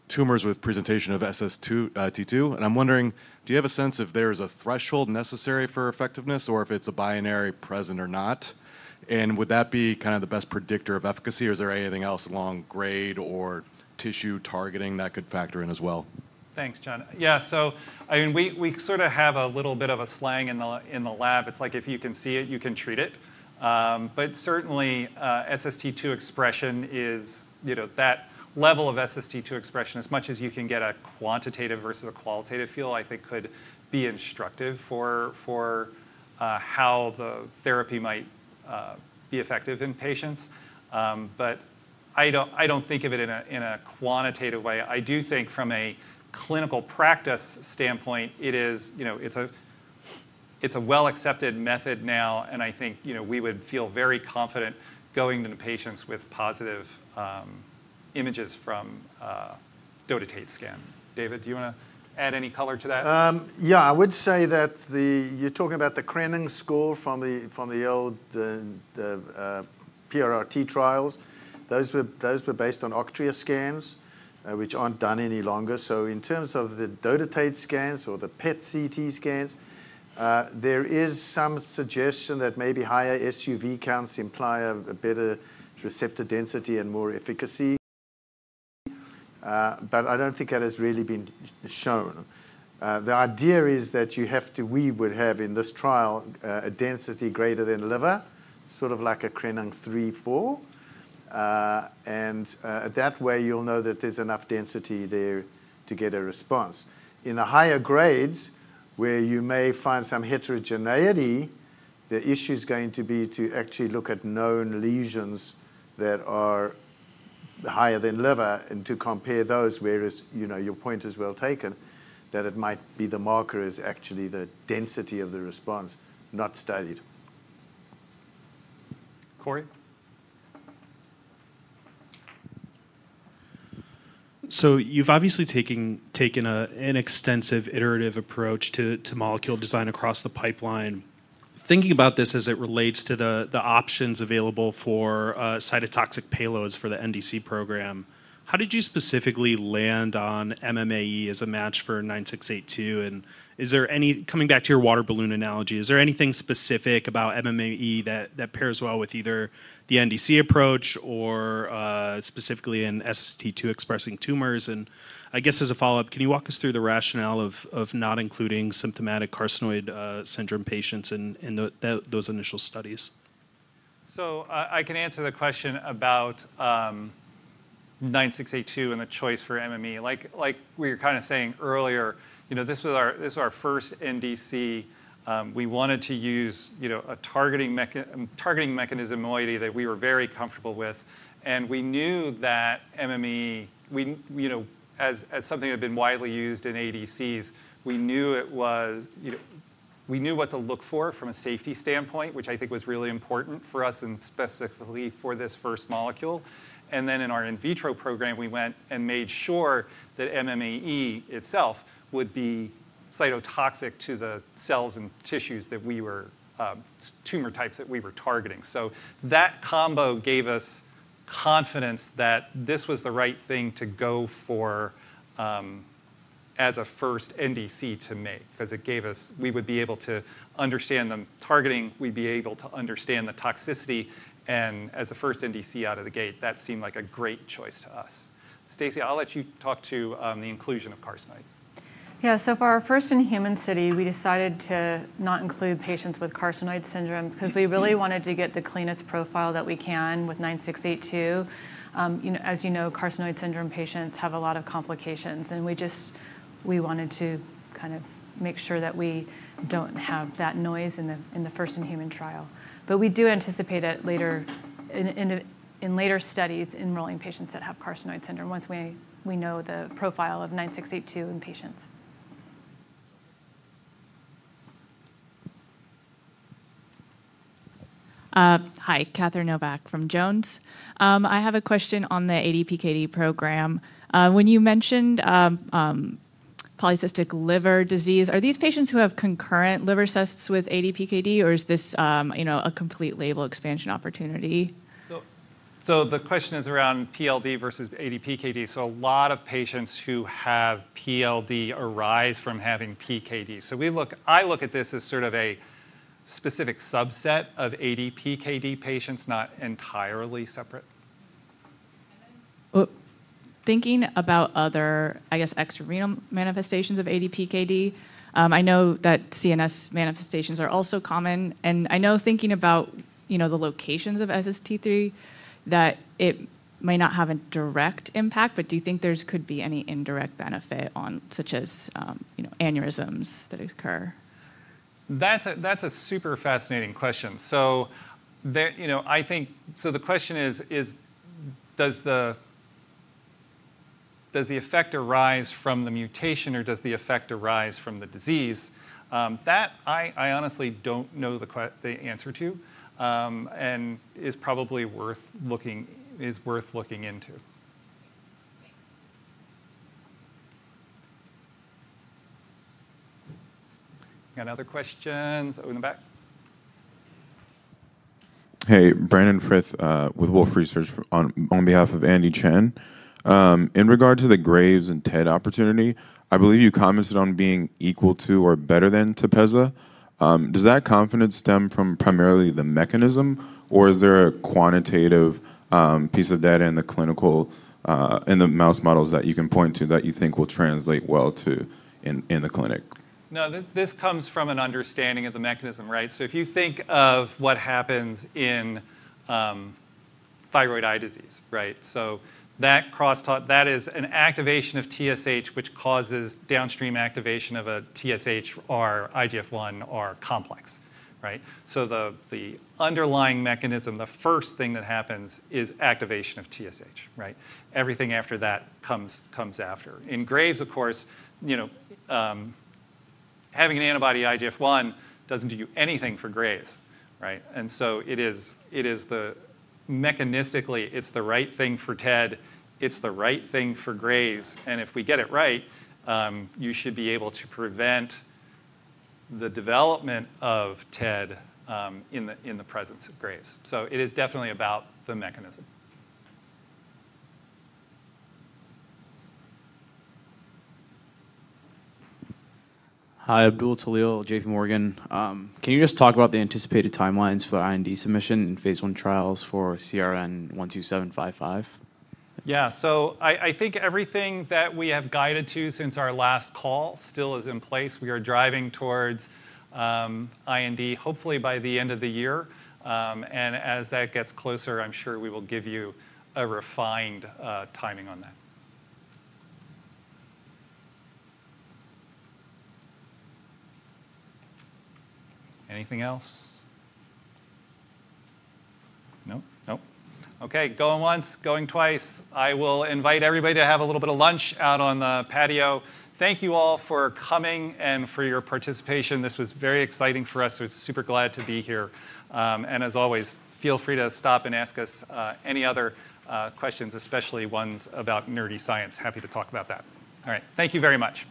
tumors with presentation of SST2. I am wondering, do you have a sense if there is a threshold necessary for effectiveness or if it is a binary present or not? Would that be kind of the best predictor of efficacy? Is there anything else along grade or tissue targeting that could factor in as well? Thanks, John. Yeah, so I mean, we sort of have a little bit of a slang in the lab. It's like if you can see it, you can treat it. Certainly, SST2 expression is that level of SST2 expression. As much as you can get a quantitative versus a qualitative feel, I think could be instructive for how the therapy might be effective in patients. I don't think of it in a quantitative way. I do think from a clinical practice standpoint, it's a well-accepted method now. I think we would feel very confident going to patients with positive images from dotatate scan. David, do you want to add any color to that? Yeah, I would say that you're talking about the Krenning score from the old PRRT trials. Those were based on octreoscans, which aren't done any longer. In terms of the dotatate scans or the PET/CT scans, there is some suggestion that maybe higher SUV counts imply a better receptor density and more efficacy. I don't think that has really been shown. The idea is that you have to, we would have in this trial a density greater than liver, sort of like a Krenning three, four. That way, you'll know that there's enough density there to get a response. In the higher grades, where you may find some heterogeneity, the issue is going to be to actually look at known lesions that are higher than liver and to compare those. Whereas your point is well taken, that it might be the marker is actually the density of the response not studied. Corey? You have obviously taken an extensive iterative approach to molecule design across the pipeline. Thinking about this as it relates to the options available for cytotoxic payloads for the NDC program, how did you specifically land on MMAE as a match for 9682? Coming back to your water balloon analogy, is there anything specific about MMAE that pairs well with either the NDC approach or specifically in SST2 expressing tumors? I guess as a follow-up, can you walk us through the rationale of not including symptomatic carcinoid syndrome patients in those initial studies? I can answer the question about 9682 and the choice for MMAE. Like we were kind of saying earlier, this was our first NDC. We wanted to use a targeting mechanism that we were very comfortable with. We knew that MMAE, as something that had been widely used in ADCs, we knew what to look for from a safety standpoint, which I think was really important for us and specifically for this first molecule. In our in vitro program, we went and made sure that MMAE itself would be cytotoxic to the cells and tissues that were tumor types that we were targeting. That combo gave us confidence that this was the right thing to go for as a first NDC to make because it gave us, we would be able to understand the targeting. We'd be able to understand the toxicity. As a first NDC out of the gate, that seemed like a great choice to us. Stacey, I'll let you talk to the inclusion of carcinoid. Yeah, so for our first-in-human study, we decided to not include patients with carcinoid syndrome because we really wanted to get the cleanest profile that we can with 9682. As you know, carcinoid syndrome patients have a lot of complications. We just wanted to kind of make sure that we do not have that noise in the first-in-human trial. We do anticipate in later studies enrolling patients that have carcinoid syndrome once we know the profile of 9682 in patients. Hi, Catherine Novack from Jones. I have a question on the ADPKD program. When you mentioned polycystic liver disease, are these patients who have concurrent liver cysts with ADPKD? Or is this a complete label expansion opportunity? The question is around PLD versus ADPKD. A lot of patients who have PLD arise from having PKD. I look at this as sort of a specific subset of ADPKD patients, not entirely separate. Thinking about other, I guess, extrarenal manifestations of ADPKD, I know that CNS manifestations are also common. I know thinking about the locations of SST3, that it may not have a direct impact. Do you think there could be any indirect benefit on such as aneurysms that occur? That's a super fascinating question. I think the question is, does the effect arise from the mutation? Or does the effect arise from the disease? That I honestly don't know the answer to and is probably worth looking into. Got another question? Oh, in the back. Hey, Brandon Fritz with Wolfe Research on behalf of Andy Chen. In regard to the Graves and TED opportunity, I believe you commented on being equal to or better than Tepezza. Does that confidence stem from primarily the mechanism? Or is there a quantitative piece of data in the clinical, in the mouse models, that you can point to that you think will translate well to in the clinic? No, this comes from an understanding of the mechanism. If you think of what happens in thyroid eye disease, that crosstalk is an activation of TSH, which causes downstream activation of a TSHR, IGF-1R complex. The underlying mechanism, the first thing that happens is activation of TSH. Everything after that comes after. In Graves, of course, having an antibody IGF-1 does not do you anything for Graves. It is mechanistically the right thing for TED. It is the right thing for Graves. If we get it right, you should be able to prevent the development of TED in the presence of Graves. It is definitely about the mechanism. Hi, Abdul Tahlil, JPMorgan. Can you just talk about the anticipated timelines for IND submission in phase I trials for CRN12755? Yeah, so I think everything that we have guided to since our last call still is in place. We are driving towards IND, hopefully by the end of the year. As that gets closer, I'm sure we will give you a refined timing on that. Anything else? Nope? Nope. OK, going once, going twice. I will invite everybody to have a little bit of lunch out on the patio. Thank you all for coming and for your participation. This was very exciting for us. We're super glad to be here. As always, feel free to stop and ask us any other questions, especially ones about nerdy science. Happy to talk about that. All right, thank you very much.